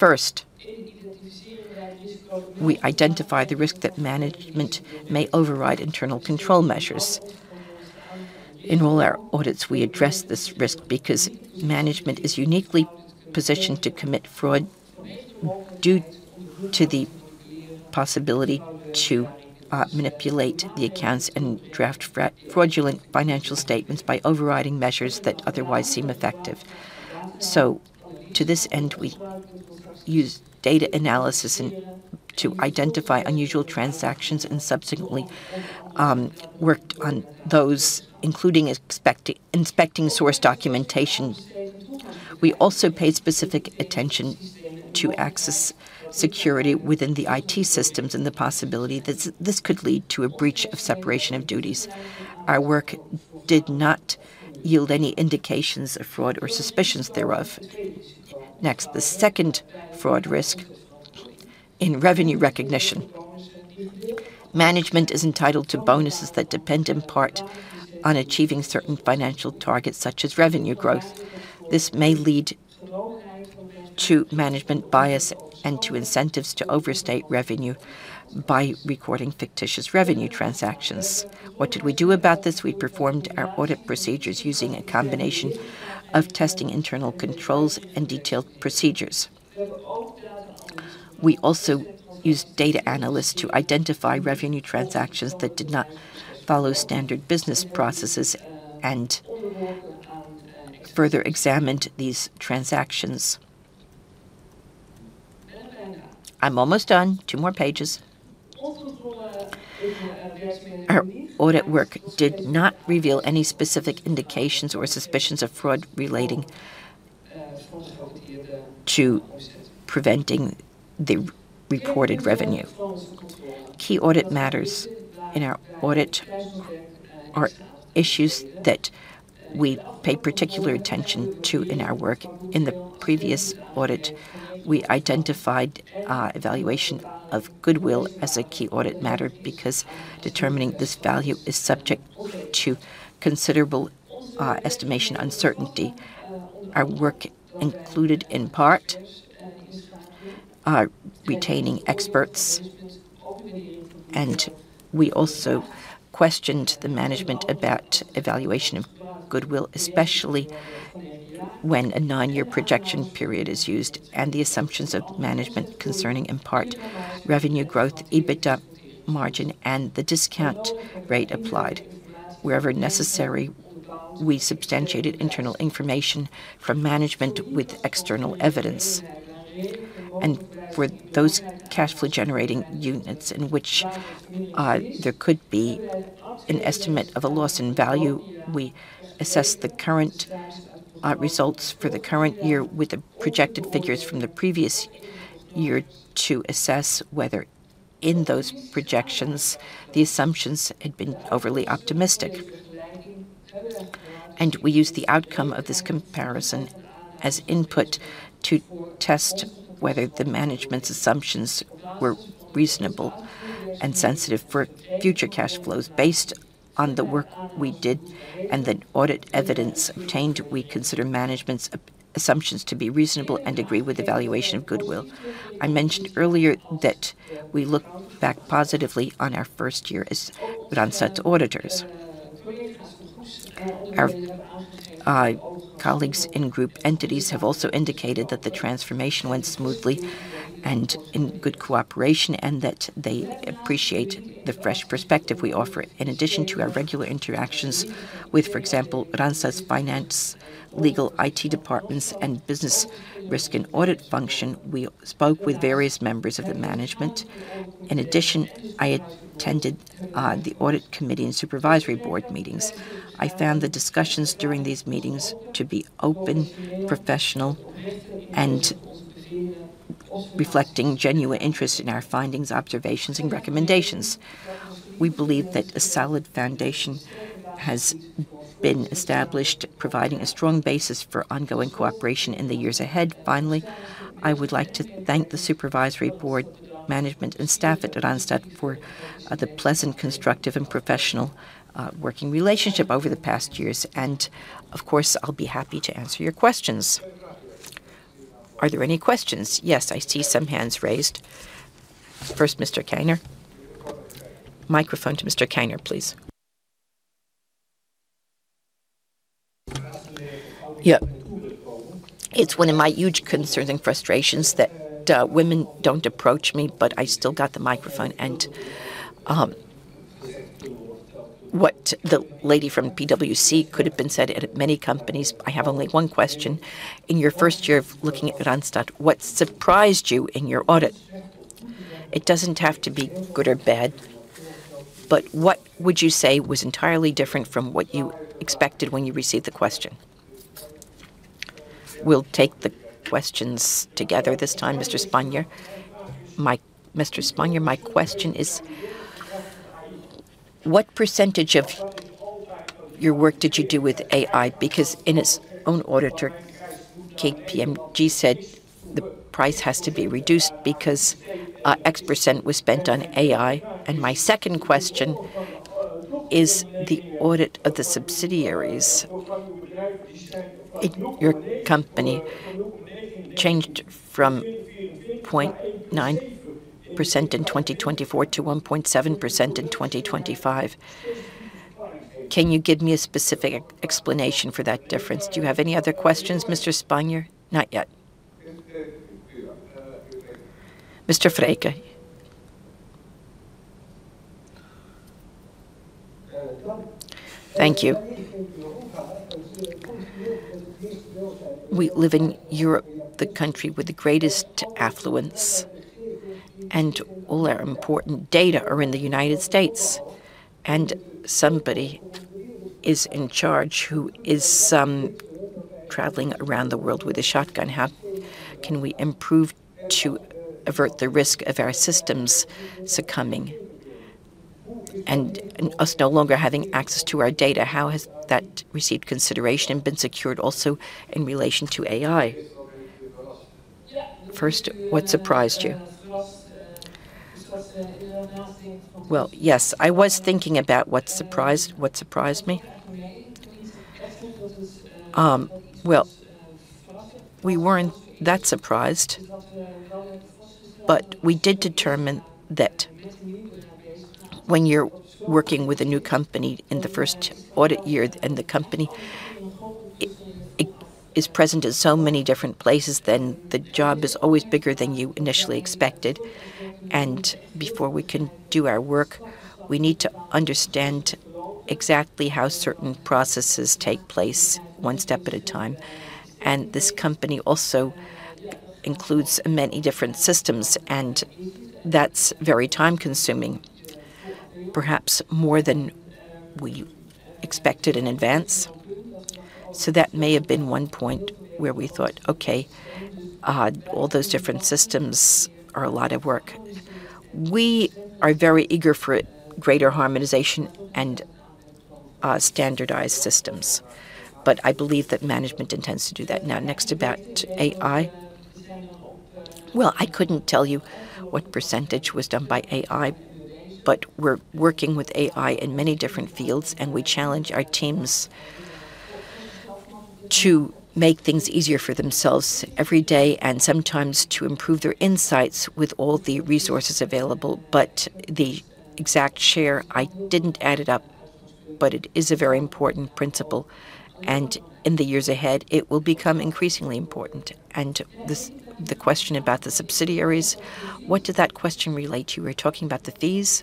R: First, we identified the risk that management may override internal control measures. In all our audits, we address this risk because management is uniquely positioned to commit fraud due to the possibility to manipulate the accounts and draft fraudulent financial statements by overriding measures that otherwise seem effective. To this end, we used data analysis to identify unusual transactions and subsequently worked on those including inspecting source documentation. We also paid specific attention to access security within the IT systems and the possibility that this could lead to a breach of separation of duties. Our work did not yield any indications of fraud or suspicions thereof. Next, the second fraud risk in revenue recognition. Management is entitled to bonuses that depend in part on achieving certain financial targets, such as revenue growth. This may lead to management bias and to incentives to overstate revenue by recording fictitious revenue transactions. What did we do about this? We performed our audit procedures using a combination of testing internal controls and detailed procedures. We also used data analysts to identify revenue transactions that did not follow standard business processes and further examined these transactions. I'm almost done. Two more pages. Our audit work did not reveal any specific indications or suspicions of fraud relating to preventing the reported revenue. Key audit matters in our audit are issues that we pay particular attention to in our work. In the previous audit, we identified evaluation of goodwill as a key audit matter because determining this value is subject to considerable estimation uncertainty. Our work included, in part, our retaining experts, and we also questioned the management about evaluation of goodwill, especially when a nine-year projection period is used, and the assumptions of management concerning, in part, revenue growth, EBITDA margin, and the discount rate applied. Wherever necessary, we substantiated internal information from management with external evidence. For those cash flow generating units in which there could be an estimate of a loss in value, we assess the current results for the current year with the projected figures from the previous year to assess whether in those projections the assumptions had been overly optimistic. We used the outcome of this comparison as input to test whether the management's assumptions were reasonable and sensitive for future cash flows. Based on the work we did and the audit evidence obtained, we consider management's assumptions to be reasonable and agree with evaluation of goodwill. I mentioned earlier that we look back positively on our first year as Randstad's auditors. Our colleagues in group entities have also indicated that the transformation went smoothly and in good cooperation, and that they appreciate the fresh perspective we offer. In addition to our regular interactions with, for example, Randstad's finance, legal, IT departments, and business risk and audit function, we spoke with various members of the management. In addition, I attended the audit committee and supervisory board meetings. I found the discussions during these meetings to be open, professional, and reflecting genuine interest in our findings, observations, and recommendations. We believe that a solid foundation has been established, providing a strong basis for ongoing cooperation in the years ahead. Finally, I would like to thank the supervisory board, management, and staff at Randstad for the pleasant, constructive, and professional working relationship over the past years. Of course, I'll be happy to answer your questions. Are there any questions?
A: Yes, I see some hands raised. First, Mr. Keyner. Microphone to Mr. Keyner, please.
K: Yeah. It's one of my huge concerns and frustrations that women don't approach me, but I still got the microphone. What the lady from PwC could have said at many companies, I have only one question. In your first year of looking at Randstad, what surprised you in your audit? It doesn't have to be good or bad, but what would you say was entirely different from what you expected when you received the question?
A: We'll take the questions together this time, Mr. Spanjer. Mr.
M: Spanjer, my question is, what percentage of your work did you do with AI? Because in its own auditor, KPMG said the price has to be reduced because X% was spent on AI. My second question is the audit of the subsidiaries. Your company changed from 0.9% in 2024 to 1.7% in 2025. Can you give me a specific explanation for that difference?
A: Do you have any other questions, Mr. Spanjer?
M: Not yet.
A: Mr. Frike.
G: Thank you. We live in Europe, the country with the greatest affluence, and all our important data are in the U.S., and somebody is in charge who is traveling around the world with a shotgun. How can we improve to avert the risk of our systems succumbing and us no longer having access to our data? How has that received consideration and been secured also in relation to AI? First, what surprised you?
R: Well, yes, I was thinking about what surprised me. Well, we weren't that surprised, but we did determine that when you're working with a new company in the first audit year, and the company, it is present in so many different places, then the job is always bigger than you initially expected. Before we can do our work, we need to understand exactly how certain processes take place one step at a time. This company also includes many different systems, and that's very time-consuming, perhaps more than we expected in advance. That may have been one point where we thought, "Okay, all those different systems are a lot of work." We are very eager for greater harmonization and standardized systems, but I believe that management intends to do that. Now, next about AI. Well, I couldn't tell you what percentage was done by AI, but we're working with AI in many different fields. We challenge our teams to make things easier for themselves every day and sometimes to improve their insights with all the resources available. The exact share, I didn't add it up, but it is a very important principle. In the years ahead, it will become increasingly important. The question about the subsidiaries, what did that question relate to? We're talking about the fees.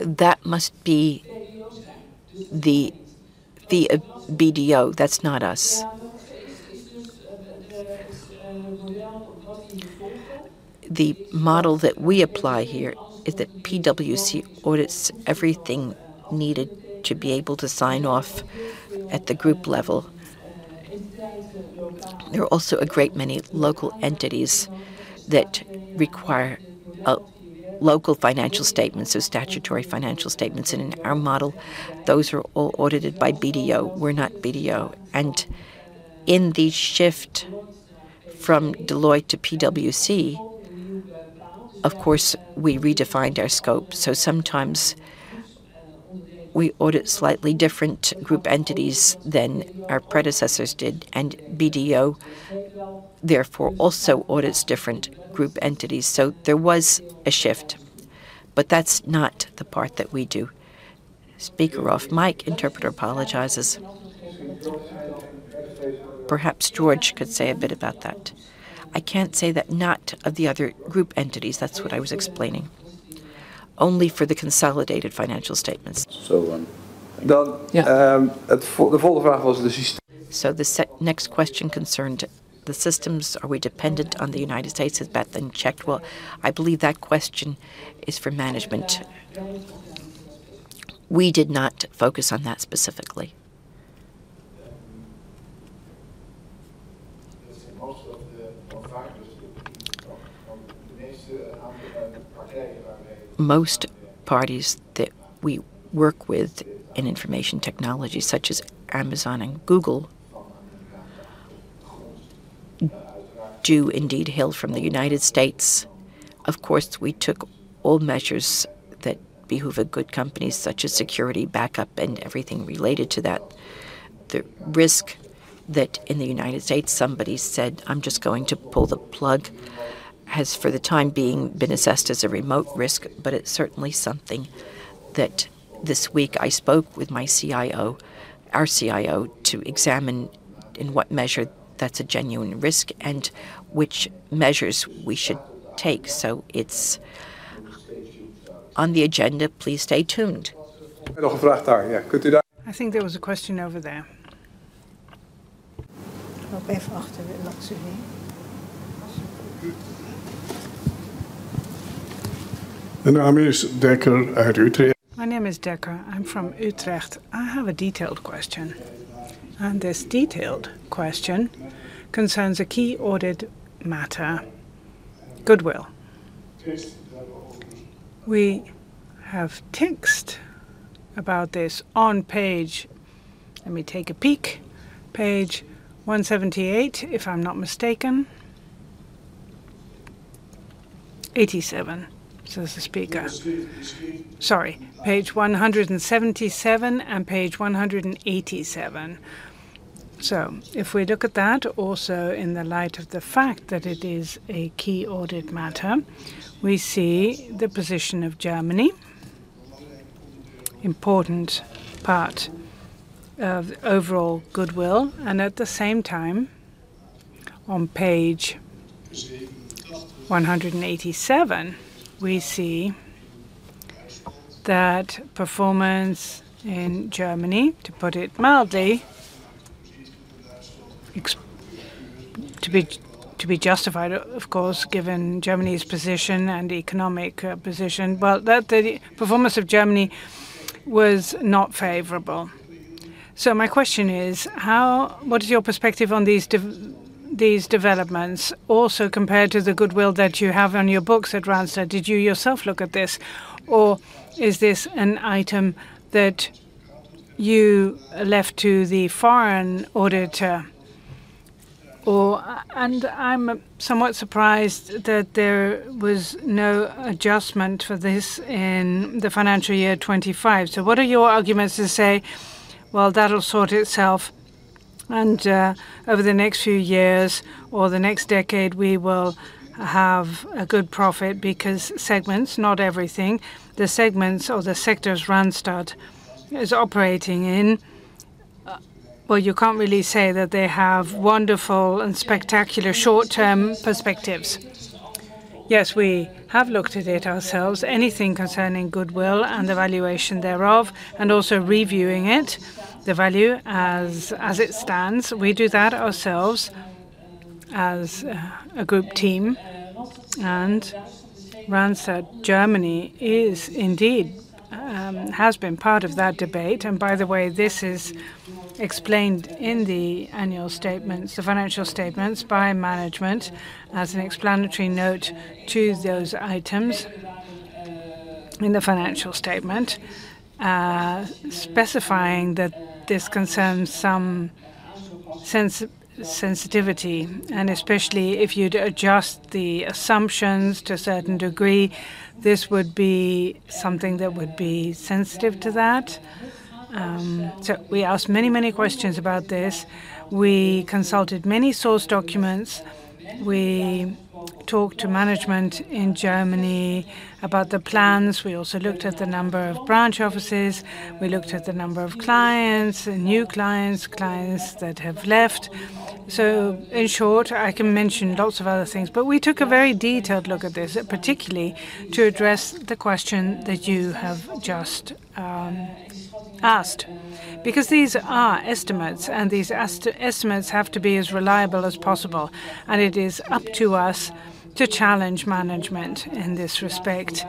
R: That must be the BDO. That's not us. The model that we apply here is that PwC audits everything needed to be able to sign off at the group level. There are also a great many local entities that require a local financial statements or statutory financial statements, and in our model, those are all audited by BDO. We're not BDO. In the shift from Deloitte to PwC, of course, we redefined our scope. Sometimes we audit slightly different group entities than our predecessors did, and BDO therefore also audits different group entities. There was a shift, but that's not the part that we do. Perhaps Jorge could say a bit about that. I can't say that about the other group entities. That's what I was explaining. Only for the consolidated financial statements. So, um, well, um- Yeah. The next question concerned the systems. Are we dependent on the United States? Has that been checked? Well, I believe that question is for management. We did not focus on that specifically. Most parties that we work with in information technology, such as Amazon and Google, do indeed hail from the United States. Of course, we took all measures that behoove a good company, such as security, backup, and everything related to that. The risk that in the United States somebody said, "I'm just going to pull the plug," has, for the time being, been assessed as a remote risk, but it's certainly something that this week I spoke with my CIO, our CIO, to examine in what measure that's a genuine risk and which measures we should take. It's on the agenda. Please stay tuned.
A: I think there was a question over there.
O: My name is Dekker. I'm from Utrecht. I have a detailed question, and this detailed question concerns a key audit matter, goodwill. We have text about this on page. Let me take a peek. Page 178, if I'm not mistaken. Eighty-seven says the speaker. Sorry, page 177 and page 187. If we look at that also in the light of the fact that it is a key audit matter, we see the position of Germany, important part of overall goodwill. At the same time, on page 187, we see that performance in Germany, to put it mildly, expected to be justified, of course, given Germany's position and economic position. Well, the performance of Germany was not favorable. My question is, what is your perspective on these developments also compared to the goodwill that you have on your books at Randstad? Did you yourself look at this, or is this an item that you left to the foreign auditor? Or. I'm somewhat surprised that there was no adjustment for this in the financial year 2025. What are your arguments to say, "Well, that'll sort itself, and over the next few years or the next decade, we will have a good profit," because segments, not everything, the segments or the sectors Randstad is operating in, well, you can't really say that they have wonderful and spectacular short-term perspectives.
R: Yes, we have looked at it ourselves. Anything concerning goodwill and the valuation thereof, and also reviewing it, the value as it stands, we do that ourselves as a group team. Randstad Germany is indeed has been part of that debate. By the way, this is explained in the annual statements, the financial statements by management as an explanatory note to those items in the financial statement, specifying that this concerns some sensitivity. Especially if you'd adjust the assumptions to a certain degree, this would be something that would be sensitive to that. We asked many, many questions about this. We consulted many source documents. We talked to management in Germany about the plans. We also looked at the number of branch offices. We looked at the number of clients and new clients that have left. In short, I can mention lots of other things, but we took a very detailed look at this, particularly to address the question that you have just asked. Because these are estimates, and these estimates have to be as reliable as possible, and it is up to us to challenge management in this respect.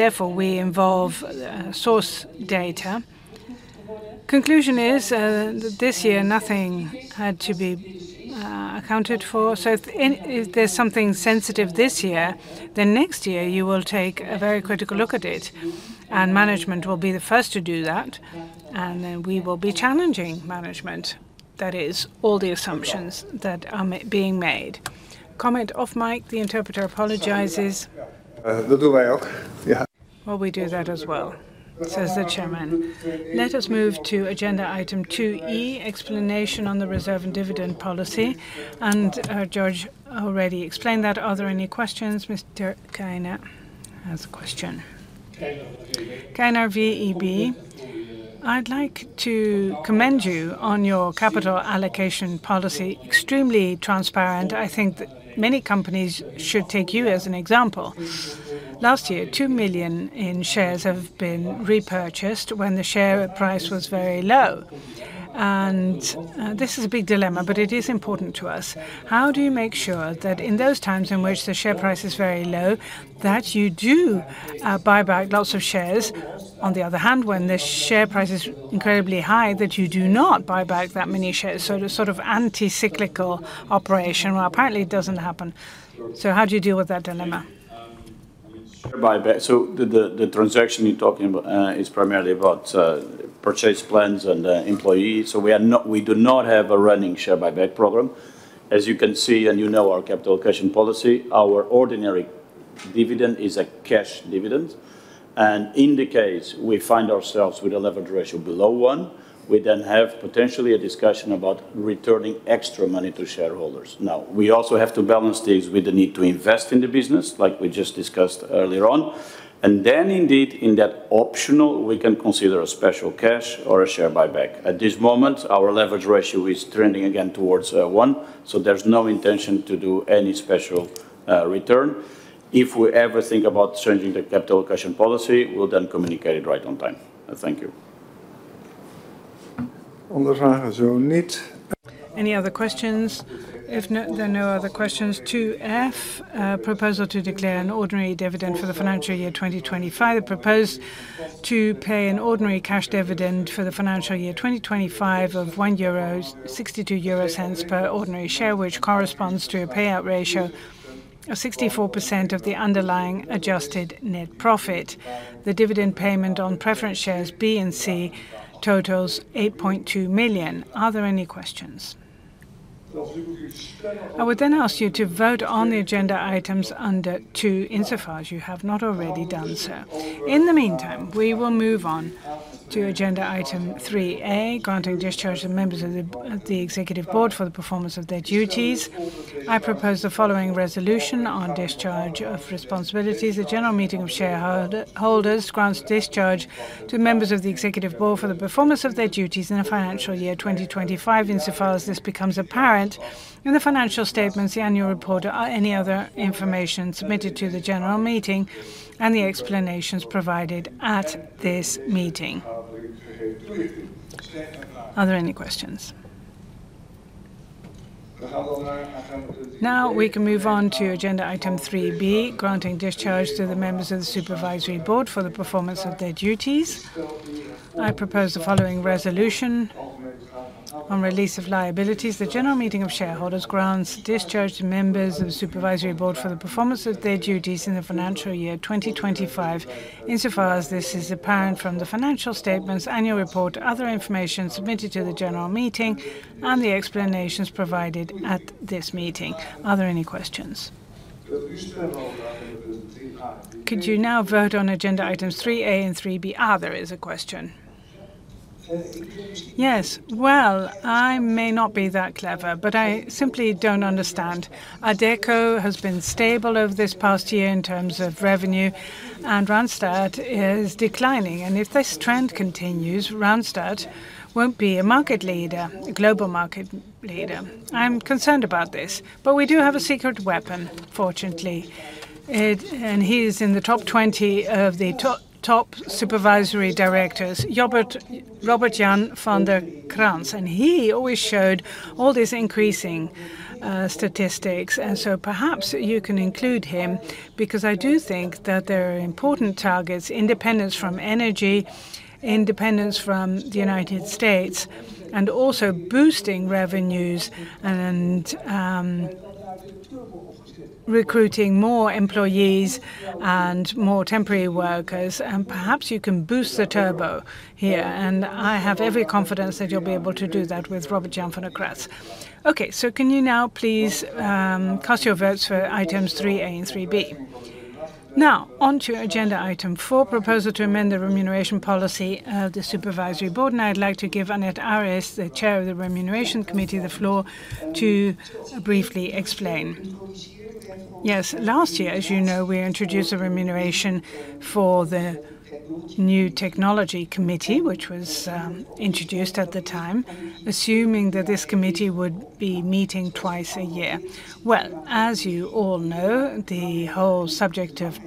R: Therefore, we involve source data. Conclusion is, this year, nothing had to be accounted for. If there's something sensitive this year, then next year you will take a very critical look at it, and management will be the first to do that. Then we will be challenging management. That is all the assumptions that are being made. The delay, yeah.
A: Well, we do that as well, says the Chairman. Let us move to agenda item two E, explanation on the reserve and dividend policy. Jorge already explained that. Are there any questions? Mr. Keyner has a question.
K: Keyner, VEB. I'd like to commend you on your capital allocation policy. Extremely transparent. I think that many companies should take you as an example. Last year, 2 million shares have been repurchased when the share price was very low. This is a big dilemma, but it is important to us. How do you make sure that in those times in which the share price is very low, that you do buy back lots of shares? On the other hand, when the share price is incredibly high, that you do not buy back that many shares. The sort of anti-cyclical operation. Well, apparently it doesn't happen. How do you deal with that dilemma?
E: I mean, share buyback. The transaction you're talking about is primarily about purchase plans and employees. We do not have a running share buyback program. As you can see and you know our capital allocation policy, our ordinary dividend is a cash dividend. In the case we find ourselves with a leverage ratio below one, we then have potentially a discussion about returning extra money to shareholders. Now, we also have to balance this with the need to invest in the business like we just discussed earlier on. Then indeed, in that option, we can consider a special cash or a share buyback. At this moment, our leverage ratio is trending again towards one, so there's no intention to do any special return. If we ever think about changing the capital allocation policy, we'll then communicate it right on time. Thank you.
A: Other questions? No. Any other questions? If there are no other questions, 2F, a proposal to declare an ordinary dividend for the financial year 2025. It is proposed to pay an ordinary cash dividend for the financial year 2025 of 1.62 euro per ordinary share, which corresponds to a payout ratio of 64% of the underlying adjusted net profit. The dividend payment on preference shares B and C totals 8.2 million. Are there any questions? I would then ask you to vote on the agenda items under 2, insofar as you have not already done so. In the meantime, we will move on to agenda item 3A, granting discharge to members of the Executive Board for the performance of their duties. I propose the following resolution on discharge of responsibilities. The general meeting of shareholders grants discharge to members of the executive board for the performance of their duties in the financial year 2025, insofar as this becomes apparent in the financial statements, the annual report or any other information submitted to the general meeting and the explanations provided at this meeting. Are there any questions? Now we can move on to agenda item three B, granting discharge to the members of the supervisory board for the performance of their duties. I propose the following resolution on release of liabilities. The general meeting of shareholders grants discharge to members of the supervisory board for the performance of their duties in the financial year 2025, insofar as this is apparent from the financial statements, annual report, other information submitted to the general meeting, and the explanations provided at this meeting. Are there any questions? Could you now vote on agenda items 3A and 3B? There is a question.
G: Yes. Well, I may not be that clever, but I simply don't understand. Adecco has been stable over this past year in terms of revenue, and Randstad is declining. If this trend continues, Randstad won't be a market leader, a global market leader. I'm concerned about this. We do have a secret weapon, fortunately. He is in the top 20 of the top supervisory directors, Robert Jan van de Kraats. He always showed all these increasing statistics. Perhaps you can include him because I do think that there are important targets, independence from energy, independence from the United States, and also boosting revenues and recruiting more employees and more temporary workers. Perhaps you can boost the turbo here. I have every confidence that you'll be able to do that with Robert Jan van de Kraats.
A: Okay, can you now please cast your votes for items 3A and 3B. Now, onto agenda item four, proposal to amend the remuneration policy of the Supervisory Board. I'd like to give Annet Aris, the Chair of the Remuneration Committee, the floor to briefly explain.
P: Yes. Last year, as you know, we introduced a remuneration for the new technology committee, which was introduced at the time, assuming that this committee would be meeting twice a year. Well, as you all know, the whole subject of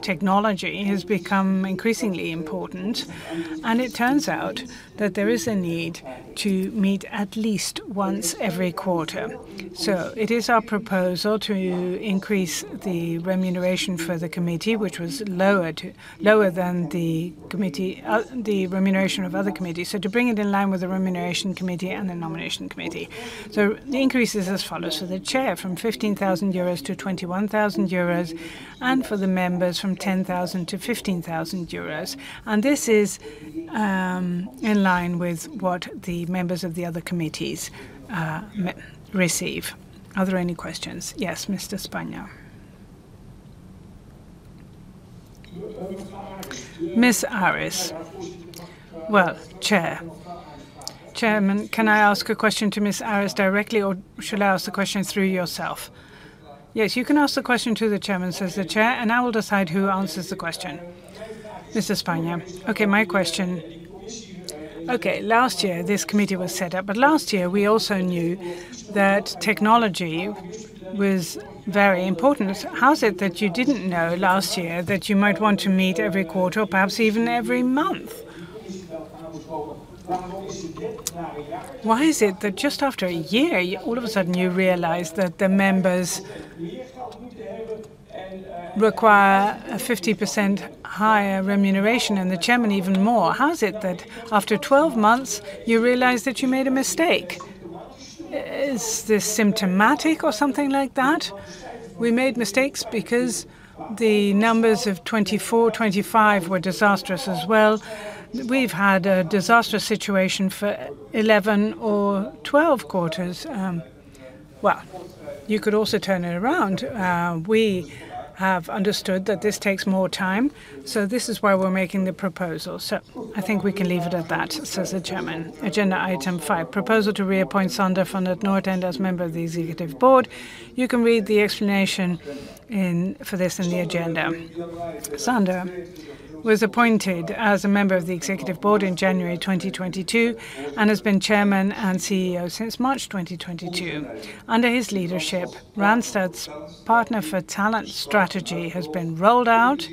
P: technology has become increasingly important, and it turns out that there is a need to meet at least once every quarter. It is our proposal to increase the remuneration for the committee, which was lower than the remuneration of other committees to bring it in line with the Remuneration Committee and the Nomination Committee. The increase is as follows, for the chair from 15,000 euros to 21,000 euros, and for the members from 10,000 to 15,000 euros. This is in line with what the members of the other committees receive.
A: Are there any questions? Yes, Mr. Spanjer.
M: Ms. Aris. Well, Chair. Chairman, can I ask a question to Ms. Aris directly, or should I ask the question through yourself?
A: Yes, you can ask the question to the chairman, says the chair, and I will decide who answers the question. Mr. Spanjer.
M: Okay, my question. Okay, last year, this committee was set up, but last year we also knew that technology was very important. How is it that you didn't know last year that you might want to meet every quarter or perhaps even every month? Why is it that just after a year, all of a sudden you realize that the members require a 50% higher remuneration and the chairman even more? How is it that after 12 months you realize that you made a mistake? Is this symptomatic or something like that?
A: We made mistakes because the numbers of 2024, 2025 were disastrous as well. We've had a disastrous situation for 11 or 12 quarters. Well, you could also turn it around. We have understood that this takes more time, so this is why we're making the proposal. I think we can leave it at that, says the chairman. Agenda item 5: Proposal to reappoint Sander van 't Noordende as member of the executive board. You can read the explanation in, for this in the agenda. Sander was appointed as a member of the executive board in January 2022, and has been chairman and CEO since March 2022. Under his leadership, Randstad's Partner for Talent strategy has been rolled out,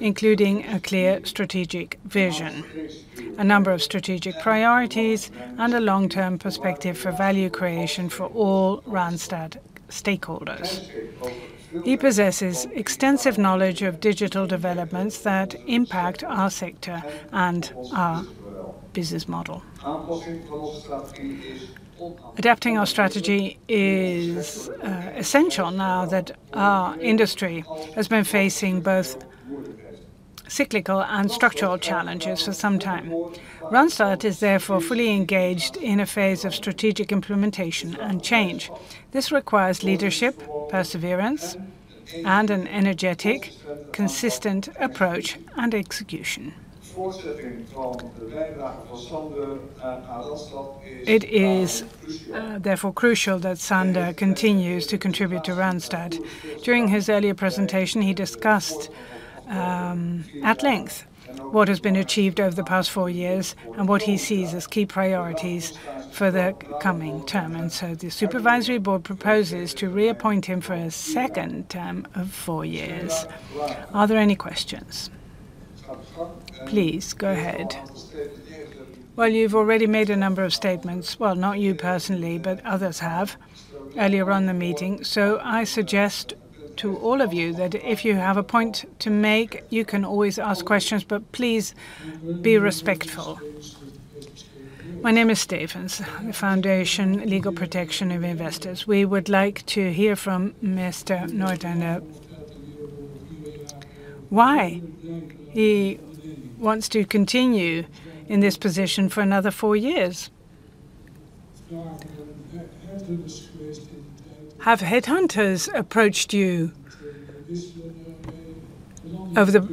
A: including a clear strategic vision, a number of strategic priorities, and a long-term perspective for value creation for all Randstad stakeholders. He possesses extensive knowledge of digital developments that impact our sector and our business model. Adapting our strategy is essential now that our industry has been facing both cyclical and structural challenges for some time. Randstad is therefore fully engaged in a phase of strategic implementation and change. This requires leadership, perseverance, and an energetic, consistent approach and execution. It is therefore crucial that Sander continues to contribute to Randstad. During his earlier presentation, he discussed at length what has been achieved over the past four years and what he sees as key priorities for the coming term. The supervisory board proposes to reappoint him for a second term of four years. Are there any questions? Please go ahead. Well, you've already made a number of statements. Well, not you personally, but others have earlier on in the meeting. I suggest to all of you that if you have a point to make, you can always ask questions, but please be respectful.
F: My name is Stevense, Stichting Rechtsbescherming Beleggers. We would like to hear from Mr. van 't Noordende. Why he wants to continue in this position for another four years. Have headhunters approached you over the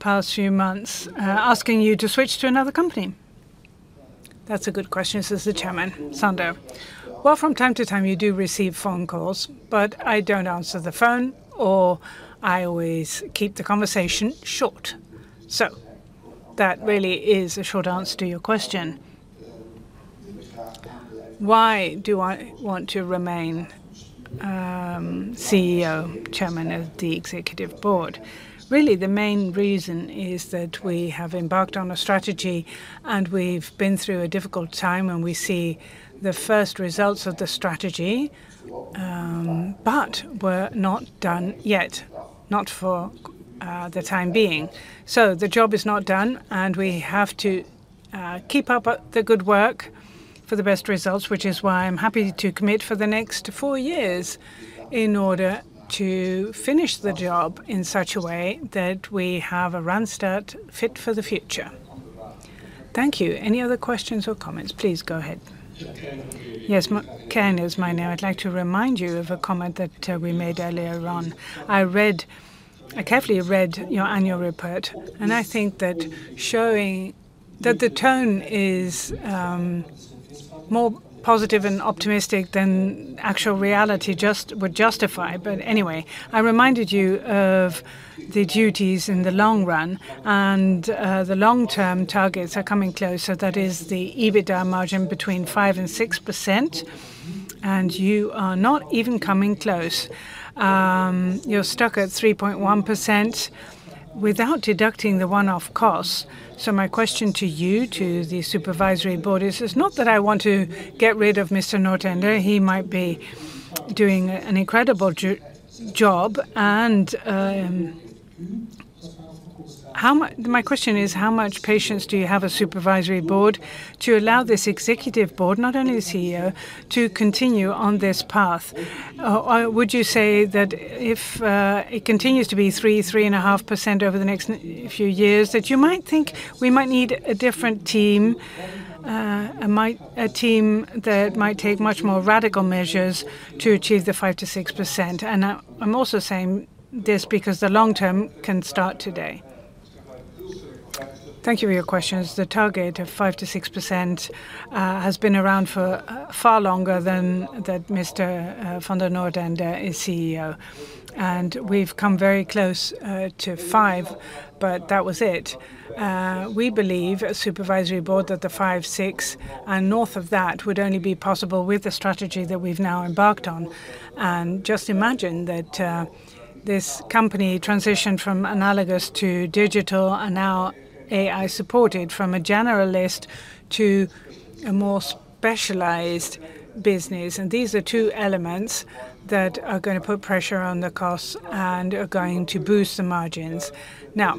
F: past few months, asking you to switch to another company?
A: That's a good question, says the Chairman. Sander.
C: Well, from time to time you do receive phone calls, but I don't answer the phone or I always keep the conversation short. That really is a short answer to your question. Why do I want to remain CEO, Chairman of the Executive Board? Really, the main reason is that we have embarked on a strategy, and we've been through a difficult time, and we see the first results of the strategy. We're not done yet. Not for the time being. The job is not done, and we have to keep up the good work for the best results, which is why I'm happy to commit for the next four years in order to finish the job in such a way that we have a Randstad fit for the future.
A: Thank you. Any other questions or comments? Please go ahead.
K: Yes. Mr. Keyner is my name. I'd like to remind you of a comment that we made earlier on. I carefully read your annual report, and I think that showing that the tone is more positive and optimistic than actual reality just would justify. But anyway, I reminded you of the duties in the long run, and the long-term targets are coming close. That is the EBITDA margin between 5% and 6%, and you are not even coming close. You're stuck at 3.1% without deducting the one-off costs. My question to you, to the Supervisory Board is, it's not that I want to get rid of Mr. van 't Noordende. He might be doing an incredible job and, my question is, how much patience do you have as Supervisory Board to allow this Executive Board, not only the CEO, to continue on this path? Would you say that if it continues to be 3%-3.5% over the next few years, that you might think we might need a different team, a team that might take much more radical measures to achieve the 5%-6%? I'm also saying this because the long term can start today. Thank you for your questions.
A: The target of 5%-6% has been around for far longer than that Mr. van 't Noordende is CEO, and we've come very close to 5%. But that was it. We believe as supervisory board that the 5%-6% and north of that would only be possible with the strategy that we've now embarked on. Just imagine that this company transitioned from analog to digital and now AI-supported from a generalist to a more specialized business. These are two elements that are gonna put pressure on the costs and are going to boost the margins. Now,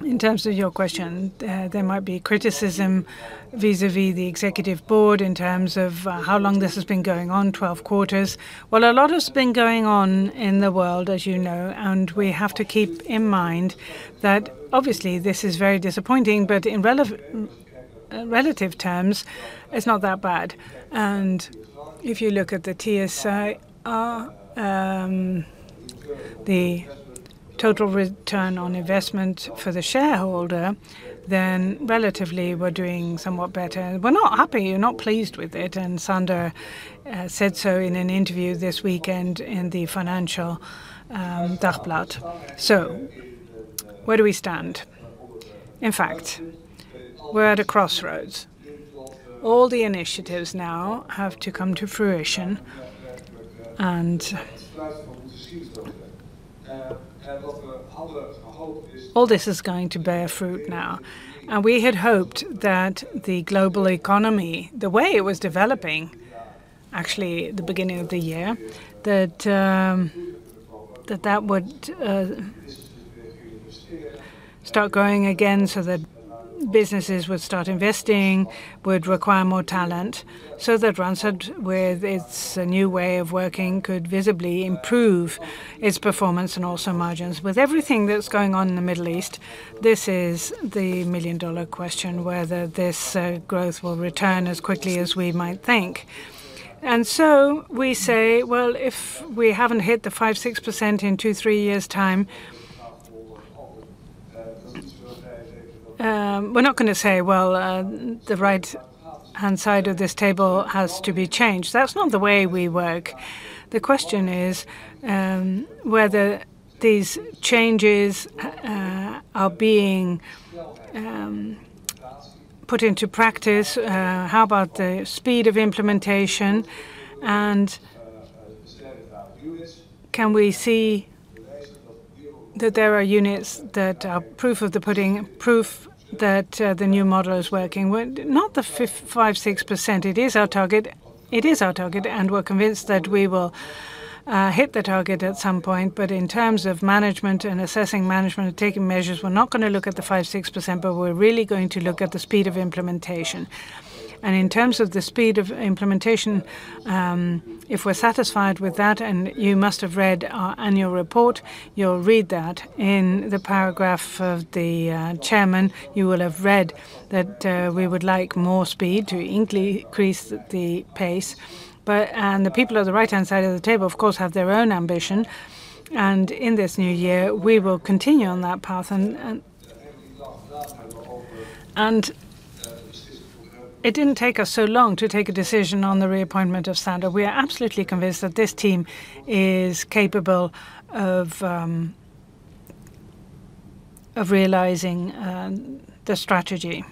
A: in terms of your question, there might be criticism vis-à-vis the executive board in terms of how long this has been going on, 12 quarters. Well, a lot has been going on in the world, as you know, and we have to keep in mind that obviously this is very disappointing, but in relative terms, it's not that bad. If you look at the TSR, the total return on investment for the shareholder, then relatively we're doing somewhat better. We're not happy. We're not pleased with it. Sander said so in an interview this weekend in the Het Financieele Dagblad. Where do we stand? In fact, we're at a crossroads. All the initiatives now have to come to fruition and all this is going to bear fruit now. We had hoped that the global economy, the way it was developing, actually the beginning of the year, that that would start growing again so that businesses would start investing, would require more talent, so that Randstad, with its new way of working, could visibly improve its performance and also margins. With everything that's going on in the Middle East, this is the million-dollar question whether this growth will return as quickly as we might think. We say, well, if we haven't hit the 5%-6% in 2-3 years' time, we're not gonna say, "Well, the right-hand side of this table has to be changed." That's not the way we work. The question is, whether these changes are being put into practice. How about the speed of implementation? Can we see that there are units that are proof of the pudding, proof that the new model is working? Not the 5-6%. It is our target, and we're convinced that we will hit the target at some point. In terms of management and assessing management and taking measures, we're not gonna look at the 5-6%, but we're really going to look at the speed of implementation. In terms of the speed of implementation, if we're satisfied with that. You must have read our annual report. You'll read that in the paragraph of the chairman. You will have read that we would like more speed to increase the pace, but the people on the right-hand side of the table of course have their own ambition. In this new year, we will continue on that path. It didn't take us so long to take a decision on the reappointment of Sander. We are absolutely convinced that this team is capable of realizing the strategy.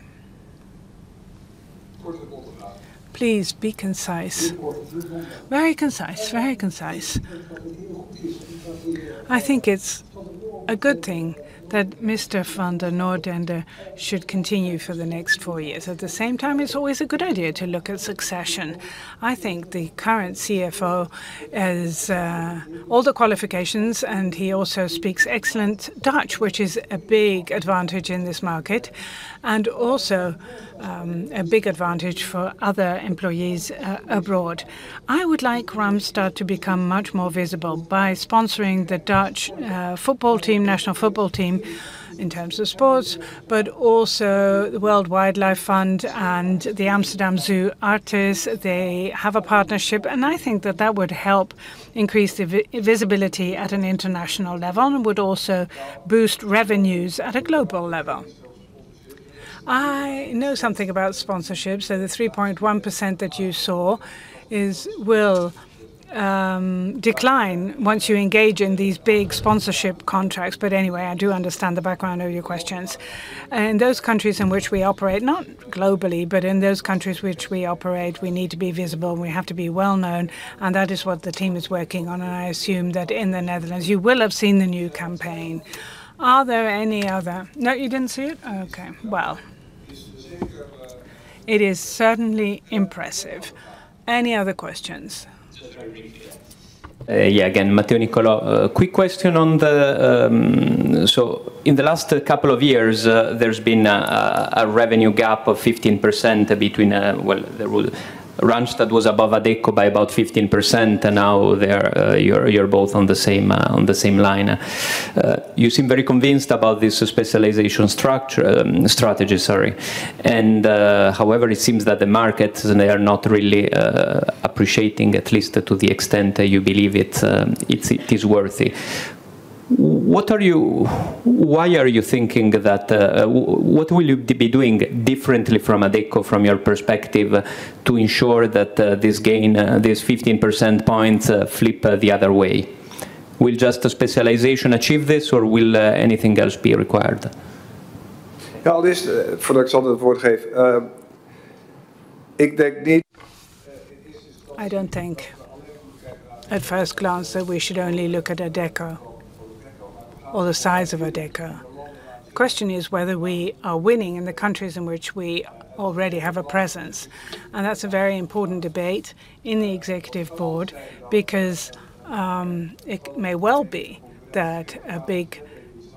A: Please be concise. Very concise.
G: I think it's a good thing that Mr. van 't Noordende should continue for the next four years. At the same time, it's always a good idea to look at succession. I think the current CFO has all the qualifications, and he also speaks excellent Dutch, which is a big advantage in this market and also a big advantage for other employees abroad.
A: I would like Randstad to become much more visible by sponsoring the Dutch football team, national football team in terms of sports, but also the World Wildlife Fund and the Amsterdam Zoo, Artis. They have a partnership, and I think that that would help increase the visibility at an international level and would also boost revenues at a global level. I know something about sponsorships. The 3.1% that you saw will decline once you engage in these big sponsorship contracts. Anyway, I do understand the background of your questions. In those countries in which we operate, not globally, but in those countries which we operate, we need to be visible, and we have to be well-known, and that is what the team is working on. I assume that in the Netherlands you will have seen the new campaign. Are there any other? No, you didn't see it? Oh, okay. Well, it is certainly impressive. Any other questions?
N: Matteo Nicolò. Quick question on the. In the last couple of years, there's been a revenue gap of 15% between, well, Randstad was above Adecco by about 15%, and now you're both on the same line. You seem very convinced about this specialization strategy. However, it seems that the markets are not really appreciating it, at least to the extent that you believe it is worthy. Why are you thinking that what will you be doing differently from Adecco from your perspective to ensure that this 15 percentage points flip the other way? Will just specialization achieve this, or will anything else be required?
A: I don't think at first glance that we should only look at Adecco or the size of Adecco. The question is whether we are winning in the countries in which we already have a presence, and that's a very important debate in the executive board because it may well be that a big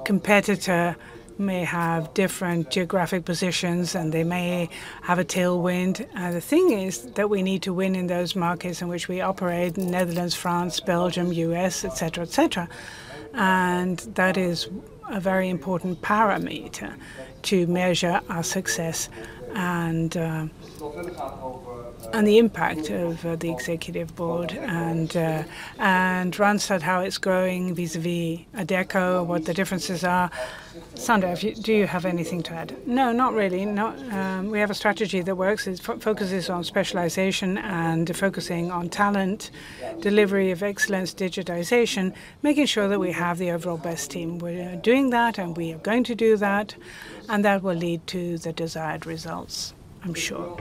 A: competitor may have different geographic positions, and they may have a tailwind. The thing is that we need to win in those markets in which we operate, Netherlands, France, Belgium, U.S., et cetera, et cetera. That is a very important parameter to measure our success and the impact of the executive board and Randstad, how it's growing vis-a-vis Adecco, what the differences are. Sander, do you have anything to add? No, not really. We have a strategy that works. It focuses on specialization and focusing on talent, delivery of excellence, digitization, making sure that we have the overall best team. We are doing that, and we are going to do that, and that will lead to the desired results I'm sure.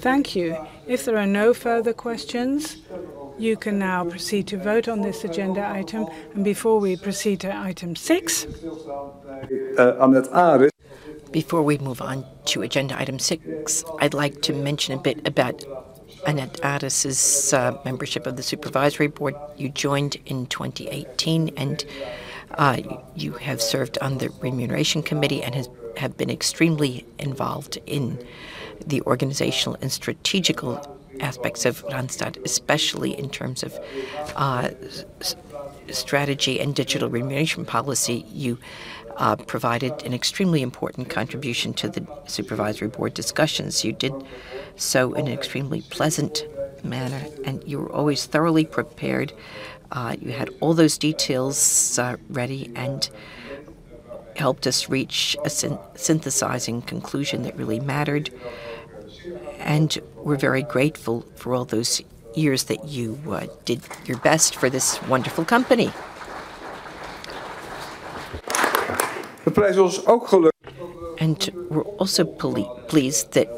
A: Thank you. If there are no further questions, you can now proceed to vote on this agenda item. Before we proceed to item six- Before we move on to agenda item six, I'd like to mention a bit about Annet Aris's membership of the Supervisory Board. You joined in 2018, and you have served on the Remuneration Committee and have been extremely involved in the organizational and strategic aspects of Randstad, especially in terms of strategy and digital remuneration policy. You provided an extremely important contribution to the Supervisory Board discussions. You did so in an extremely pleasant manner, and you were always thoroughly prepared. You had all those details ready and helped us reach a synthesizing conclusion that really mattered, and we're very grateful for all those years that you did your best for this wonderful company. We're also pleased that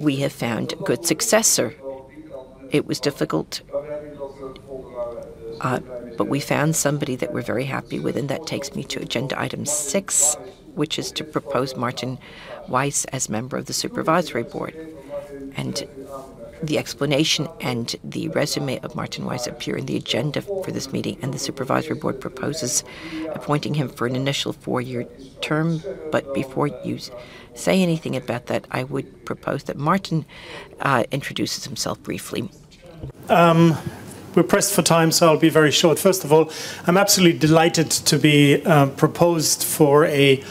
A: we have found a good successor. It was difficult, but we found somebody that we're very happy with, and that takes me to agenda item six, which is to propose Martin Weiss as member of the Supervisory Board. The explanation and the resume of Martin Weiss appear in the agenda for this meeting, and the Supervisory Board proposes appointing him for an initial four-year term. Before you say anything about that, I would propose that Martin introduces himself briefly.
S: We're pressed for time, so I'll be very short. First of all, I'm absolutely delighted to be proposed for a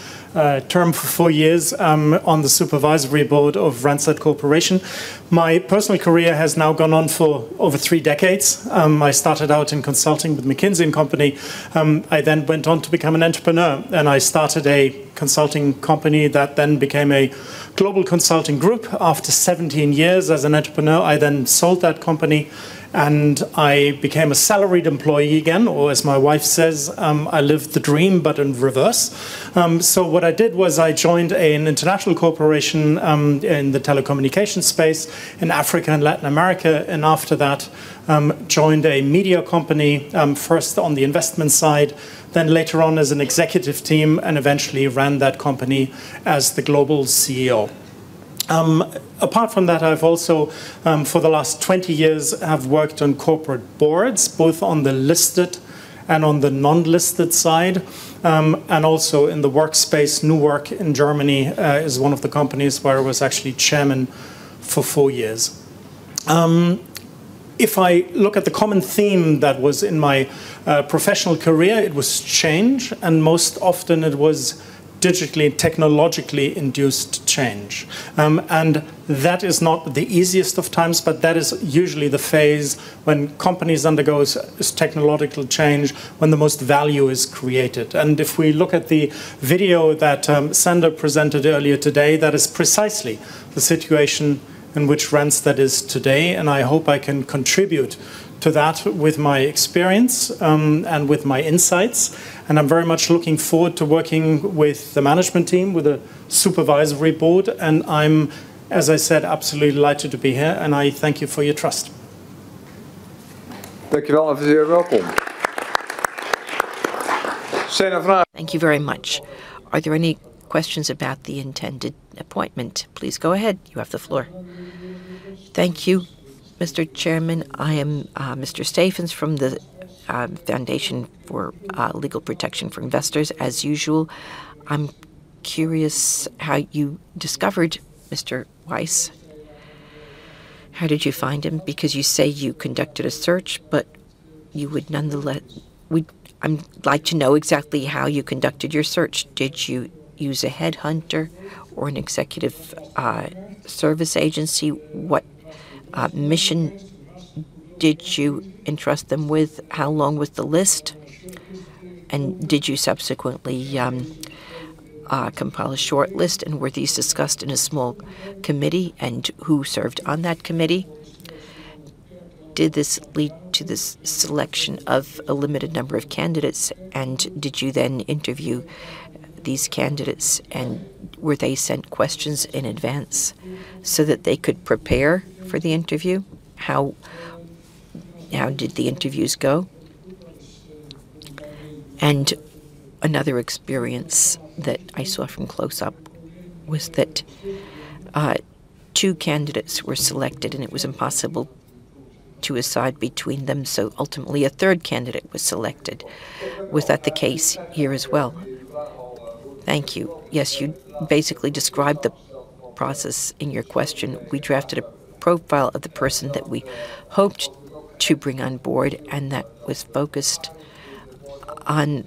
S: term for four years on the supervisory board of Randstad N.V. My personal career has now gone on for over three decades. I started out in consulting with McKinsey & Company. I then went on to become an entrepreneur, and I started a consulting company that then became a global consulting group. After 17 years as an entrepreneur, I then sold that company, and I became a salaried employee again, or as my wife says, I lived the dream but in reverse. What I did was I joined an international corporation in the telecommunications space in Africa and Latin America, and after that, joined a media company, first on the investment side, then later on as an executive team, and eventually ran that company as the global CEO. Apart from that, I've also, for the last 20 years, have worked on corporate boards, both on the listed and on the non-listed side, and also in the workspace. New Work in Germany is one of the companies where I was actually chairman for four years. If I look at the common theme that was in my professional career, it was change, and most often it was digitally, technologically induced change. That is not the easiest of times, but that is usually the phase when companies undergo technological change, when the most value is created. If we look at the video that Sander presented earlier today, that is precisely the situation in which Randstad is today, and I hope I can contribute to that with my experience and with my insights. I'm very much looking forward to working with the management team, with the supervisory board, and I'm, as I said, absolutely delighted to be here, and I thank you for your trust.
A: Thank you very much. Are there any questions about the intended appointment? Please go ahead. You have the floor.
F: Thank you, Mr. Chairman. I am Mr. Stevense from the Foundation for Legal Protection for Investors. As usual, I am curious how you discovered Mr. Weiss. How did you find him? Because you say you conducted a search, but I would nonetheless like to know exactly how you conducted your search. Did you use a headhunter or an executive service agency? What mission did you entrust them with? How long was the list? And did you subsequently compile a shortlist, and were these discussed in a small committee? And who served on that committee? Did this lead to this selection of a limited number of candidates? Did you then interview these candidates, and were they sent questions in advance so that they could prepare for the interview? How did the interviews go? Another experience that I saw from close up was that two candidates were selected, and it was impossible to decide between them, so ultimately a third candidate was selected. Was that the case here as well? Thank you.
A: Yes, you basically described the process in your question. We drafted a profile of the person that we hoped to bring on board, and that was focused on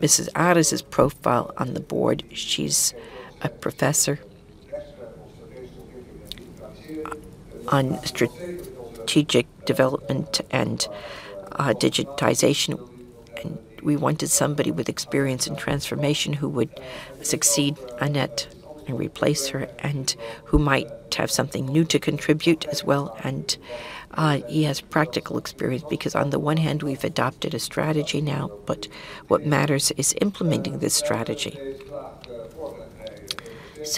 A: Mrs. Aris' profile on the board. She's a professor on strategic development and digitization, and we wanted somebody with experience in transformation who would succeed Annette and replace her and who might have something new to contribute as well. He has practical experience because on the one hand, we've adopted a strategy now, but what matters is implementing this strategy.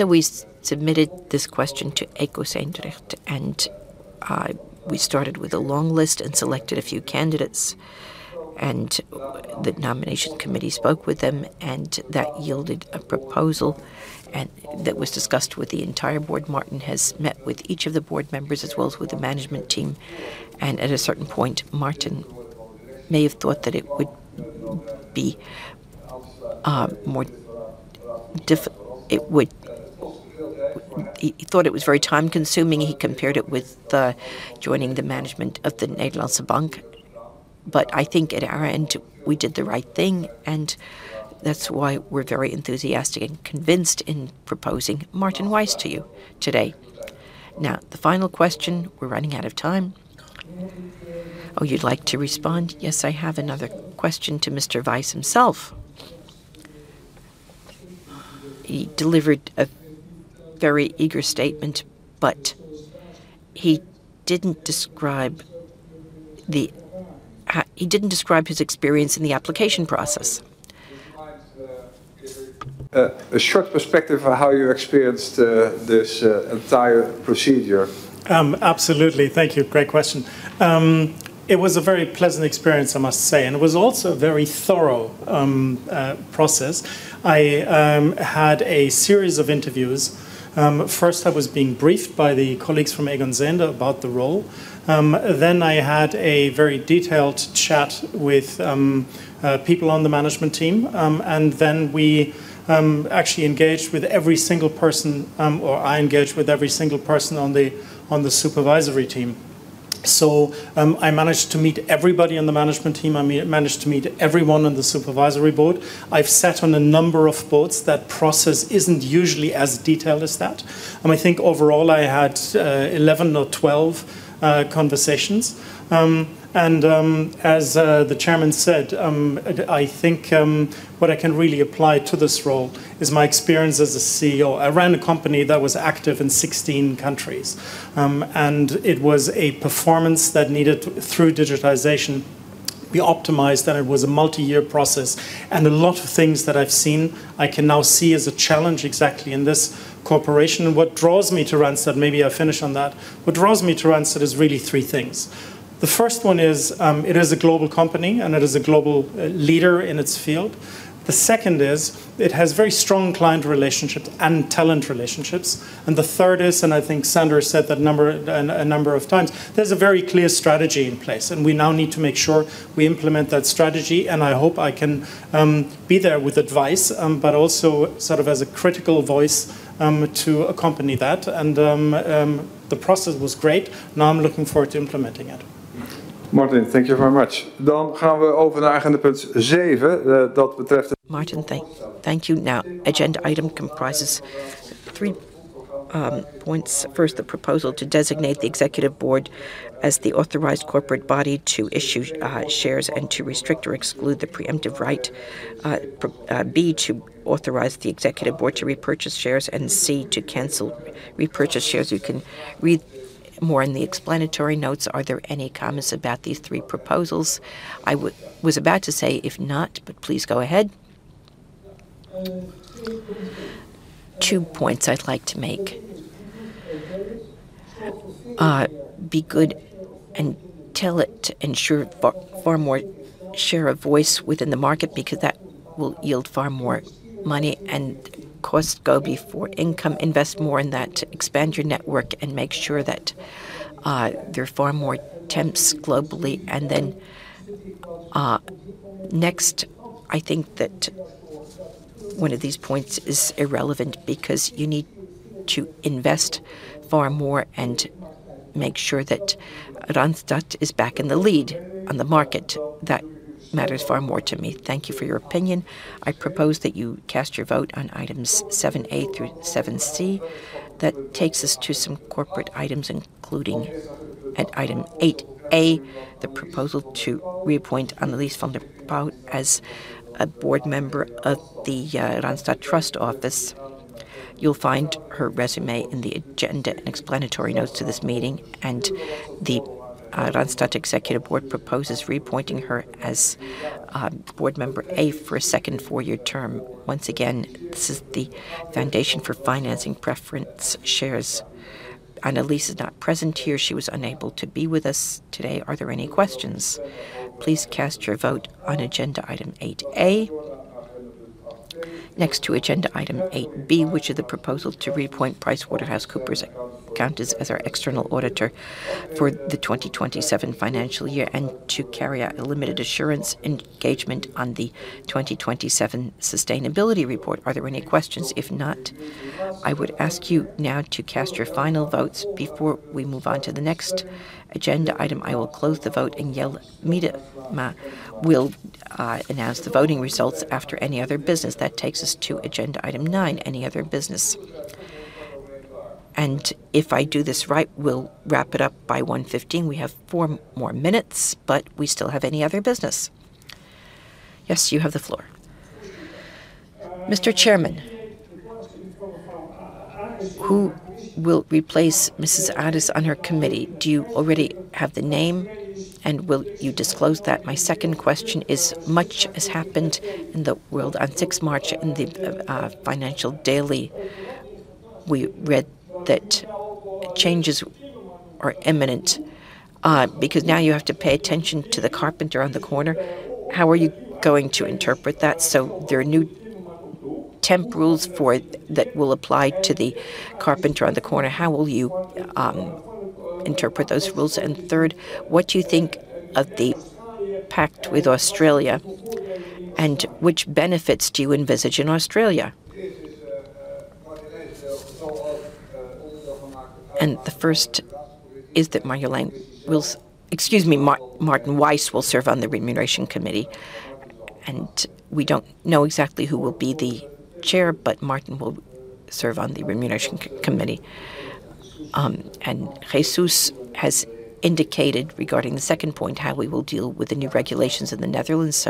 A: We submitted this question to Egon Zehnder, and we started with a long list and selected a few candidates, and the nomination committee spoke with them, and that yielded a proposal, and that was discussed with the entire board. Martin has met with each of the board members as well as with the management team. At a certain point, Martin may have thought that it would be more difficult. He thought it was very time-consuming. He compared it with joining the management of De Nederlandsche Bank. I think at our end, we did the right thing, and that's why we're very enthusiastic and convinced in proposing Martin Weiss to you today. Now, the final question. We're running out of time. Oh, you'd like to respond?
F: Yes, I have another question to Mr. Weiss himself. He delivered a very eager statement, but he didn't describe his experience in the application process. A short perspective of how you experienced this entire procedure.
S: Absolutely. Thank you. Great question. It was a very pleasant experience, I must say. It was also a very thorough process. I had a series of interviews. First I was being briefed by the colleagues from Egon Zehnder about the role. I had a very detailed chat with people on the management team. We actually engaged with every single person or I engaged with every single person on the supervisory team. I managed to meet everybody on the management team. I mean, I managed to meet everyone on the supervisory board. I've sat on a number of boards. That process isn't usually as detailed as that. I think overall I had 11 or 12 conversations. As the chairman said, I think what I can really apply to this role is my experience as a CEO. I ran a company that was active in 16 countries. It was a performance that needed, through digitization, be optimized, and it was a multi-year process. A lot of things that I've seen, I can now see as a challenge exactly in this corporation. What draws me to Randstad, maybe I'll finish on that. What draws me to Randstad is really three things. The first one is, it is a global company, and it is a global leader in its field. The second is it has very strong client relationships and talent relationships. The third is, I think Sander said that a number of times, there's a very clear strategy in place, and we now need to make sure we implement that strategy. I hope I can be there with advice, but also sort of as a critical voice, to accompany that. The process was great. Now I'm looking forward to implementing it.
A: Martin, thank you very much. Martin, thank you. Now, agenda item comprises three points. First, the proposal to designate the executive board as the authorized corporate body to issue shares and to restrict or exclude the preemptive right. B, to authorize the executive board to repurchase shares, and C, to cancel repurchased shares. You can read more in the explanatory notes. Are there any comments about these three proposals? I was about to say if not, but please go ahead. Two points I'd like to make. It'd be good to invest to ensure far more share of voice within the market because that will yield far more money and costs go before income. Invest more in that to expand your network and make sure that there are far more temps globally. Next, I think that one of these points is irrelevant because you need to invest far more and make sure that Randstad is back in the lead on the market. That matters far more to me. Thank you for your opinion. I propose that you cast your vote on items 7A through 7C. That takes us to some corporate items, including at item 8A, the proposal to reappoint Annelies van der Pauw as a Board member of the Stichting Administratiekantoor Randstad. You'll find her resume in the agenda and explanatory notes to this meeting, and the Randstad Executive Board proposes reappointing her as Board member A for a second four-year term. Once again, this is the foundation for financing preference shares. Annelies is not present here. She was unable to be with us today. Are there any questions? Please cast your vote on agenda item 8A. Next to agenda item 8B, which is the proposal to reappoint PricewaterhouseCoopers Accountants as our external auditor for the 2027 financial year and to carry out a limited assurance engagement on the 2027 sustainability report. Are there any questions? If not, I would ask you now to cast your final votes before we move on to the next agenda item. I will close the vote and Jelle Miedema will announce the voting results after any other business. That takes us to agenda item nine, any other business. If I do this right, we'll wrap it up by 1:15 P.M. We have four more minutes, we still have any other business. Yes, you have the floor.
T: Mr. Chairman, who will replace Mrs. Aris on her committee? Do you already have the name, and will you disclose that? My second question is, much has happened in the world. On sixth March in the Financial Daily, we read that changes are imminent, because now you have to pay attention to the carpenter on the corner. How are you going to interpret that? There are new temp rules for that will apply to the carpenter on the corner. How will you interpret those rules? Third, what do you think of the pact with Australia, and which benefits do you envisage in Australia?
A: The first is that Martin will. Excuse me, Martin Weiss will serve on the Remuneration Committee. We don't know exactly who will be the chair, but Martin will serve on the Remuneration Committee. Jesús Echevarría has indicated regarding the second point how we will deal with the new regulations in the Netherlands.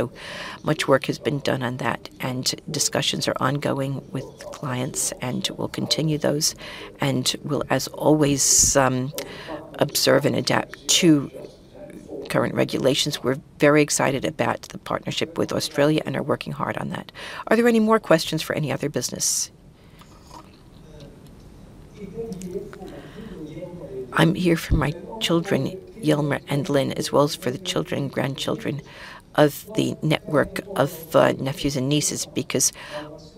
A: Much work has been done on that, and discussions are ongoing with clients, and we'll continue those, and we'll, as always, observe and adapt to current regulations. We're very excited about the partnership with Australia and are working hard on that. Are there any more questions for any other business?
U: I'm here for my children, Yelmer and Lynn, as well as for the children and grandchildren of the network of nephews and nieces, because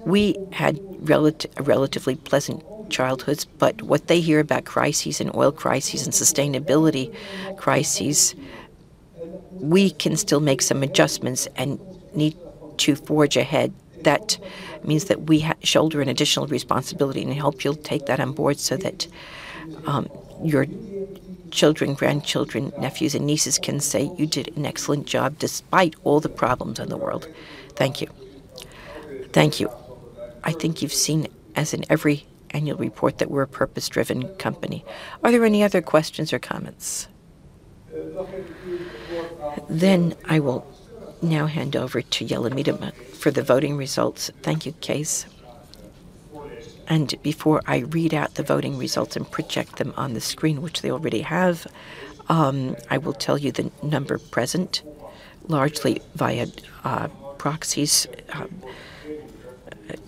U: we had relatively pleasant childhoods. What they hear about crises and oil crises and sustainability crises, we can still make some adjustments and need to forge ahead.
A: That means that we shoulder an additional responsibility and I hope you'll take that on board so that, your children, grandchildren, nephews and nieces can say, "You did an excellent job despite all the problems in the world." Thank you. Thank you. I think you've seen, as in every annual report, that we're a purpose-driven company. Are there any other questions or comments? I will now hand over to Jelle Miedema for the voting results.
B: Thank you, Cees. Before I read out the voting results and project them on the screen, which they already have, I will tell you the number present, largely via proxies.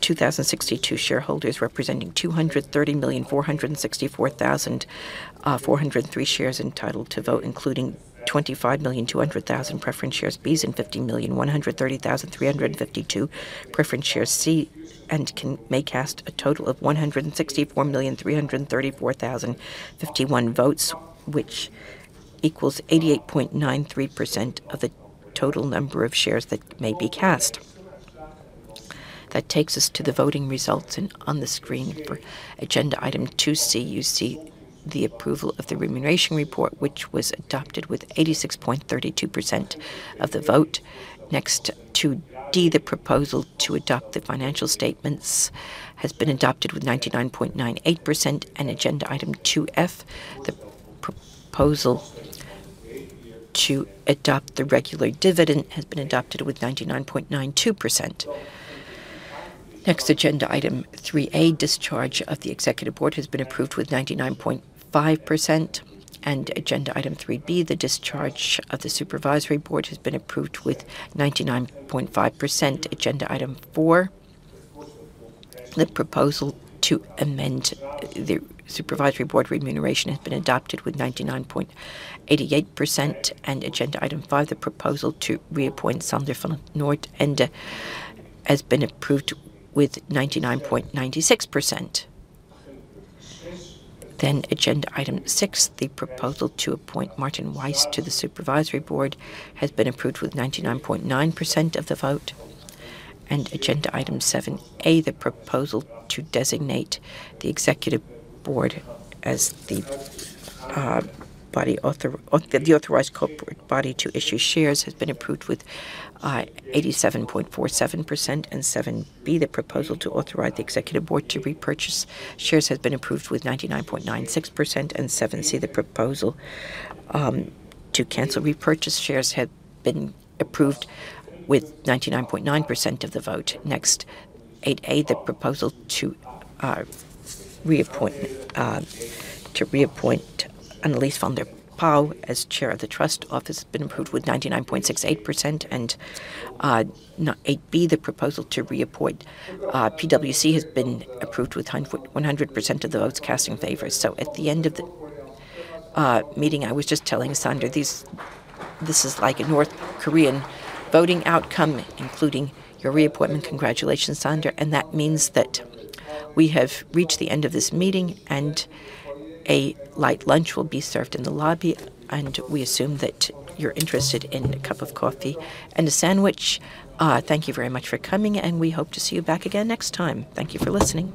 B: 2,062 shareholders representing 230,464,403 shares entitled to vote, including 25,200,000 preference shares B and 50,130,352 preference shares C, may cast a total of 164,334,051 votes, which equals 88.93% of the total number of shares that may be cast. That takes us to the voting results, and on the screen for agenda item 2C, you see the approval of the remuneration report, which was adopted with 86.32% of the vote. Next, 2D, the proposal to adopt the financial statements has been adopted with 99.98%. Agenda item 2F, the proposal to adopt the regular dividend has been adopted with 99.92%. Next, agenda item 3A, discharge of the executive board, has been approved with 99.5%. Agenda item 3B, the discharge of the supervisory board, has been approved with 99.5%. Agenda item four, the proposal to amend the supervisory board remuneration, has been adopted with 99.88%. Agenda item five, the proposal to reappoint Sander van 't Noordende, has been approved with 99.96%. Agenda item six, the proposal to appoint Martin Weiss to the supervisory board, has been approved with 99.9% of the vote. Agenda item 7A, the proposal to designate the Executive Board as the authorized corporate body to issue shares, has been approved with 87.47%. 7B, the proposal to authorize the Executive Board to repurchase shares, has been approved with 99.96%. 7C, the proposal to cancel repurchased shares, has been approved with 99.9% of the vote. Next, 8A, the proposal to reappoint Annelies van der Pauw as chair of the trust office, has been approved with 99.68%. 8B, the proposal to reappoint PwC, has been approved with 100% of the votes cast in favor.
A: At the end of the meeting, I was just telling Sander, this is like a North Korean voting outcome, including your reappointment. Congratulations, Sander. That means that we have reached the end of this meeting, and a light lunch will be served in the lobby, and we assume that you're interested in a cup of coffee and a sandwich. Thank you very much for coming, and we hope to see you back again next time. Thank you for listening.